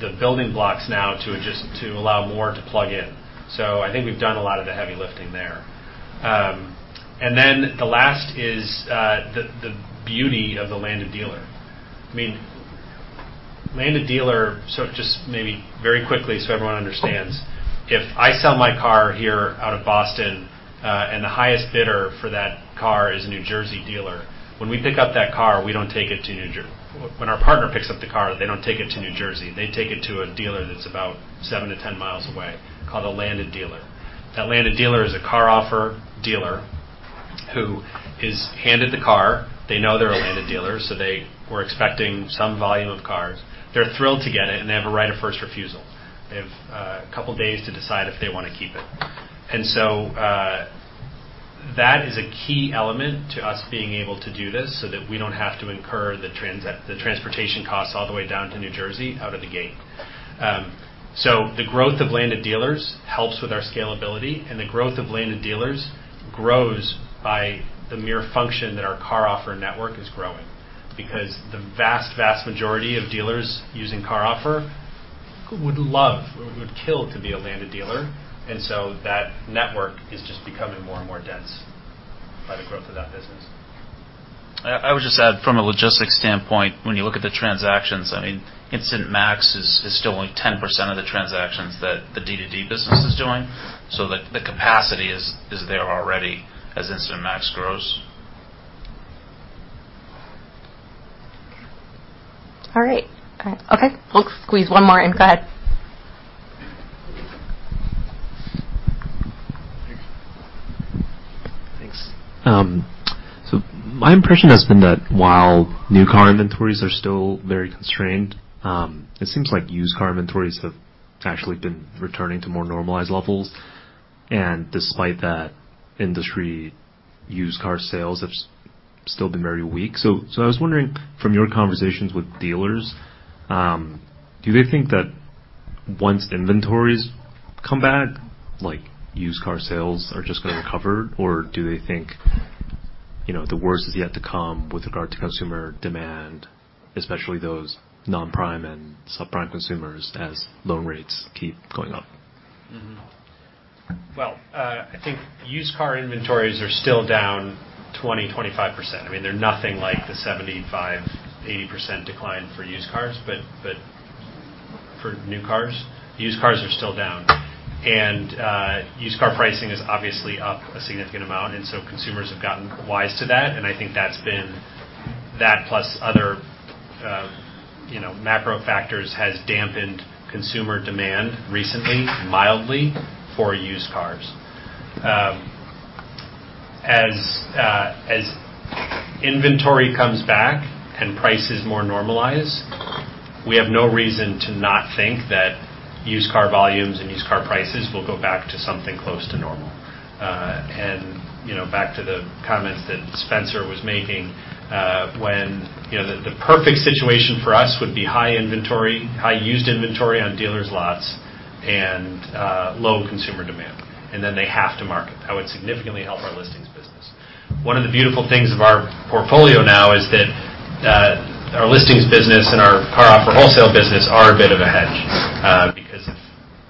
the building blocks now to just to allow more to plug in. I think we've done a lot of the heavy lifting there. The last is the beauty of the landed dealer. I mean, landed dealer, so just maybe very quickly so everyone understands. If I sell my car here out of Boston, and the highest bidder for that car is a New Jersey dealer, when our partner picks up the car, they don't take it to New Jersey. They take it to a dealer that's about 7 mi-10 mi away called a landed dealer. That landed dealer is a CarOffer dealer who is handed the car. They know they're a landed dealer, so they were expecting some volume of cars. They're thrilled to get it, and they have a right of first refusal. They have a couple days to decide if they wanna keep it. That is a key element to us being able to do this so that we don't have to incur the transportation costs all the way down to New Jersey out of the gate. The growth of landed dealers helps with our scalability, and the growth of landed dealers grows by the mere function that our CarOffer network is growing. Because the vast majority of dealers using CarOffer would love or would kill to be a landed dealer. That network is just becoming more and more dense by the growth of that business. I would just add from a logistics standpoint, when you look at the transactions, I mean, Instant Max is still only 10% of the transactions that the D2D business is doing. So the capacity is there already as Instant Max grows. All right. Okay. We'll squeeze one more in. Go ahead. Thanks. My impression has been that while new car inventories are still very constrained, it seems like used car inventories have actually been returning to more normalized levels. Despite that, industry used car sales have still been very weak. I was wondering from your conversations with dealers, do they think that once inventories come back, like used car sales are just gonna recover? Or do they think, you know, the worst is yet to come with regard to consumer demand, especially those non-prime and subprime consumers as loan rates keep going up? Well, I think used car inventories are still down 20%, 25%. I mean, they're nothing like the 75%, 80% decline for used cars, but for new cars. Used cars are still down. Used car pricing is obviously up a significant amount, and so consumers have gotten wise to that, and I think that's been that plus other, you know, macro factors has dampened consumer demand recently, mildly for used cars. As inventory comes back and prices more normalize, we have no reason to not think that used car volumes and used car prices will go back to something close to normal. You know, back to the comments that Spencer was making, when, you know, the perfect situation for us would be high inventory, high used inventory on dealers' lots and low consumer demand, and then they have to market. That would significantly help our listings business. One of the beautiful things of our portfolio now is that our listings business and our CarOffer wholesale business are a bit of a hedge, because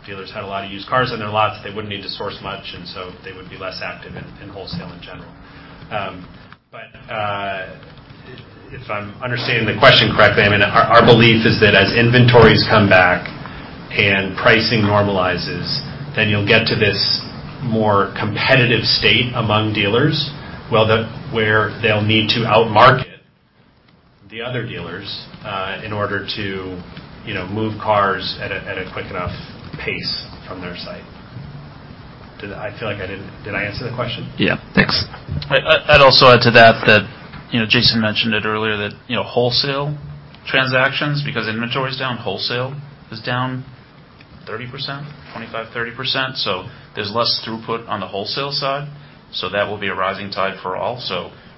if dealers had a lot of used cars in their lots, they wouldn't need to source much, and so they would be less active in wholesale in general. If I'm understanding the question correctly, I mean, our belief is that as inventories come back and pricing normalizes, then you'll get to this more competitive state among dealers. Well, where they'll need to outmarket the other dealers, in order to, you know, move cars at a quick enough pace from their site. I feel like I didn't. Did I answer the question? Yeah. Thanks. I'd also add to that, you know, Jason mentioned it earlier that, you know, wholesale transactions because inventory is down, wholesale is down 25%-30%. There's less throughput on the wholesale side. That will be a rising tide for all.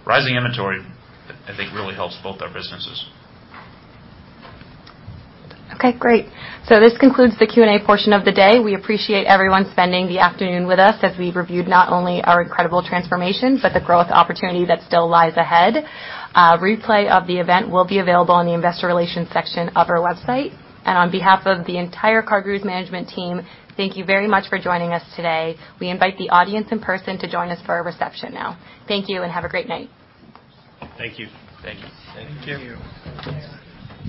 Rising inventory, I think, really helps both our businesses. Okay, great. This concludes the Q&A portion of the day. We appreciate everyone spending the afternoon with us as we reviewed not only our incredible transformation, but the growth opportunity that still lies ahead. A replay of the event will be available on the Investor Relations section of our website. On behalf of the entire CarGurus management team, thank you very much for joining us today. We invite the audience in person to join us for our reception now. Thank you and have a great night. Thank you. Thank you. Thank you. Thank you.